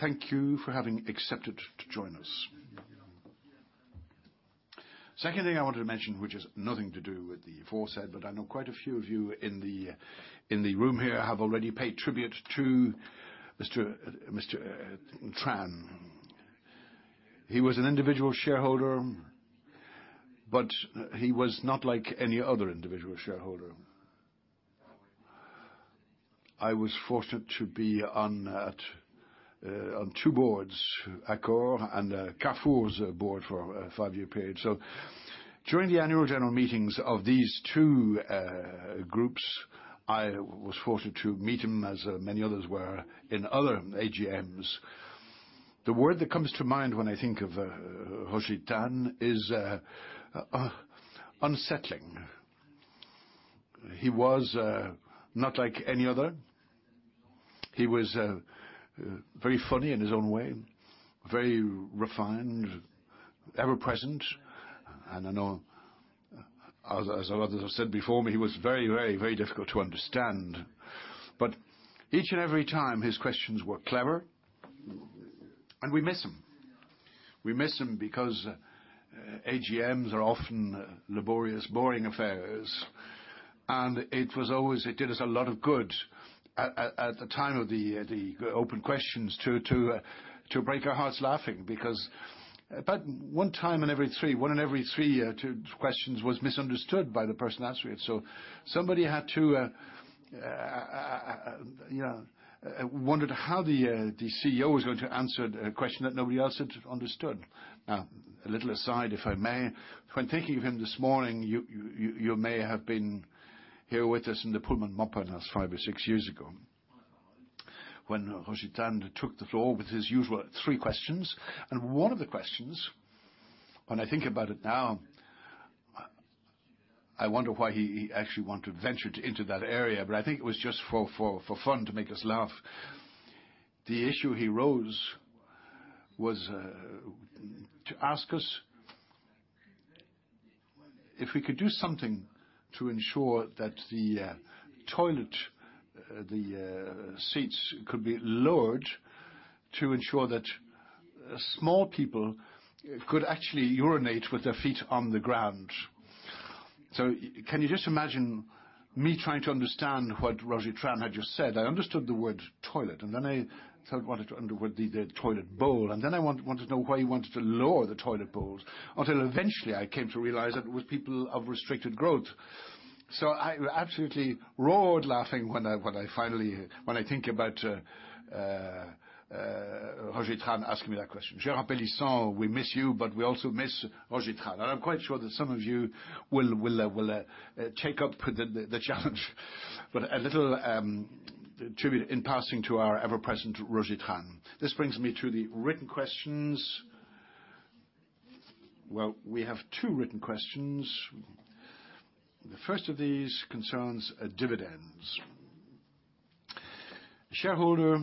thank you for having accepted to join us. Second thing I want to mention, which is nothing to do with the aforesaid, but I know quite a few of you in the room here have already paid tribute to Mr. Tran. He was an individual shareholder, but he was not like any other individual shareholder. I was fortunate to be on two boards, Accor and Carrefour's board for a five-year period. So during the annual general meetings of these two groups, I was fortunate to meet him, as many others were in other AGMs. The word that comes to mind when I think of Roger Tran is unsettling. He was not like any other. He was very funny in his own way, very refined, ever present, and I know as others have said before me, he was very, very, very difficult to understand. Each and every time his questions were clever, and we miss him. We miss him because AGMs are often laborious, boring affairs, and it did us a lot of good at the time of the open questions to break our hearts laughing because about one time in every three, one in every three questions was misunderstood by the person asking it. Somebody had to wondered how the CEO was going to answer a question that nobody else had understood. A little aside, if I may. When thinking of him this morning, you may have been here with us in the Pullman Montparnasse that's five or six years ago, when Roger Tran took the floor with his usual three questions. One of the questions, when I think about it now, I wonder why he actually want to venture into that area, but I think it was just for fun, to make us laugh. The issue he rose was to ask us if we could do something to ensure that the toilet seats could be lowered to ensure that small people could actually urinate with their feet on the ground. Can you just imagine me trying to understand what Roger Tran had just said? I understood the word toilet, and then I sort of wanted to understand the toilet bowl, and then I want to know why he wanted to lower the toilet bowls, until eventually I came to realize that it was people of restricted growth. I absolutely roared laughing when I think about Roger Tran asking me that question. Gérard Pélisson, we miss you, but we also miss Roger Tran. I'm quite sure that some of you will take up the challenge. A little tribute in passing to our ever-present Roger Tran. This brings me to the written questions. We have two written questions. The first of these concerns dividends. Shareholder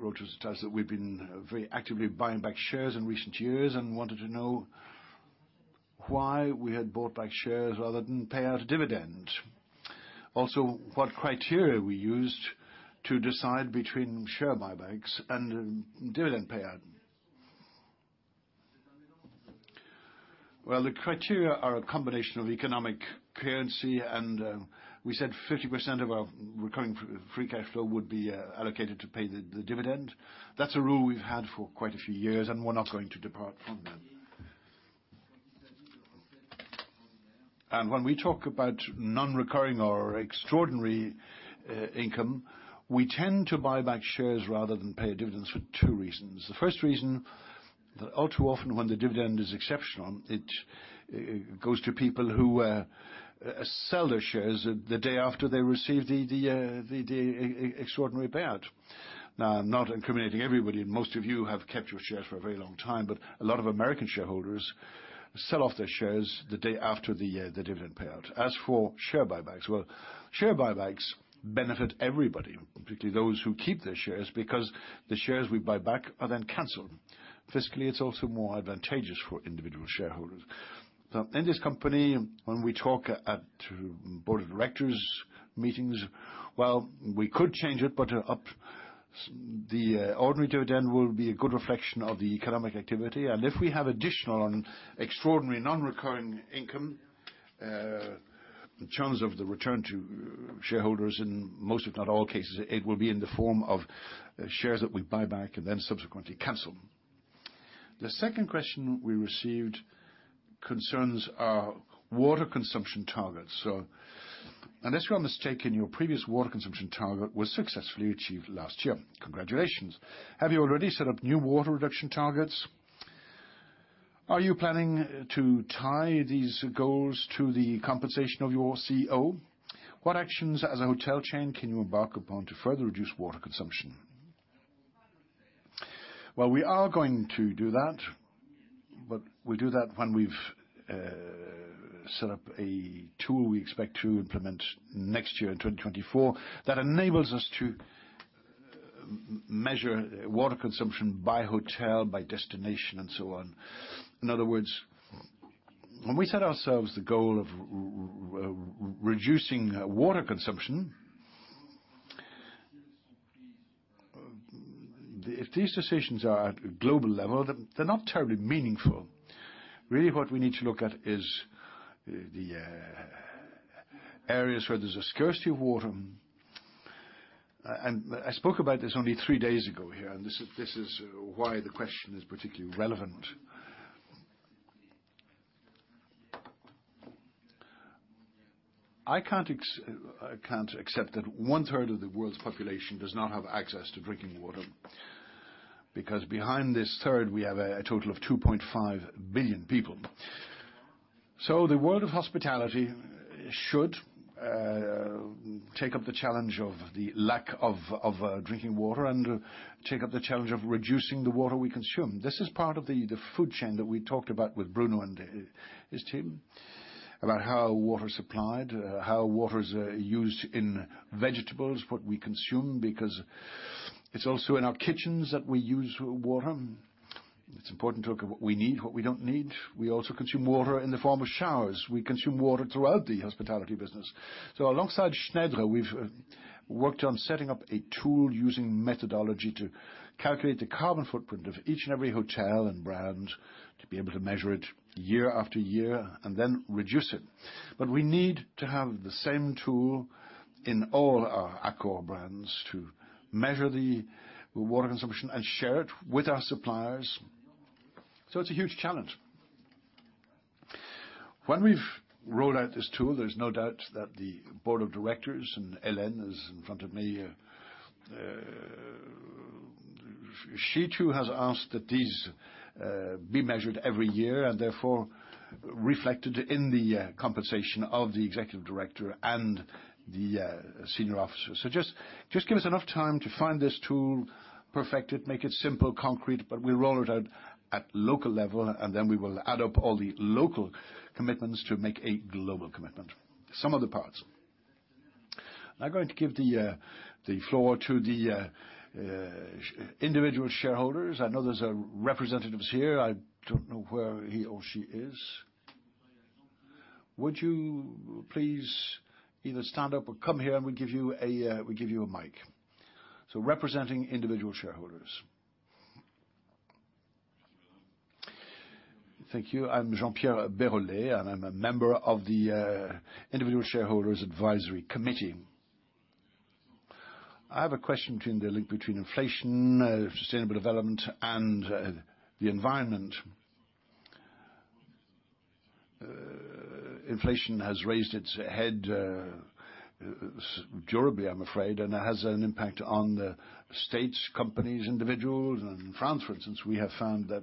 wrote to us that we've been very actively buying back shares in recent years and wanted to know why we had bought back shares rather than pay out a dividend. Also, what criteria we used to decide between share buybacks and dividend payout. Well, the criteria are a combination of economic currency, and we said 50% of our recurring free cash flow would be allocated to pay the dividend. That's a rule we've had for quite a few years, and we're not going to depart from that. When we talk about non-recurring or extraordinary income, we tend to buy back shares rather than pay dividends for two reasons. The first reason, that all too often when the dividend is exceptional, it goes to people who sell their shares the day after they receive the extraordinary payout. I'm not incriminating everybody, and most of you have kept your shares for a very long time, but a lot of American shareholders sell off their shares the day after the dividend payout. As for share buybacks, well, share buybacks benefit everybody, particularly those who keep their shares, because the shares we buy back are then canceled. Fiscally, it's also more advantageous for individual shareholders. In this company, when we talk at Board of Directors meetings, while we could change it, but the ordinary dividend will be a good reflection of the economic activity. If we have additional and extraordinary non-recurring income, the chance of the return to shareholders in most, if not all cases, it will be in the form of shares that we buy back and then subsequently cancel. The second question we received concerns our water consumption targets. Unless you're mistaken, your previous water consumption target was successfully achieved last year. Congratulations. Have you already set up new water reduction targets? Are you planning to tie these goals to the compensation of your CEO? What actions as a hotel chain can you embark upon to further reduce water consumption? We are going to do that, but we'll do that when we've set up a tool we expect to implement next year in 2024 that enables us to measure water consumption by hotel, by destination, and so on. In other words, when we set ourselves the goal of reducing water consumption, if these decisions are at a global level, they're not terribly meaningful. Really, what we need to look at is the areas where there's a scarcity of water. And I spoke about this only three days ago here, and this is why the question is particularly relevant. I can't accept that one-third of the world's population does not have access to drinking water, because behind this third, we have a total of 2.5 billion people. The world of hospitality should take up the challenge of the lack of drinking water and take up the challenge of reducing the water we consume. This is part of the food chain that we talked about with Bruno and his team, about how water is supplied, how water is used in vegetables, what we consume, because it's also in our kitchens that we use water. It's important to look at what we need, what we don't need. We also consume water in the form of showers. We consume water throughout the hospitality business. Alongside Schneider, we've worked on setting up a tool using methodology to calculate the carbon footprint of each and every hotel and brand to be able to measure it year after year and then reduce it. We need to have the same tool in all our Accor brands to measure the water consumption and share it with our suppliers. We've rolled out this tool, there's no doubt that the Board of Directors and Hélène is in front of me, she too has asked that these be measured every year and therefore reflected in the compensation of the executive director and the senior officer. Just give us enough time to find this tool, perfect it, make it simple, concrete, but we'll roll it out at local level, and then we will add up all the local commitments to make a global commitment. Sum of the parts. I'm now going to give the floor to the individual shareholders. I know there's representatives here. I don't know where he or she is. Would you please either stand up or come here, and we give you a, we give you a mic. Representing individual shareholders. Thank you. I'm Jean-Pierre Berrolett, and I'm a member of the Individual Shareholders Advisory Committee. I have a question between the link between inflation, sustainable development, and the environment. Inflation has raised its head durably, I'm afraid, and it has an impact on the states, companies, individuals. In France, for instance, we have found that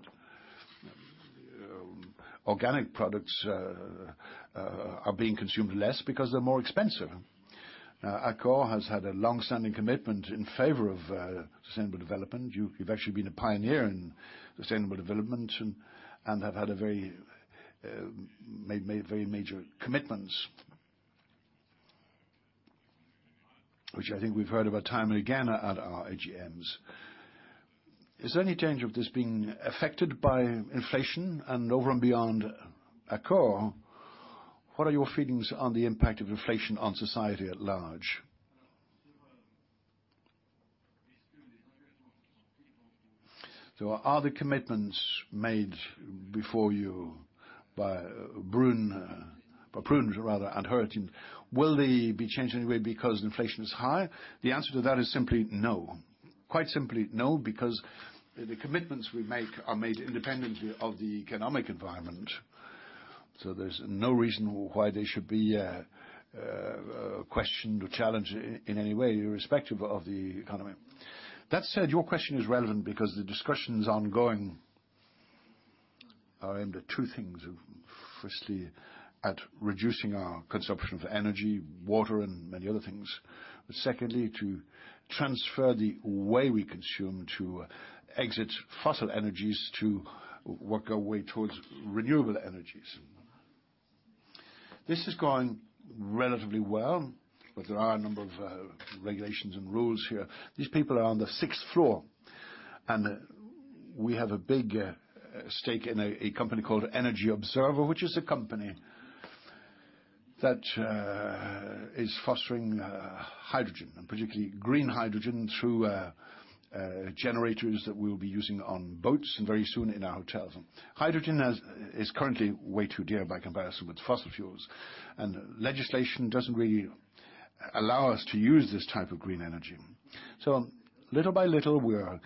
Organic products are being consumed less because they're more expensive. Now, Accor has had a long-standing commitment in favor of sustainable development. You've actually been a pioneer in sustainable development and have had very major commitments. Which I think we've heard about time and again at our AGMs. Is there any change of this being affected by inflation? Over and beyond Accor, what are your feelings on the impact of inflation on society at large? Are the commitments made before you by Brune, by Brune rather, and her team, will they be changed in any way because inflation is high? The answer to that is simply no. Quite simply no, because the commitments we make are made independently of the economic environment, so there's no reason why they should be questioned or challenged in any way, irrespective of the economy. That said, your question is relevant because the discussions ongoing are aimed at two things. Firstly, at reducing our consumption of energy, water, and many other things. But secondly, to transfer the way we consume to exit fossil energies to work our way towards renewable energies. This is going relatively well, but there are a number of regulations and rules here. These people are on the sixth floor, and we have a big stake in a company called Energy Observer, which is a company that is fostering hydrogen, and particularly green hydrogen through generators that we'll be using on boats and very soon in our hotels. Hydrogen is currently way too dear by comparison with fossil fuels. Legislation doesn't really allow us to use this type of green energy. Little by little, we are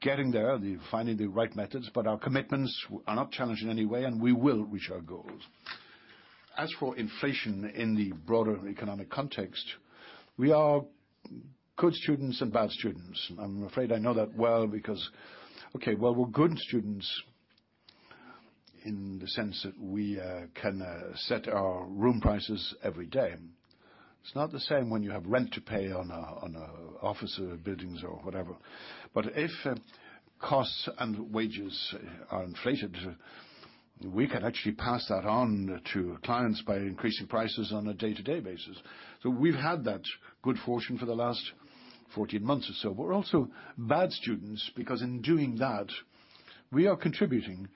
getting there, finding the right methods, but our commitments are not challenged in any way, and we will reach our goals. As for inflation in the broader economic context, we are good students and bad students. I'm afraid I know that well because okay, well, we're good students in the sense that we can set our room prices every day. It's not the same when you have rent to pay on a office or buildings or whatever. If costs and wages are inflated, we can actually pass that on to clients by increasing prices on a day-to-day basis. We've had that good fortune for the last 14 months or so. We're also bad students because in doing that, we are contributing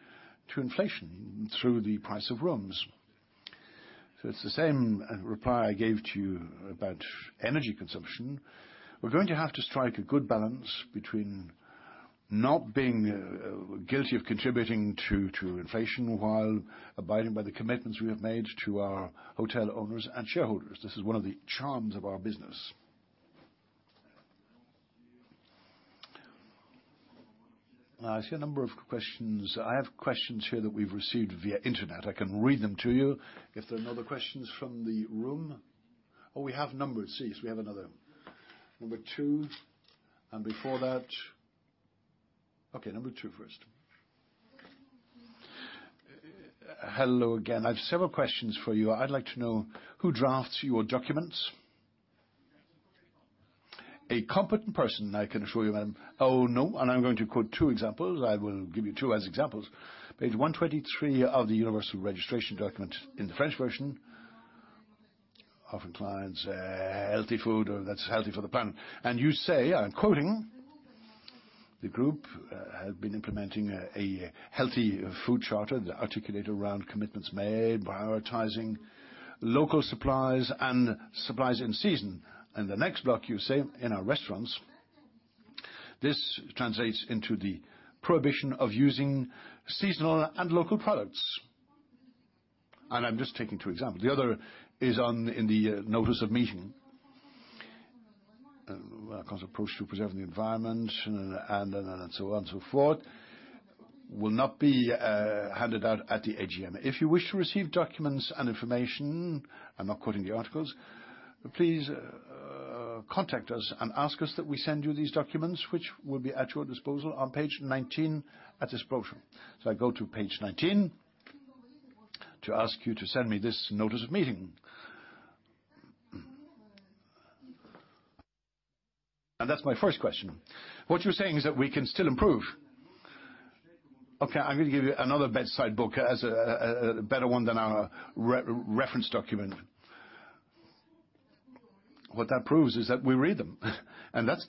to inflation through the price of rooms. It's the same reply I gave to you about energy consumption. We're going to have to strike a good balance between not being guilty of contributing to inflation while abiding by the commitments we have made to our hotel owners and shareholders. This is one of the charms of our business. I see a number of questions. I have questions here that we've received via internet. I can read them to you if there are no other questions from the room. We have Number. It seems we have another. Number two, and before that, Number two first. Hello again. I have several questions for you. I'd like to know who drafts your documents. A competent person, I can assure you, madam. Oh, no, I'm going to quote two examples. I will give you two as examples. Page 123 of the Universal Registration Document in the French version, often clients, healthy food or that's healthy for the planet. You say, I'm quoting, "The group has been implementing a healthy food charter, articulate around commitments made, prioritizing local suppliers and suppliers in season." In the next block, you say, "In our restaurants, this translates into the prohibition of using seasonal and local products." I'm just taking two examples. The other is in the notice of meeting. Cost approach to preserving the environment and so on and so forth, will not be handed out at the AGM. If you wish to receive documents and information, I'm not quoting the articles, please contact us and ask us that we send you these documents, which will be at your disposal on page 19 at this brochure. I go to page 19 to ask you to send me this notice of meeting. That's my first question. What you're saying is that we can still improve. Okay, I'm gonna give you another bedside book as a better one than our reference document. What that proves is that we read them, and that's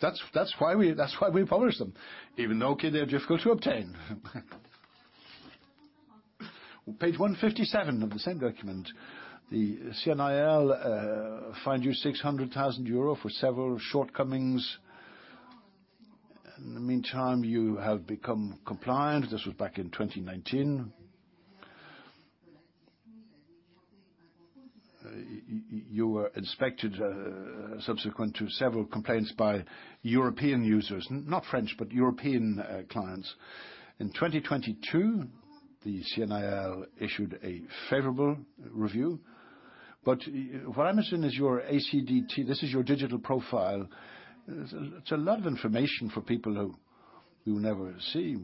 why we publish them. Even though, okay, they're difficult to obtain. Page 157 of the same document, the CNIL fined you 600,000 euro for several shortcomings. In the meantime, you have become compliant. This was back in 2019. You were inspected, subsequent to several complaints by European users, Not French, but European clients. In 2022, the CNIL issued a favorable review. What I'm missing is your ACDT. This is your digital profile. It's a lot of information for people who you never see.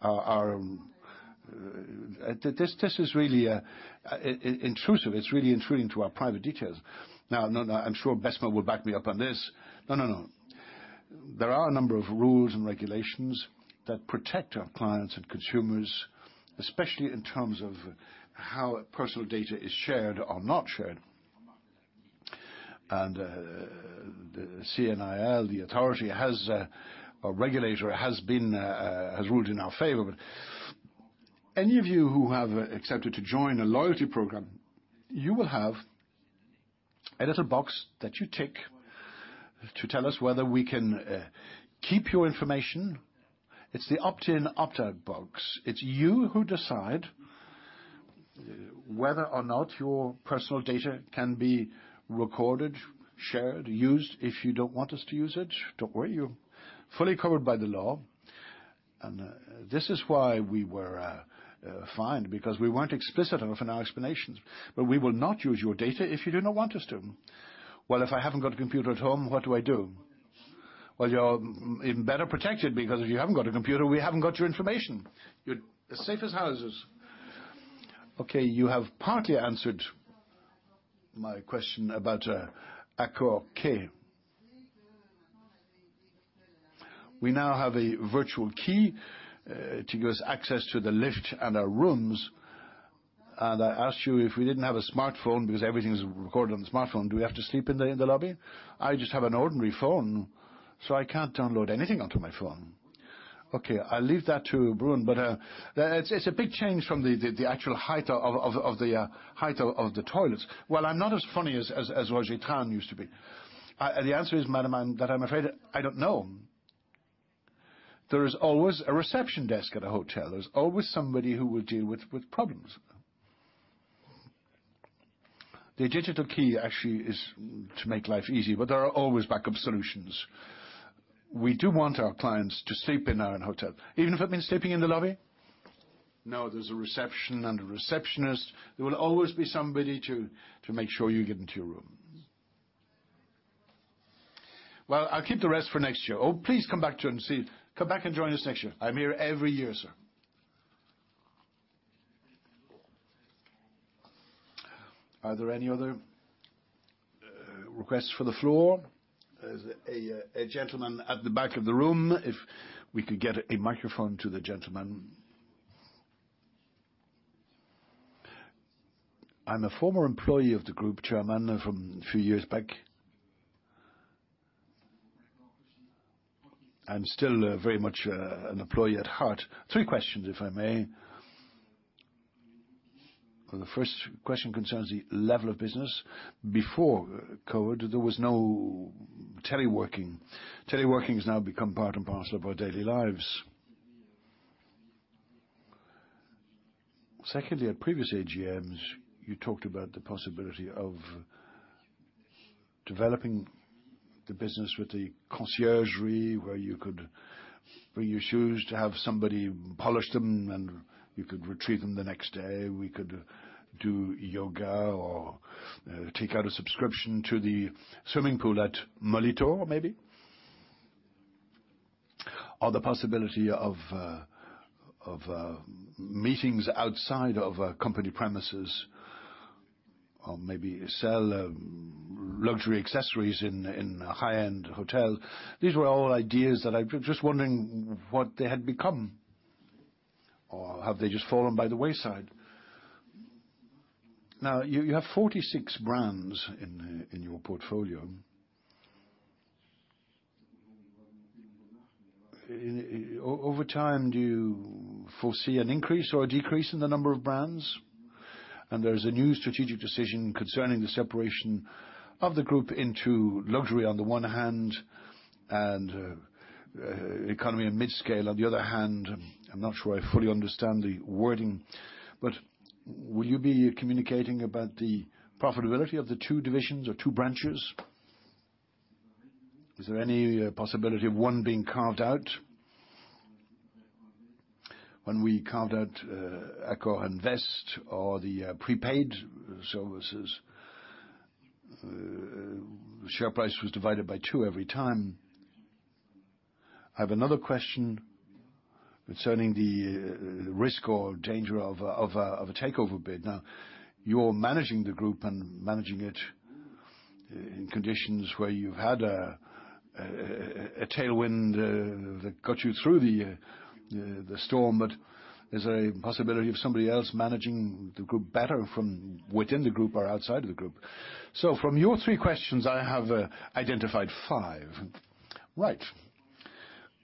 Our, this is really intrusive. It's really intruding into our private details. Now I'm sure Besma will back me up on this. No. There are a number of rules and regulations that protect our clients and consumers, especially in terms of how personal data is shared or not shared. The CNIL, the authority, has or regulator has been, has ruled in our favor. Any of you who have accepted to join a loyalty program, you will have a little box that you tick to tell us whether we can keep your information. It's the opt-in, opt-out box. It's you who decide whether or not your personal data can be recorded, shared, used. If you don't want us to use it, don't worry, you're fully covered by the law. This is why we were fined, because we weren't explicit enough in our explanations. We will not use your data if you do not want us to. If I haven't got a computer at home, what do I do? You're even better protected because if you haven't got a computer, we haven't got your information. You're as safe as houses. You have partly answered my question about Accor Key. We now have a virtual key, to give us access to the lift and our rooms. I asked you, if we didn't have a smartphone, because everything's recorded on the smartphone, do we have to sleep in the lobby? I just have an ordinary phone, so I can't download anything onto my phone. Okay, I'll leave that to Brune. It's a big change from the actual height of the toilets. Well, I'm not as funny as Roger Tran used to be. The answer is, madam, that I'm afraid I don't know. There is always a reception desk at a hotel. There's always somebody who will deal with problems. The digital key actually is to make life easy, but there are always backup solutions. We do want our clients to sleep in our own hotel. Even if it means sleeping in the lobby? There's a reception and a receptionist. There will always be somebody to make sure you get into your room. I'll keep the rest for next year. Please come back and join us next year. I'm here every year, sir. Are there any other requests for the floor? There's a gentleman at the back of the room. If we could get a microphone to the gentleman. I'm a former employee of the group, Chairman, from a few years back. I'm still very much an employee at heart. Three questions, if I may. The first question concerns the level of business. Before COVID, there was no teleworking. Teleworking has now become part and parcel of our daily lives. Secondly, at previous AGMs, you talked about the possibility of developing the business with a conciergerie, where you could bring your shoes to have somebody polish them, and you could retrieve them the next day. We could do yoga or take out a subscription to the swimming pool at Molitor, maybe. The possibility of meetings outside of company premises, or maybe sell luxury accessories in a high-end hotel. These were all ideas that I'm just wondering what they had become, or have they just fallen by the wayside? You have 46 brands in your portfolio. Over time, do you foresee an increase or a decrease in the number of brands? There's a new strategic decision concerning the separation of the group into luxury on the one hand and economy and mid-scale on the other hand. I'm not sure I fully understand the wording, will you be communicating about the profitability of the two divisions or two branches? Is there any possibility of one being carved out? When we carved out AccorInvest or the prepaid services, the share price was divided by two every time. I have another question concerning the risk or danger of a takeover bid. Now, you're managing the group and managing it in conditions where you've had a tailwind that got you through the storm. There's a possibility of somebody else managing the group better from within the group or outside of the group. From your three questions, I have identified five. Right.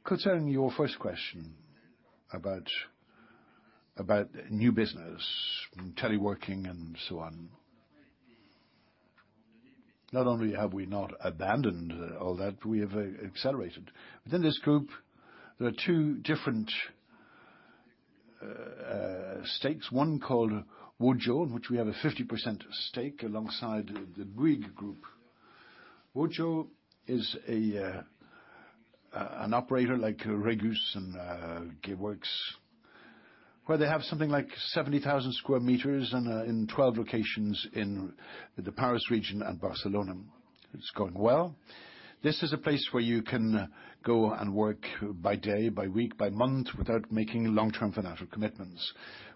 Concerning your first question about new business, teleworking and so on. Not only have we not abandoned all that, we have accelerated. Within this group, there are two different stakes, one called WOJO, in which we have a 50% stake alongside the Bouygues Group. WOJO is an operator like Regus and WeWork, where they have something like 70,000 sq m and in 12 locations in the Paris region and Barcelona. It's going well. This is a place where you can go and work by day, by week, by month, without making long-term financial commitments.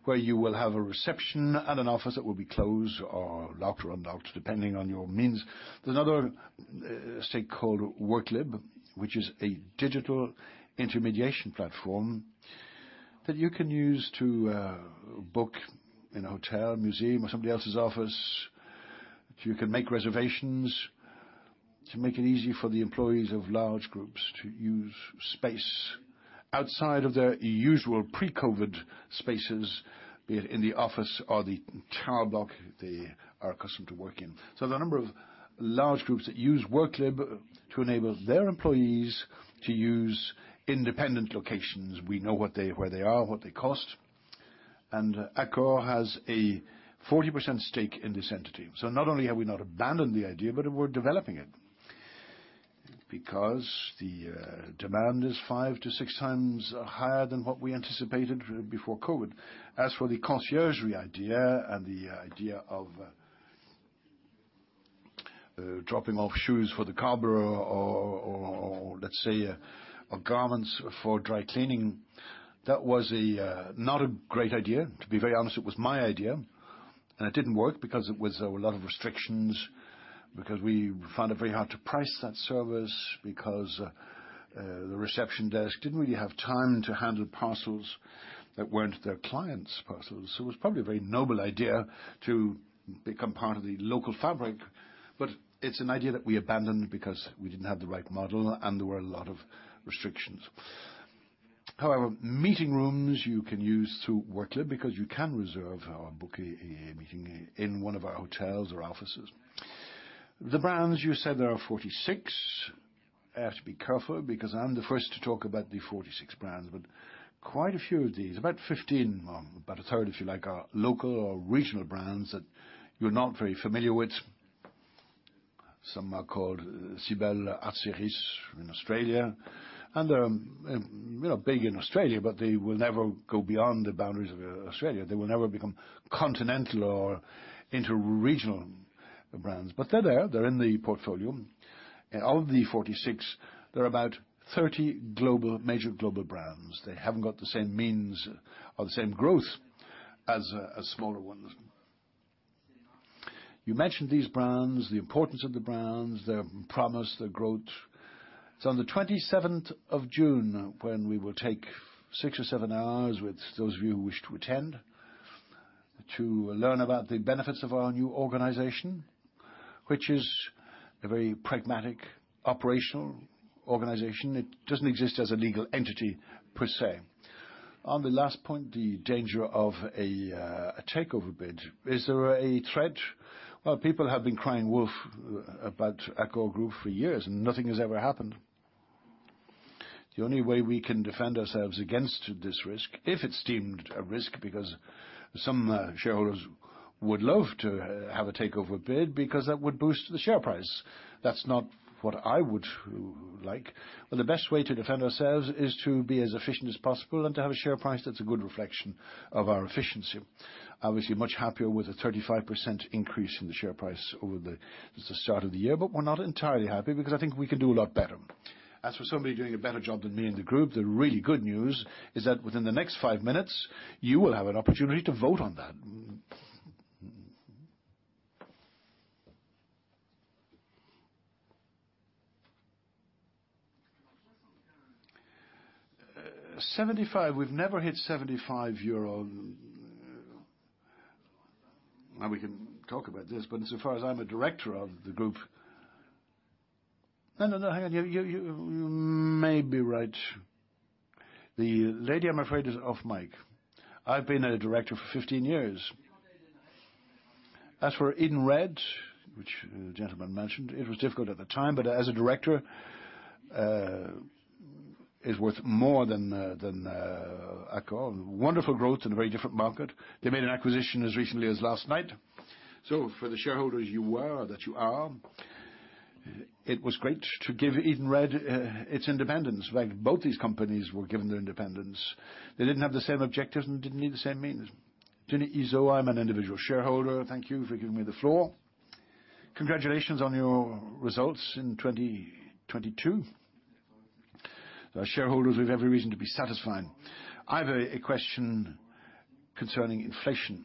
You will have a reception at an office that will be closed or locked or unlocked, depending on your means. There's another stake called Worklib, which is a digital intermediation platform that you can use to book in a hotel, museum, or somebody else's office. You can make reservations to make it easy for the employees of large groups to use space outside of their usual pre-COVID spaces, be it in the office or the tower block they are accustomed to working. The number of large groups that use Worklib to enable their employees to use independent locations, we know where they are, what they cost. Accor has a 40% stake in this entity. Not only have we not abandoned the idea, but we're developing it because the demand is five to six times higher than what we anticipated before COVID. As for the concierge idea and the idea of dropping off shoes for the cobbler or let's say garments for dry cleaning, that was not a great idea. To be very honest, it was my idea. It didn't work because it was a lot of restrictions, because we found it very hard to price that service, because the reception desk didn't really have time to handle parcels that weren't their clients' parcels. It was probably a very noble idea to become part of the local fabric, but it's an idea that we abandoned because we didn't have the right model, and there were a lot of restrictions. However, meeting rooms you can use through Worklib because you can reserve or book a meeting in one of our hotels or offices. The brands, you said there are 46. I have to be careful because I'm the first to talk about the 46 brands, but quite a few of these, about 15, about a third, if you like, are local or regional brands that you're not very familiar with. Some are called Sebel, Art Series in Australia, and they're big in Australia, but they will never go beyond the boundaries of Australia. They will never become continental or inter-regional brands. They're there, they're in the portfolio. Out of the 46, there are about 30 global, major global brands. They haven't got the same means or the same growth as smaller ones. You mentioned these brands, the importance of the brands, their promise, their growth. It's on the 27th of June, when we will take six or seven hours with those of you who wish to attend to learn about the benefits of our new organization, which is a very pragmatic operational organization. It doesn't exist as a legal entity per se. On the last point, the danger of a takeover bid. Is there a threat? Well, people have been crying wolf about Accor for years, and nothing has ever happened. The only way we can defend ourselves against this risk, if it's deemed a risk because some shareholders would love to have a takeover bid because that would boost the share price. That's not what I would like. The best way to defend ourselves is to be as efficient as possible and to have a share price that's a good reflection of our efficiency. Obviously, much happier with a 35% increase in the share price over the start of the year, we're not entirely happy because I think we can do a lot better. As for somebody doing a better job than me in the group, the really good news is that within the next five minutes, you will have an opportunity to vote on that. 75. We've never hit 75 euro. We can talk about this, but insofar as I'm a director of the group... No, no. Hang on. You maybe right. The lady, I'm afraid, is off mic. I've been a director for 15 years. As for Edenred, which the gentleman mentioned, it was difficult at the time, but as a director, it's worth more than than Accor. Wonderful growth in a very different market. They made an acquisition as recently as last night. For the shareholders you were, that you are, it was great to give Edenred its independence. In fact, both these companies were given their independence. They didn't have the same objectives and didn't need the same means. Julie Ezot, I'm an individual shareholder. Thank you for giving me the floor. Congratulations on your results in 2022. Our shareholders, we have every reason to be satisfied. I have a question concerning inflation.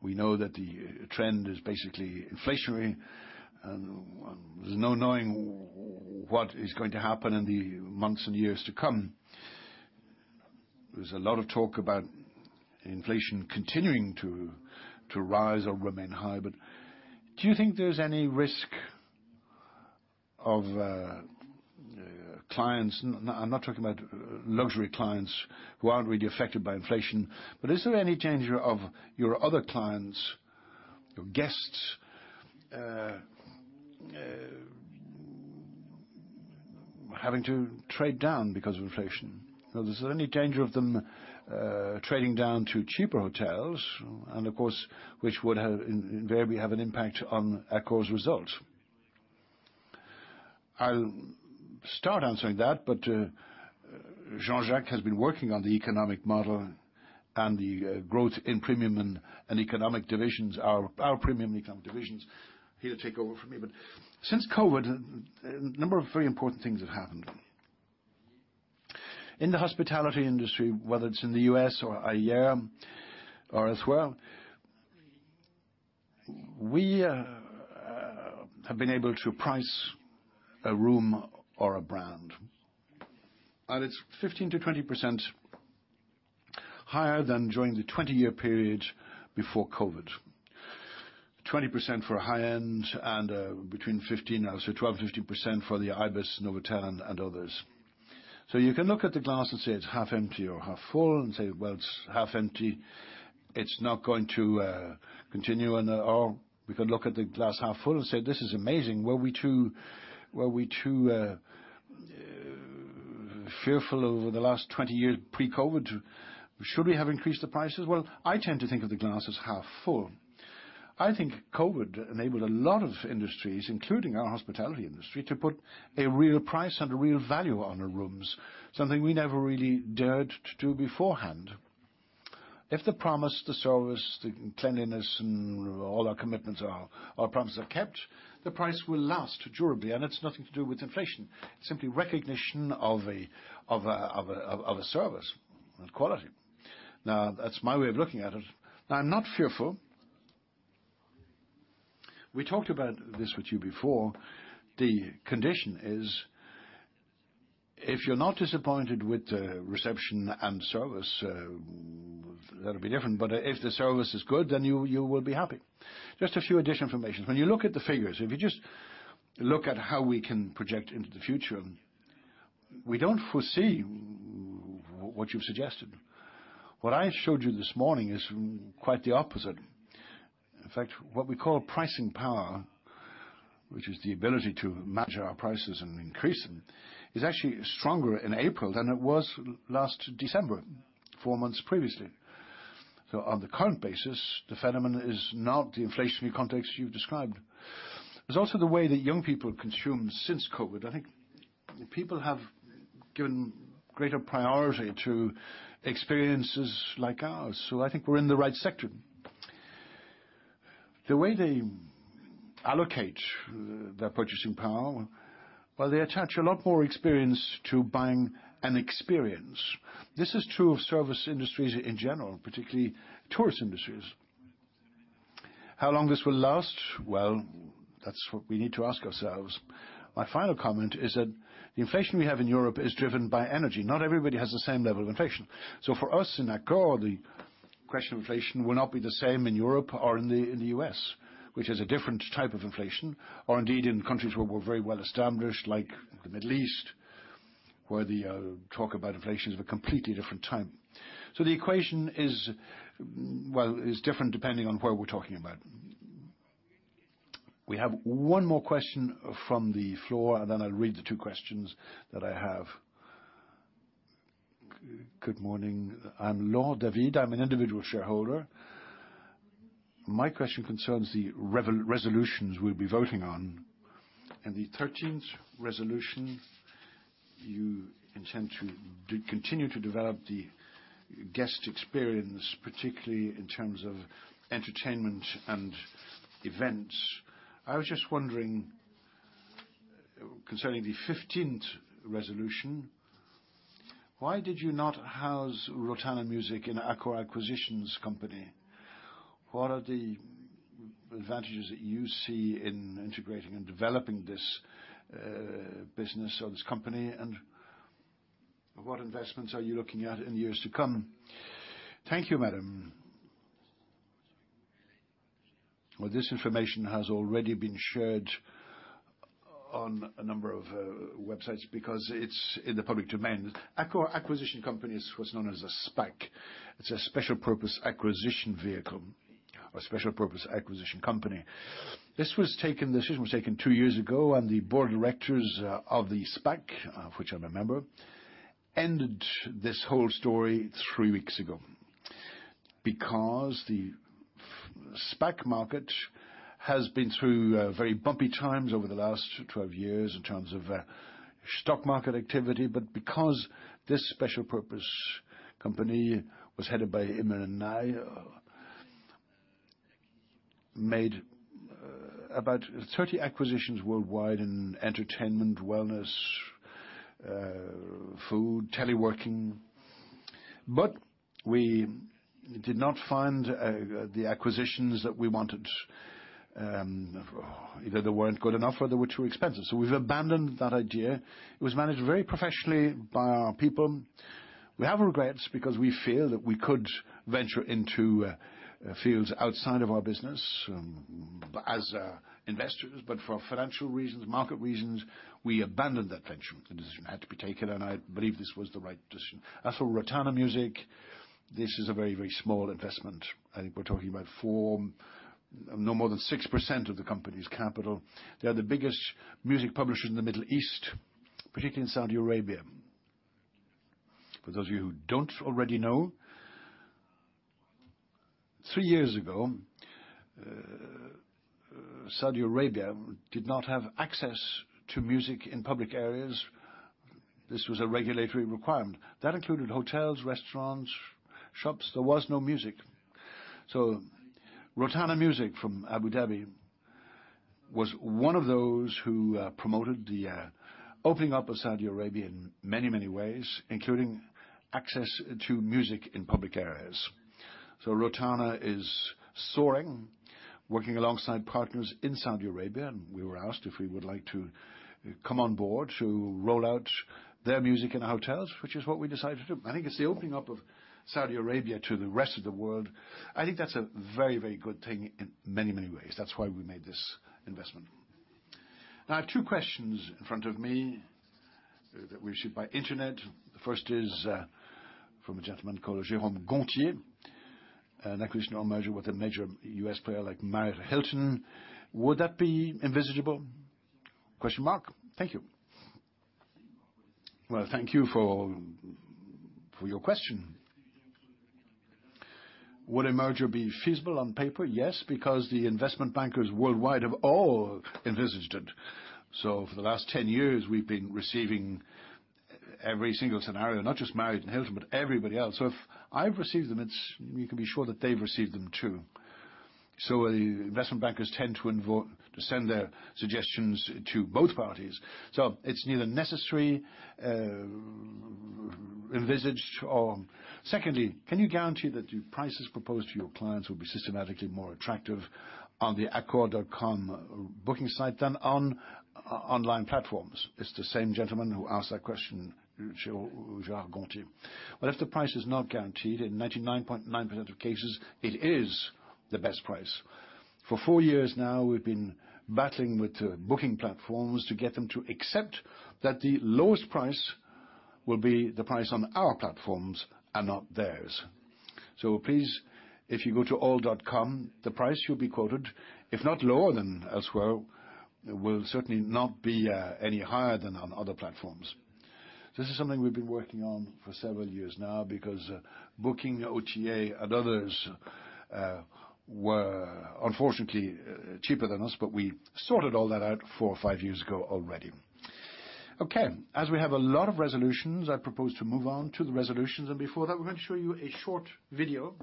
We know that the trend is basically inflationary. There's no knowing what is going to happen in the months and years to come. There's a lot of talk about inflation continuing to rise or remain high. Do you think there's any risk of clients, I'm not talking about luxury clients who aren't really affected by inflation, but is there any danger of your other clients, your guests having to trade down because of inflation? Is there any danger of them trading down to cheaper hotels? Of course, which would have invariably have an impact on Accor's results. I'll start answering that. Jean-Jacques has been working on the economic model and the growth in premium and economic divisions, our premium economic divisions. He'll take over from me. Since COVID, a number of very important things have happened. In the hospitality industry, whether it's in the U.S. or IEA or as well, we have been able to price a room or a brand, and it's 15%-20% higher than during the 20-year period before COVID. 20% for high-end and between 15, actually 12%-15% for the ibis, Novotel, and others. You can look at the glass and say it's half empty or half full and say, "Well, it's half empty. It's not going to continue," or we could look at the glass half full and say, "This is amazing. Were we too fearful over the last 20 years pre-COVID? Should we have increased the prices?" Well, I tend to think of the glass as half full. I think COVID enabled a lot of industries, including our hospitality industry, to put a real price and a real value on the rooms, something we never really dared to do beforehand. If the promise, the service, the cleanliness and all our commitments are, or promises are kept, the price will last durably, and it's nothing to do with inflation, simply recognition of a service and quality. That's my way of looking at it. I'm not fearful. We talked about this with you before. The condition is, if you're not disappointed with the reception and service, that'll be different. If the service is good, then you will be happy. Just a few additional information. When you look at the figures, if you just look at how we can project into the future, we don't foresee what you've suggested. What I showed you this morning is quite the opposite. In fact, what we call pricing power, which is the ability to match our prices and increase them, is actually stronger in April than it was last December, four months previously. On the current basis, the phenomenon is not the inflationary context you've described. There's also the way that young people consume since COVID. I think people have given greater priority to experiences like ours, so I think we're in the right sector. The way they allocate their purchasing power, well, they attach a lot more experience to buying an experience. This is true of service industries in general, particularly tourist industries. How long this will last? That's what we need to ask ourselves. My final comment is that the inflation we have in Europe is driven by energy. Not everybody has the same level of inflation. For us in Accor, the question of inflation will not be the same in Europe or in the U.S., which has a different type of inflation, or indeed in countries where we're very well-established, like the Middle East, where the talk about inflation is of a completely different time. The equation is, well, is different depending on where we're talking about. We have one more question from the floor, and then I'll read the two questions that I have. Good morning. I'm Laur David. I'm an individual shareholder. My question concerns the resolutions we'll be voting on. In the 13th resolution, you intend to continue to develop the guest experience, particularly in terms of entertainment and events. I was just wondering, concerning the 15th resolution, why did you not house Rotana Music in Accor Acquisition Company? What are the advantages that you see in integrating and developing this business or this company, and what investments are you looking at in years to come? Thank you, madam. This information has already been shared on a number of websites because it's in the public domain. Accor Acquisition Company is what's known as a SPAC. It's a special purpose acquisition vehicle or special purpose acquisition company. The decision was taken two years ago, and the board of directors of the SPAC, of which I'm a member, ended this whole story three weeks ago because the SPAC market has been through very bumpy times over the last 12 years in terms of stock market activity. Because this special purpose company was headed by Emir and I made about 30 acquisitions worldwide in entertainment, wellness, food, teleworking, but we did not find the acquisitions that we wanted. Either they weren't good enough or they were too expensive. We've abandoned that idea. It was managed very professionally by our people. We have regrets because we feel that we could venture into fields outside of our business as investors, but for financial reasons, market reasons, we abandoned that venture. The decision had to be taken, and I believe this was the right decision. As for Rotana Music, this is a very, very small investment. I think we're talking about 4%, no more than 6% of the company's capital. They are the biggest music publisher in the Middle East, particularly in Saudi Arabia. For those of you who don't already know. Three years ago, Saudi Arabia did not have access to music in public areas. This was a regulatory requirement. That included hotels, restaurants, shops. There was no music. Rotana Music from Abu Dhabi was one of those who promoted the opening up of Saudi Arabia in many, many ways, including access to music in public areas. Rotana is soaring, working alongside partners in Saudi Arabia, and we were asked if we would like to come on board to roll out their music in the hotels, which is what we decided to do. I think it's the opening up of Saudi Arabia to the rest of the world. I think that's a very, very good thing in many, many ways. That's why we made this investment. I have two questions in front of me that we received by internet. The first is from a gentleman called Jérôme Gontier. Acquisition or merger with a major U.S. player like Marriott, Hilton, would that be envisageable? Thank you. Well, thank you for your question. Would a merger be feasible on paper? Yes, because the investment bankers worldwide have all envisaged it. For the last 10 years, we've been receiving every single scenario, not just Marriott and Hilton, but everybody else. If I've received them, you can be sure that they've received them, too. Investment bankers tend to send their suggestions to both parties, so it's neither necessary, envisaged or. Can you guarantee that the prices proposed to your clients will be systematically more attractive on the ALL.com booking site than on online platforms? It's the same gentleman who asked that question, Jérôme Gontier. If the price is not guaranteed, in 99.9% of cases, it is the best price. For four years now, we've been battling with the booking platforms to get them to accept that the lowest price will be the price on our platforms and not theirs. Please, if you go to ALL.com, the price you'll be quoted, if not lower than elsewhere, will certainly not be any higher than on other platforms. This is something we've been working on for several years now because Booking, OTA, and others were unfortunately cheaper than us, but we sorted all that out four or five years ago already. As we have a lot of resolutions, I propose to move on to the resolutions. Before that, we're going to show you a short video.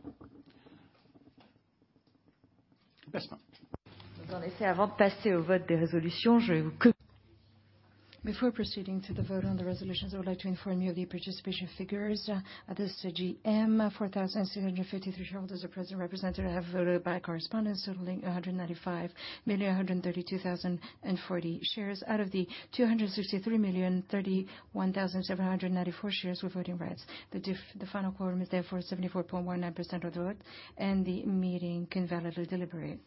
Vespa. Before proceeding to the vote on the resolutions, I would like to inform you of the participation figures. At this AGM, 4,653 shareholders are present or represented, have voted by correspondence, totaling 195,132,040 shares out of the 263,031,794 shares with voting rights. The final quorum is therefore 74.19% of the vote, and the meeting can validly deliberate.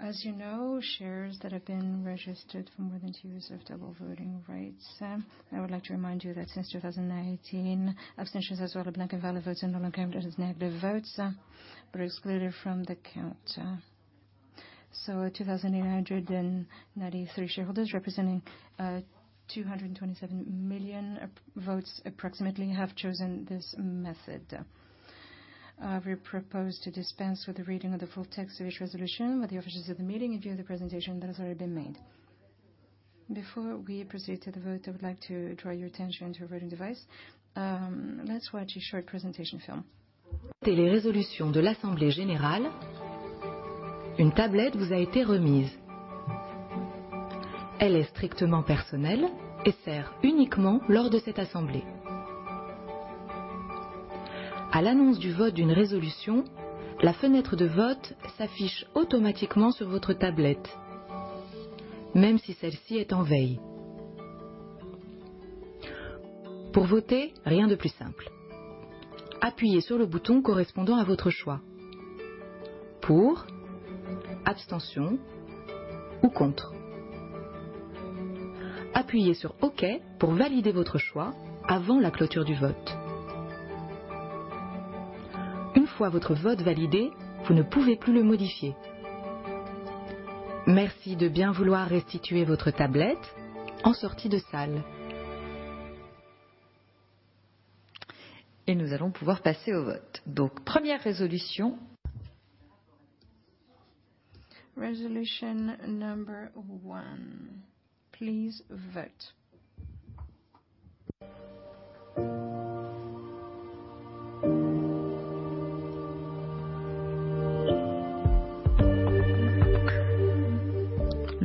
As you know, shares that have been registered for more than two years have double voting rights. I would like to remind you that since 2019, abstentions as well as blank and valid votes are not counted as negative votes, but are excluded from the count. 2,893 shareholders representing 227 million votes approximately have chosen this method. We propose to dispense with the reading of the full text of each resolution with the officials of the meeting in view of the presentation that has already been made. Before we proceed to the vote, I would like to draw your attention to your voting device. Let's watch a short presentation film. Resolution number one. Please vote.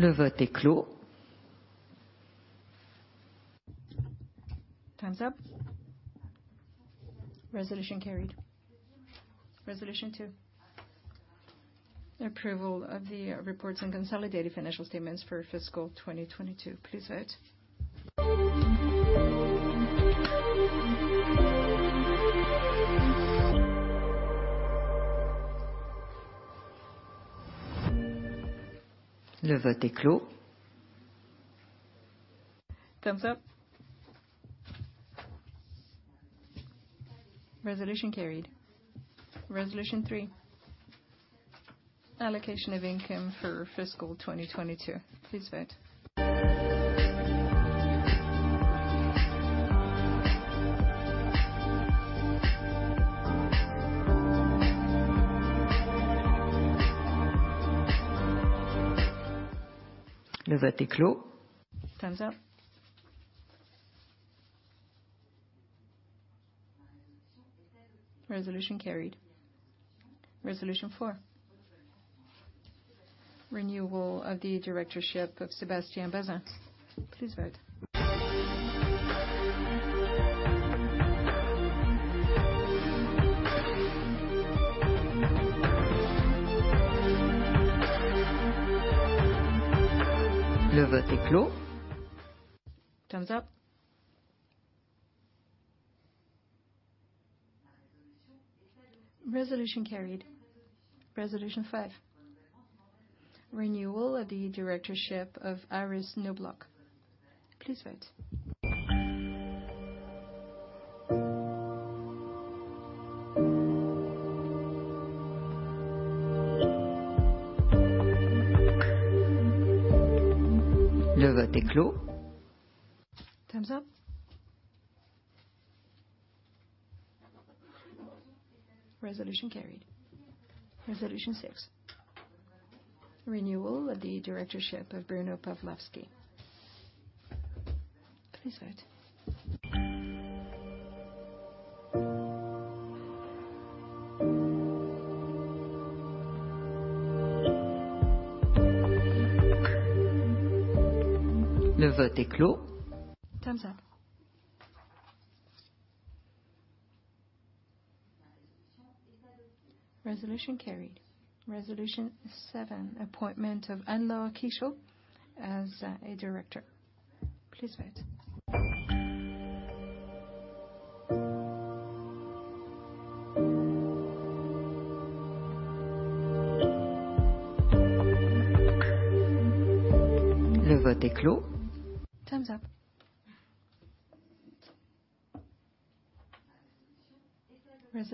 Time's up. Resolution carried. Resolution two. Approval of the reports and consolidated financial statements for fiscal 2022. Please vote. Time's up. Resolution carried. Resolution three. Allocation of income for fiscal 2022. Please vote. Le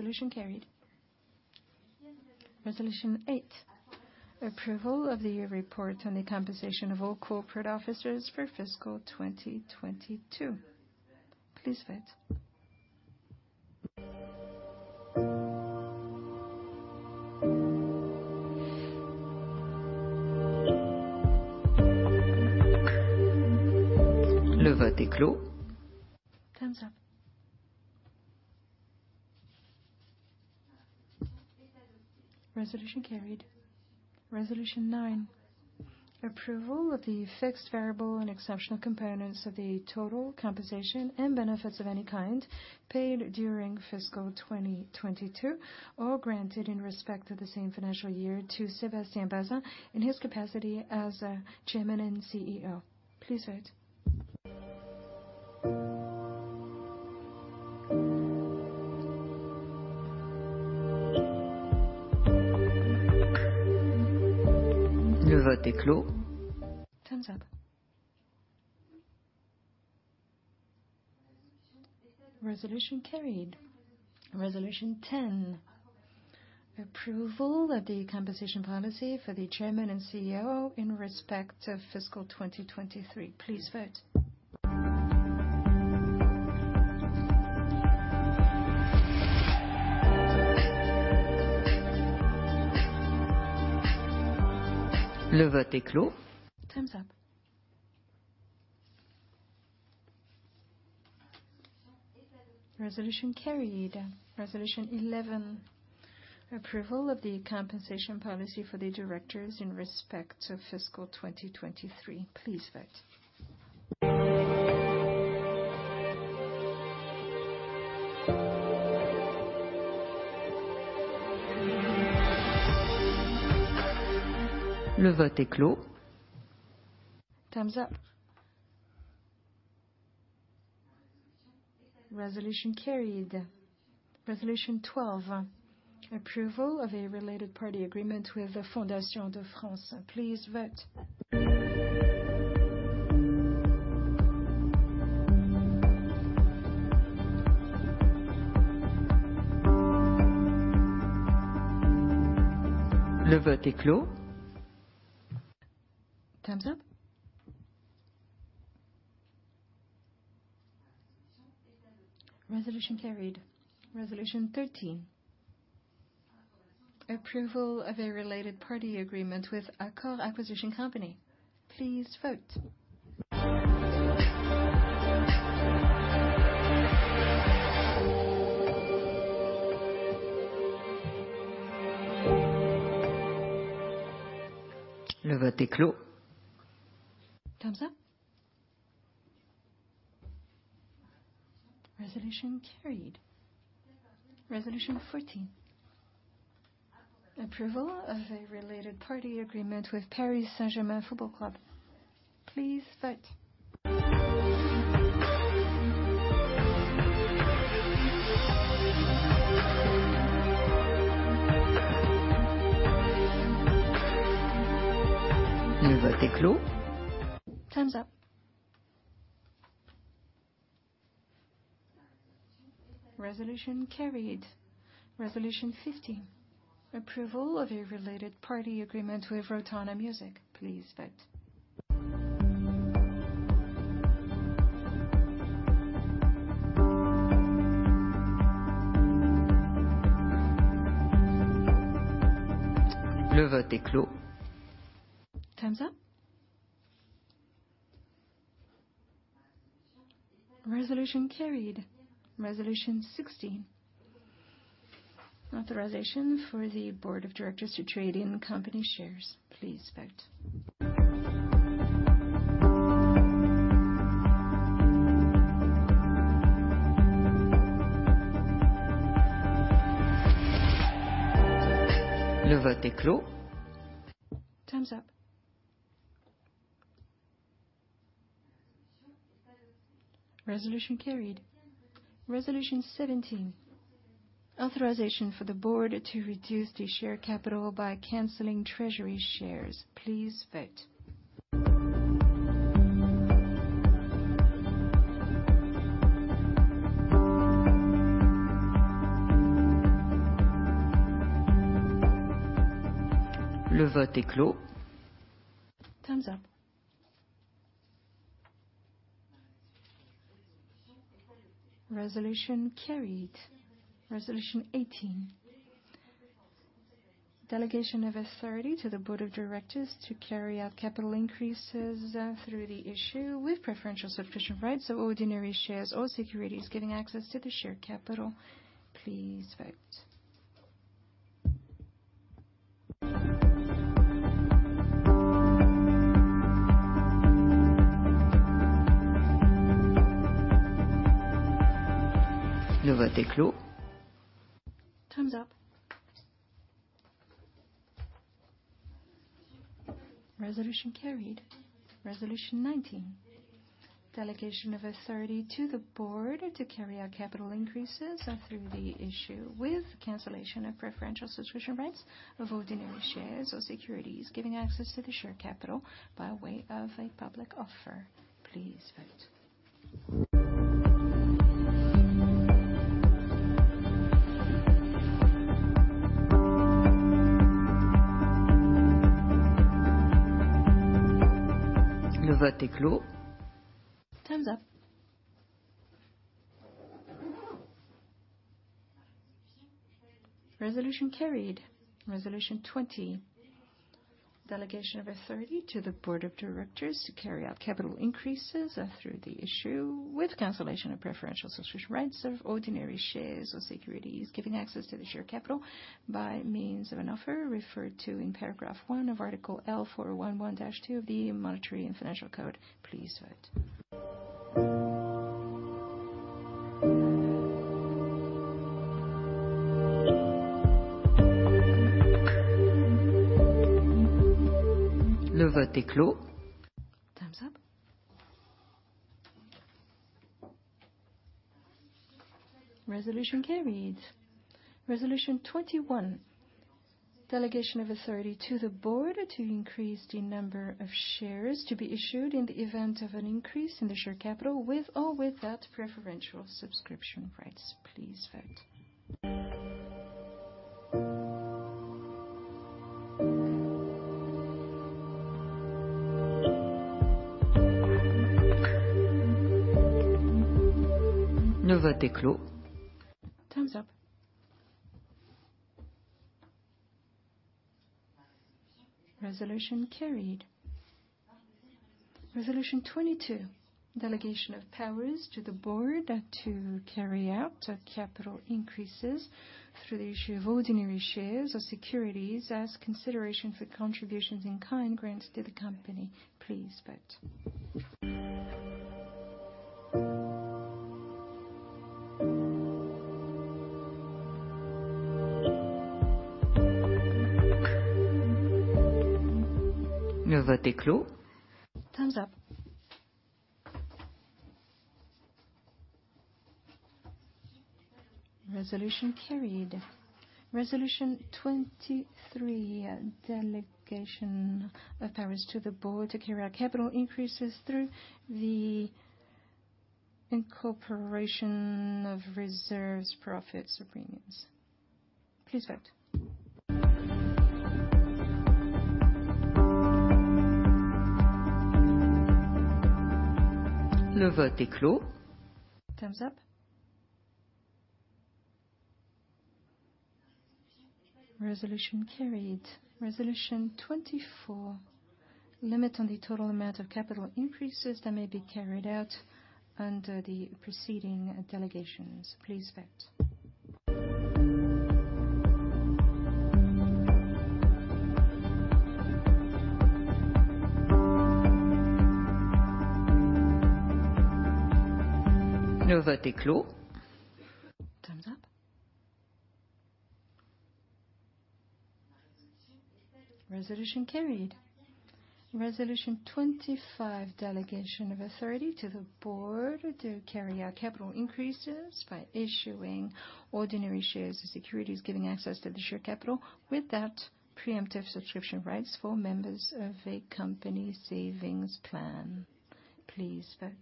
Le vote est clos. Thumbs up. Resolution carried. Resolution eight: approval of the report on the compensation of all corporate officers for fiscal 2022. Please vote. Le vote est clos. Thumbs up. Resolution carried. Resolution nine: approval of the fixed variable and exceptional components of the total compensation and benefits of any kind paid during fiscal 2022 or granted in respect to the same financial year to Sébastien Bazin in his capacity as chairman and CEO. Please vote. Le vote est clos. Thumbs up. Resolution carried. Resolution 10: approval of the compensation policy for the chairman and CEO in respect to fiscal 2023. Please vote. Le vote est clos. Thumbs up. Resolution carried. Resolution 11: approval of the compensation policy for the directors in respect to fiscal 2023. Please vote. Le vote est clos. Thumbs up. Resolution carried. Resolution 12: approval of a related party agreement with the Fondation de France. Please vote. Le vote est clos. Thumbs up. Resolution carried. Resolution 13: approval of a related party agreement with Accor Acquisition Company. Please vote. Le vote est clos. Thumbs up. Resolution carried. Resolution 14: approval of a related party agreement with Paris Saint-Germain Football Club. Please vote. Le vote est clos. Thumbs up. Resolution carried. Resolution 15: approval of a related party agreement with Rotana Music. Please vote. Time's up. Resolution carried. Resolution 16: authorization for the board of directors to trade in company shares. Please vote. Time's up. Resolution carried. Resolution 17: authorization for the board to reduce the share capital by canceling treasury shares. Please vote. Time's up. Resolution carried. Resolution 18: delegation of authority to the board of directors to carry out capital increases, through the issue with preferential subscription rights of ordinary shares or securities giving access to the share capital. Please vote. Time's up. Resolution carried. Resolution 19: delegation of authority to the board to carry out capital increases, through the issue with cancellation of preferential subscription rights of ordinary shares or securities giving access to the share capital by way of a public offer. Please vote. Time's up. Resolution carried. Resolution 20: delegation of authority to the board of directors to carry out capital increases, through the issue with cancellation of preferential subscription rights of ordinary shares or securities giving access to the share capital by means of an offer referred to in paragraph one of Article L411-2 of the Monetary and Financial Code. Please vote. Time's up. Resolution carried. Resolution 21: delegation of authority to the board to increase the number of shares to be issued in the event of an increase in the share capital with or without preferential subscription rights. Please vote. Time's up. Resolution carried. Resolution 22: delegation of powers to the board to carry out, capital increases through the issue of ordinary shares or securities as consideration for contributions in kind grants to the company. Please vote. Time's up. Resolution carried. Resolution 23: delegation of powers to the board to carry out capital increases through the incorporation of reserves, profits, or premiums. Please vote. Time's up. Resolution carried. Resolution 24: limit on the total amount of capital increases that may be carried out under the preceding delegations. Please vote. Time's up. Resolution carried. Resolution 25: delegation of authority to the board to carry out capital increases by issuing ordinary shares or securities giving access to the share capital without preemptive subscription rights for members of a company savings plan. Please vote.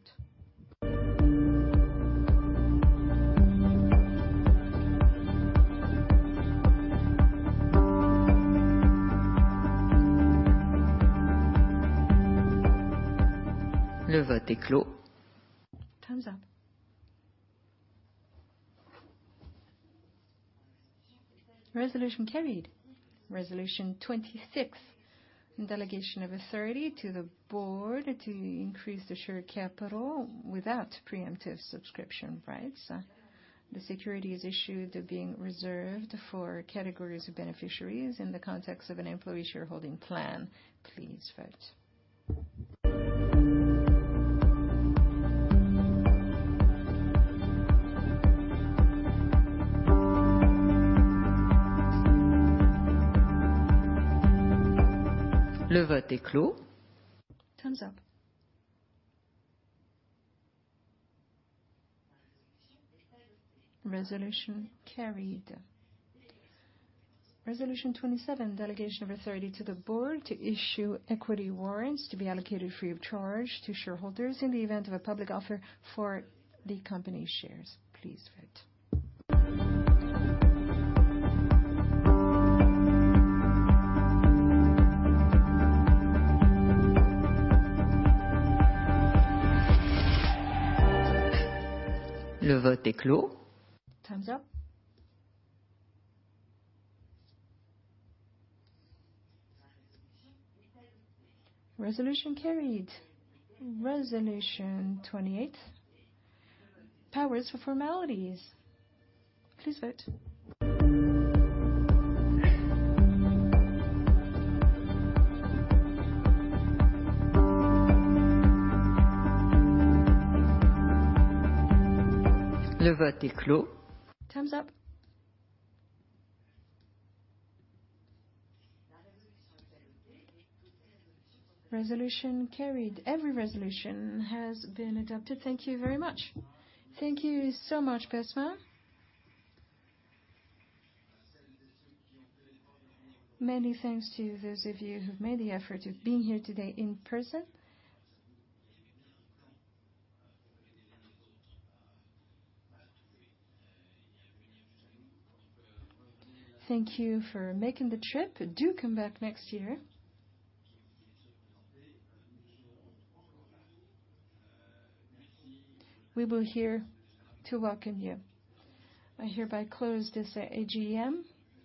Le vote est clos. Time's up. Resolution carried. Resolution 26. Delegation of authority to the board to increase the share capital without preemptive subscription rights. The securities issued are being reserved for categories of beneficiaries in the context of an employee shareholding plan. Please vote. Le vote est clos. Times up. Resolution carried. Resolution 27. Delegation of authority to the board to issue equity warrants to be allocated free of charge to shareholders in the event of a public offer for the company shares. Please vote. Le vote est clos. Times up. Resolution carried. Resolution 28. Powers for formalities. Please vote. Le vote est clos. Times up. Resolution carried. Every resolution has been adopted. Thank you very much. Thank you so much, Besma. Many thanks to those of you who've made the effort of being here today in person. Thank you for making the trip. Do come back next year. We were here to welcome you. I hereby close this AGM.